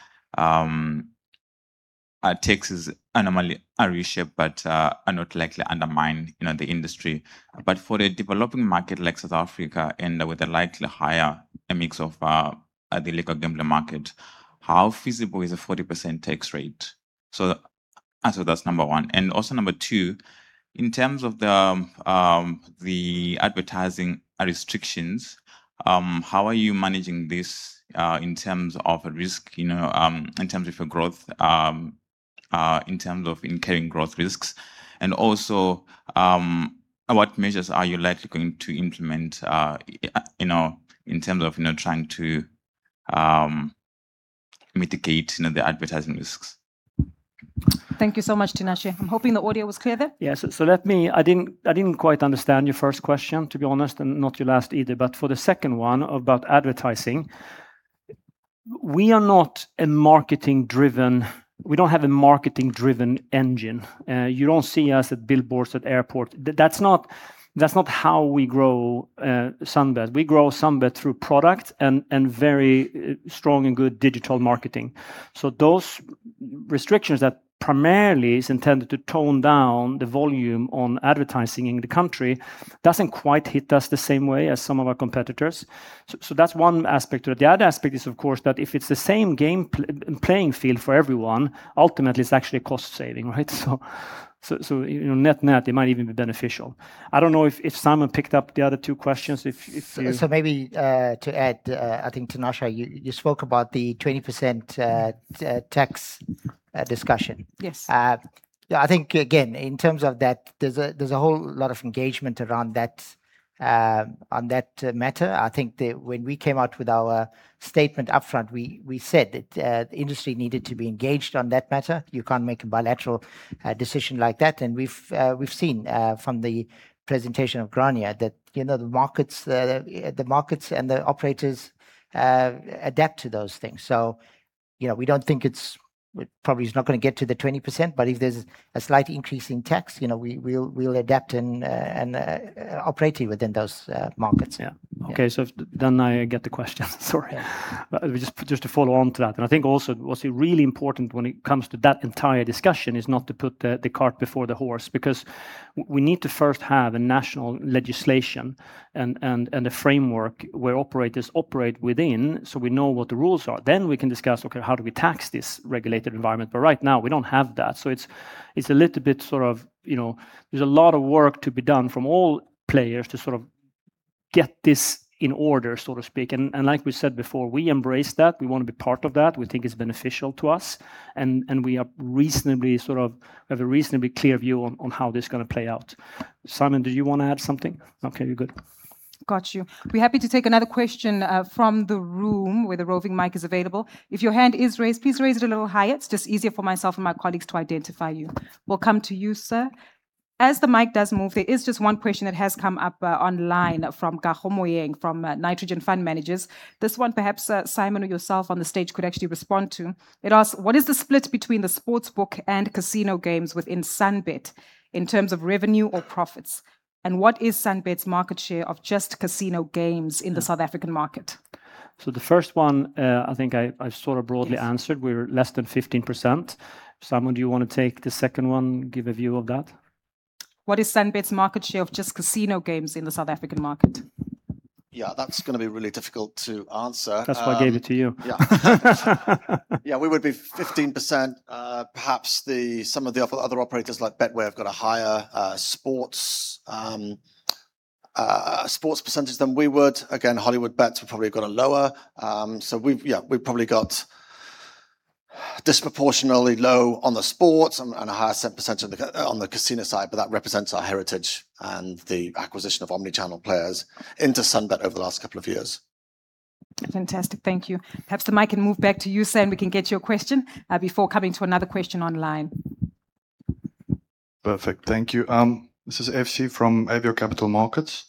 taxes are normally reshaped, but are not likely undermine, you know, the industry. For a developing market like South Africa and with a likely higher mix of illegal gambling market, how feasible is a 40% tax rate? That's number one. Also number two, in terms of the advertising restrictions, how are you managing this in terms of risk, you know, in terms of your growth in terms of incurring growth risks? Also, what measures are you likely going to implement, you know, in terms of, you know, trying to mitigate, you know, the advertising risks? Thank you so much, Tinashe. I'm hoping the audio was clear there. Yes. I didn't quite understand your first question, to be honest, and not your last either. For the second one about advertising, we don't have a marketing-driven engine. You don't see us at billboards, at airports. That's not how we grow Sunbet. We grow Sunbet through product and very strong and good digital marketing. Those restrictions that primarily is intended to tone down the volume on advertising in the country doesn't quite hit us the same way as some of our competitors. That's one aspect of it. The other aspect is, of course, that if it's the same playing field for everyone, ultimately it's actually a cost saving, right? You know, net net, it might even be beneficial. I don't know if Simon picked up the other two questions. Maybe to add, I think, Tinashe, you spoke about the 20% tax discussion. Yes. I think, again, in terms of that, there's a whole lot of engagement around that, on that matter. I think that when we came out with our statement upfront, we said that the industry needed to be engaged on that matter. You can't make a unilateral decision like that. We've seen from the presentation of Grainne that, you know, the markets and the operators adapt to those things. You know, we don't think it probably is not gonna get to the 20%, but if there's a slight increase in tax, you know, we'll adapt and operate within those markets. Yeah. Yeah. Okay. I get the question, sorry. Just to follow on to that, I think also what's really important when it comes to that entire discussion is not to put the the cart before the horse, because we need to first have a national legislation and a framework where operators operate within, so we know what the rules are. We can discuss, okay, how do we tax this regulated environment? Right now, we don't have that. It's a little bit sort of, you know, there's a lot of work to be done from all players to sort of get this in order, so to speak. Like we said before, we embrace that. We wanna be part of that. We think it's beneficial to us, and we have a reasonably clear view on how this is gonna play out. Simon, did you wanna add something? Okay, you're good. Got you. We're happy to take another question from the room where the roving mic is available. If your hand is raised, please raise it a little higher. It's just easier for myself and my colleagues to identify you. We'll come to you, sir. As the mic does move, there is just one question that has come up online from Kago Moeng from Nitrogen Fund Managers. This one perhaps Simon or yourself on the stage could actually respond to. It asks: What is the split between the sportsbook and casino games within Sunbet in terms of revenue or profits? And what is Sunbet's market share of just casino games in the South African market? The first one, I think I sort of broadly answered. Yes. We're less than 15%. Simon, do you wanna take the second one, give a view of that? What is Sunbet's market share of just casino games in the South African market? Yeah, that's gonna be really difficult to answer. That's why I gave it to you. Yeah. Yeah, we would be 15%. Perhaps some of the other operators like Betway have got a higher sports percentage than we would. Again, Hollywoodbets would probably have got a lower. We've probably got disproportionately low on the sports and a higher percentage on the casino side, but that represents our heritage and the acquisition of omnichannel players into Sunbet over the last couple of years. Fantastic. Thank you. Perhaps the mic can move back to you, sir, and we can get your question before coming to another question online. Perfect. Thank you. This is FC from Avior Capital Markets.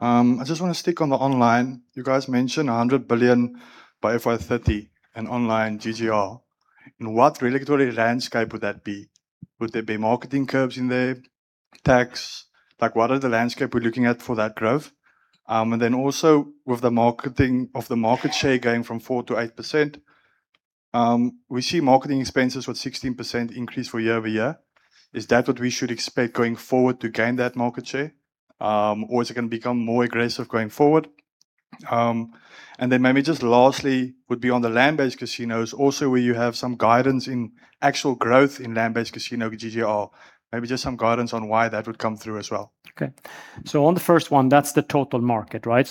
I just wanna stick on the online. You guys mentioned 100 billion by FY30 in online GGR. In what regulatory landscape would that be? Would there be marketing curves in there? Tax? Like, what are the landscape we're looking at for that growth? And then also with the marketing of the market share going from 4%-8%, we see marketing expenses with 16% increase year-over-year. Is that what we should expect going forward to gain that market share? Or is it gonna become more aggressive going forward? And then maybe just lastly would be on the land-based casinos also, where you have some guidance in actual growth in land-based casino GGR. Maybe just some guidance on why that would come through as well. Okay. On the first one, that's the total market, right?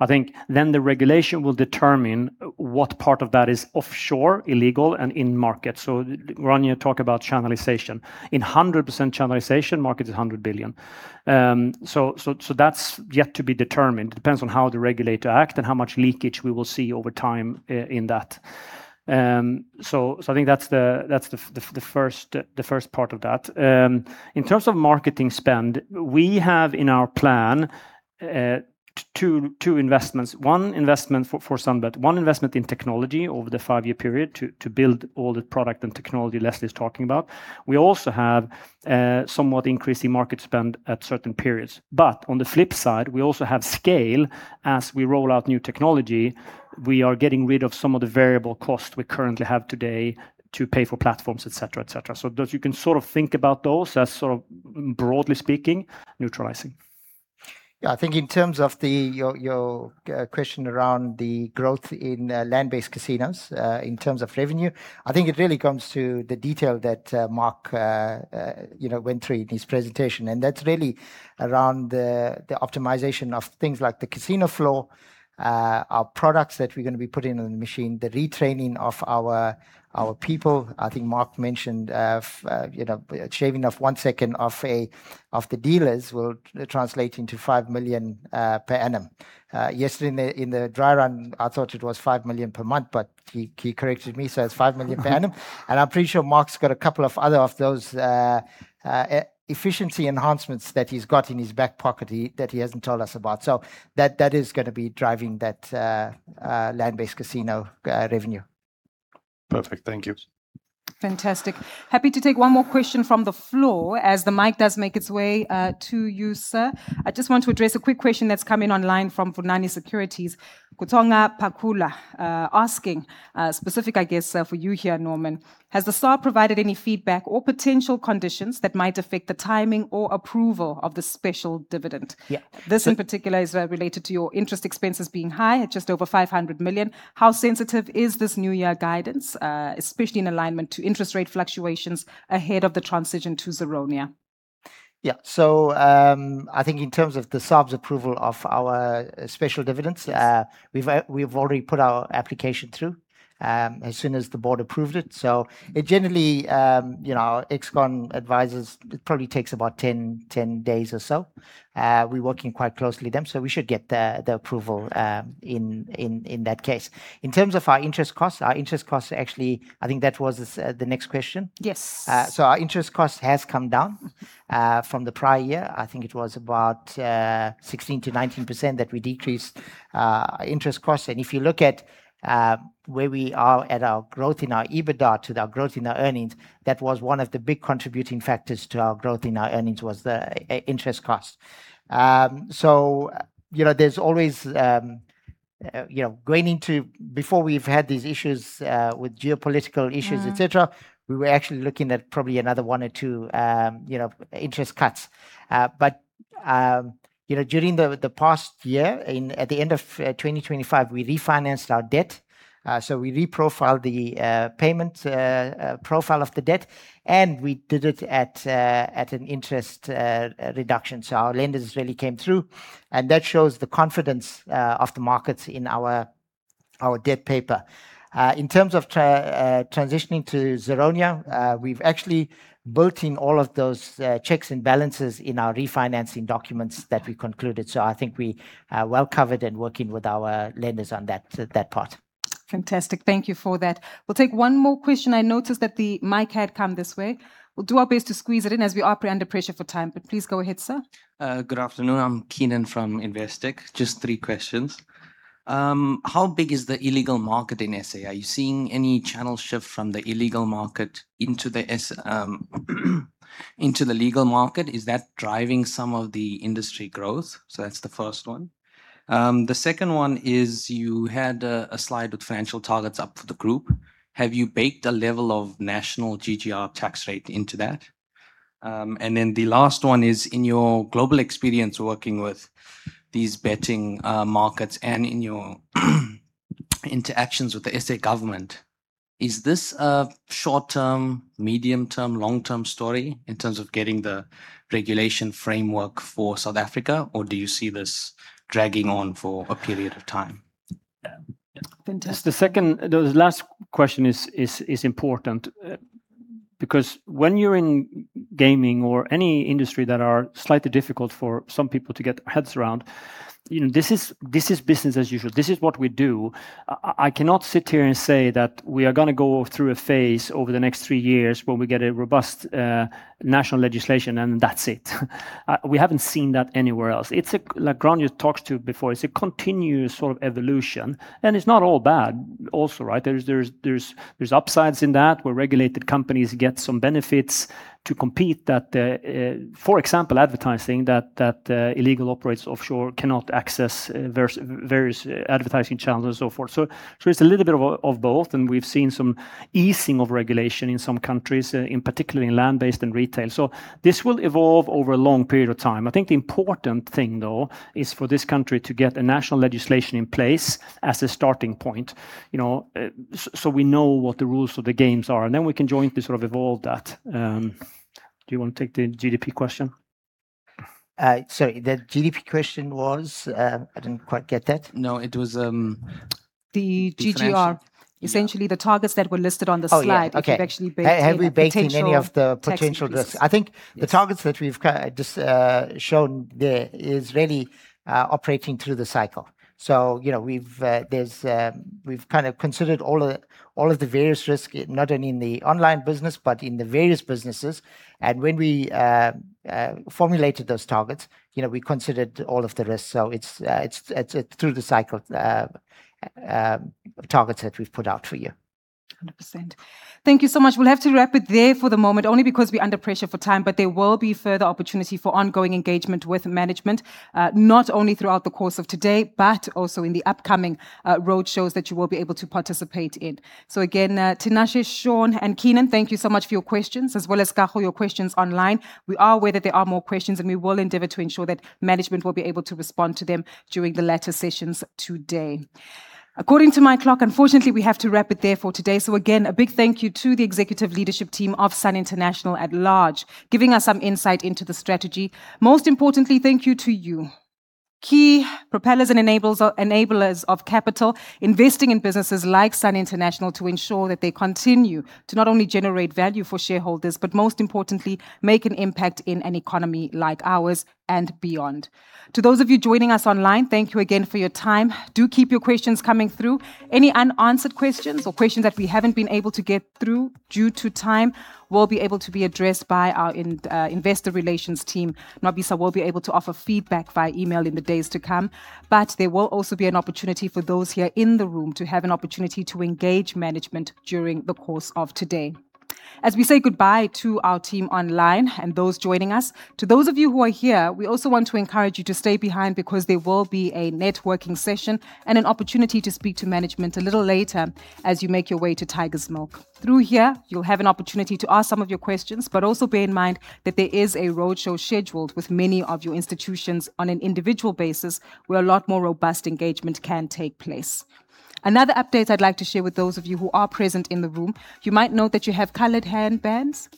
I think then the regulation will determine what part of that is offshore, illegal, and in market. Grainne talk about channelization. In 100% channelization market is 100 billion. That's yet to be determined. Depends on how the regulator act and how much leakage we will see over time in that. I think that's the first part of that. In terms of marketing spend, we have in our plan two investments. One investment for Sunbet, one investment in technology over the five-year period to build all the product and technology Leslie is talking about. We also have somewhat increasing marketing spend at certain periods. On the flip side, we also have scale. As we roll out new technology, we are getting rid of some of the variable costs we currently have today to pay for platforms, et cetera, et cetera. Those, you can sort of think about those as sort of broadly speaking neutralizing. Yeah. I think in terms of your question around the growth in land-based casinos in terms of revenue, I think it really comes to the detail that Mark you know went through in his presentation, and that's really around the optimization of things like the casino floor, our products that we're gonna be putting on the machine, the retraining of our people. I think Mark mentioned you know shaving off one second off the dealers will translate into 5 million per annum. Yesterday in the dry run I thought it was 5 million per month, but he corrected me, so it's 5 million per annum. I'm pretty sure Mark's got a couple of other of those efficiency enhancements that he's got in his back pocket that he hasn't told us about. That is gonna be driving that land-based casino revenue. Perfect. Thank you. Fantastic. Happy to take one more question from the floor as the mic does make its way to you, sir. I just want to address a quick question that's come in online from Vunani Securities, Kutlwano Nicholson, asking specific, I guess, sir, for you here, Norman: Has the SARB provided any feedback or potential conditions that might affect the timing or approval of the special dividend? Yeah. This in particular is related to your interest expenses being high at just over 500 million. How sensitive is this new year guidance, especially in alignment to interest rate fluctuations ahead of the transition to ZARONIA? I think in terms of the SARB's approval of our special dividends Yes We've already put our application through as soon as the board approved it. It generally, you know, Excon advises it probably takes about 10 days or so. We're working quite closely with them, so we should get the approval in that case. In terms of our interest costs, actually, I think that was the next question. Yes. Our interest cost has come down from the prior year. I think it was about 16%-19% that we decreased our interest costs. If you look at where we are at our growth in our EBITDA to our growth in our earnings, that was one of the big contributing factors to our growth in our earnings was the interest cost. You know, there's always, you know, before we've had these issues with geopolitical issues. Mm Et cetera, we were actually looking at probably another one or two, you know, interest cuts. You know, during the past year, at the end of 2025, we refinanced our debt. We reprofiled the payment profile of the debt, and we did it at an interest reduction. Our lenders really came through, and that shows the confidence of the markets in our debt paper. In terms of transitioning to ZARONIA, we've actually built in all of those checks and balances in our refinancing documents that we concluded, so I think we are well covered in working with our lenders on that part. Fantastic. Thank you for that. We'll take one more question. I noticed that the mic had come this way. We'll do our best to squeeze it in as we are pretty under pressure for time, but please go ahead, sir. Good afternoon. I'm Keenon from Investec. Just three questions. How big is the illegal market in SA? Are you seeing any channel shift from the illegal market into the legal market? Is that driving some of the industry growth? That's the first one. The second one is, you had a slide with financial targets up for the group. Have you baked in a level of national GGR tax rate into that? And then the last one is, in your global experience working with these betting markets and in your interactions with the SA government, is this a short-term, medium-term, long-term story in terms of getting the regulatory framework for South Africa, or do you see this dragging on for a period of time? Fantastic. The last question is important, because when you're in gaming or any industry that are slightly difficult for some people to get their heads around, you know, this is business as usual. This is what we do. I cannot sit here and say that we are gonna go through a phase over the next three years where we get a robust national legislation, and that's it. We haven't seen that anywhere else. It's like Grainne you talked to before, it's a continuous sort of evolution, and it's not all bad also, right? There's upsides in that where regulated companies get some benefits to compete that, for example, advertising that illegal operators offshore cannot access various advertising channels and so forth. It's a little bit of both, and we've seen some easing of regulation in some countries, in particular in land-based and retail. This will evolve over a long period of time. I think the important thing though is for this country to get a national legislation in place as a starting point, you know, so we know what the rules of the games are, and then we can jointly sort of evolve that. Do you wanna take the GDP question? Sorry. The GDP question was? I didn't quite get that. No, it was. The GGR. The financial Essentially the targets that were listed on the slide. Oh, yeah. Okay. If you've actually baked in a potential tax increase? Have we baked in any of the potential risk? Yes. I think the targets that we've disclosed there are really operating through the cycle. You know, we've considered all of the various risks, not only in the online business, but in the various businesses. When we formulated those targets, you know, we considered all of the risks. It's through the cycle targets that we've put out for you. 100%. Thank you so much. We'll have to wrap it there for the moment, only because we under pressure for time, but there will be further opportunity for ongoing engagement with management, not only throughout the course of today, but also in the upcoming roadshows that you will be able to participate in. Tinashe, Sean, and Keenan, thank you so much for your questions, as well as, Kago, your questions online. We are aware that there are more questions, and we will endeavor to ensure that management will be able to respond to them during the latter sessions today. According to my clock, unfortunately, we have to wrap it there for today. Again, a big thank you to the executive leadership team of Sun International at large, giving us some insight into the strategy. Most importantly, thank you to you, key providers and enablers of capital, investing in businesses like Sun International to ensure that they continue to not only generate value for shareholders, but most importantly, make an impact in an economy like ours and beyond. To those of you joining us online, thank you again for your time. Do keep your questions coming through. Any unanswered questions or questions that we haven't been able to get through due to time will be able to be addressed by our investor relations team. Nwabisa will be able to offer feedback via email in the days to come. There will also be an opportunity for those here in the room to have an opportunity to engage management during the course of today. As we say goodbye to our team online and those joining us, to those of you who are here, we also want to encourage you to stay behind because there will be a networking session and an opportunity to speak to management a little later as you make your way to Tiger's Milk. Through here, you'll have an opportunity to ask some of your questions, but also bear in mind that there is a roadshow scheduled with many of your institutions on an individual basis, where a lot more robust engagement can take place. Another update I'd like to share with those of you who are present in the room, you might note that you have colored wristbands.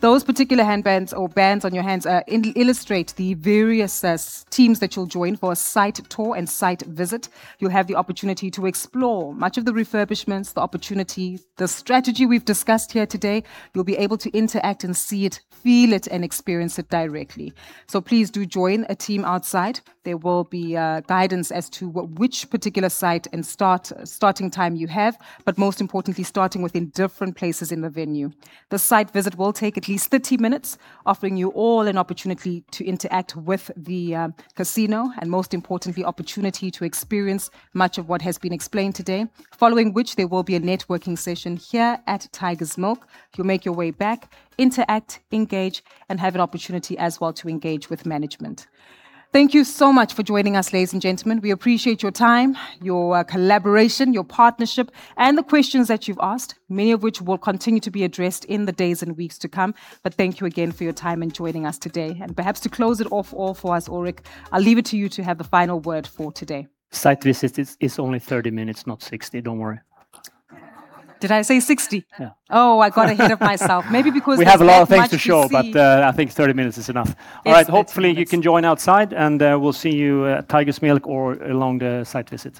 Those particular wristbands or bands on your hands illustrate the various teams that you'll join for a site tour and site visit. You'll have the opportunity to explore much of the refurbishments, the opportunities, the strategy we've discussed here today. You'll be able to interact and see it, feel it, and experience it directly. Please do join a team outside. There will be guidance as to which particular site and starting time you have, but most importantly, starting within different places in the venue. The site visit will take at least 30 minutes, offering you all an opportunity to interact with the casino and most importantly, opportunity to experience much of what has been explained today, following which there will be a networking session here at Tiger's Milk. You'll make your way back, interact, engage, and have an opportunity as well to engage with management. Thank you so much for joining us, ladies and gentlemen. We appreciate your time, your collaboration, your partnership, and the questions that you've asked, many of which will continue to be addressed in the days and weeks to come. Thank you again for your time in joining us today. Perhaps to close it off all for us, Ulrik, I'll leave it to you to have the final word for today. Site visit is only 30 minutes, not 60. Don't worry. Did I say 60? Yeah. Oh, I got ahead of myself. Maybe because there's so much to see. We have a lot of things to show, but, I think 30 minutes is enough. Yes, 30 minutes. All right. Hopefully, you can join outside, and we'll see you at Tiger's Milk or along the site visit.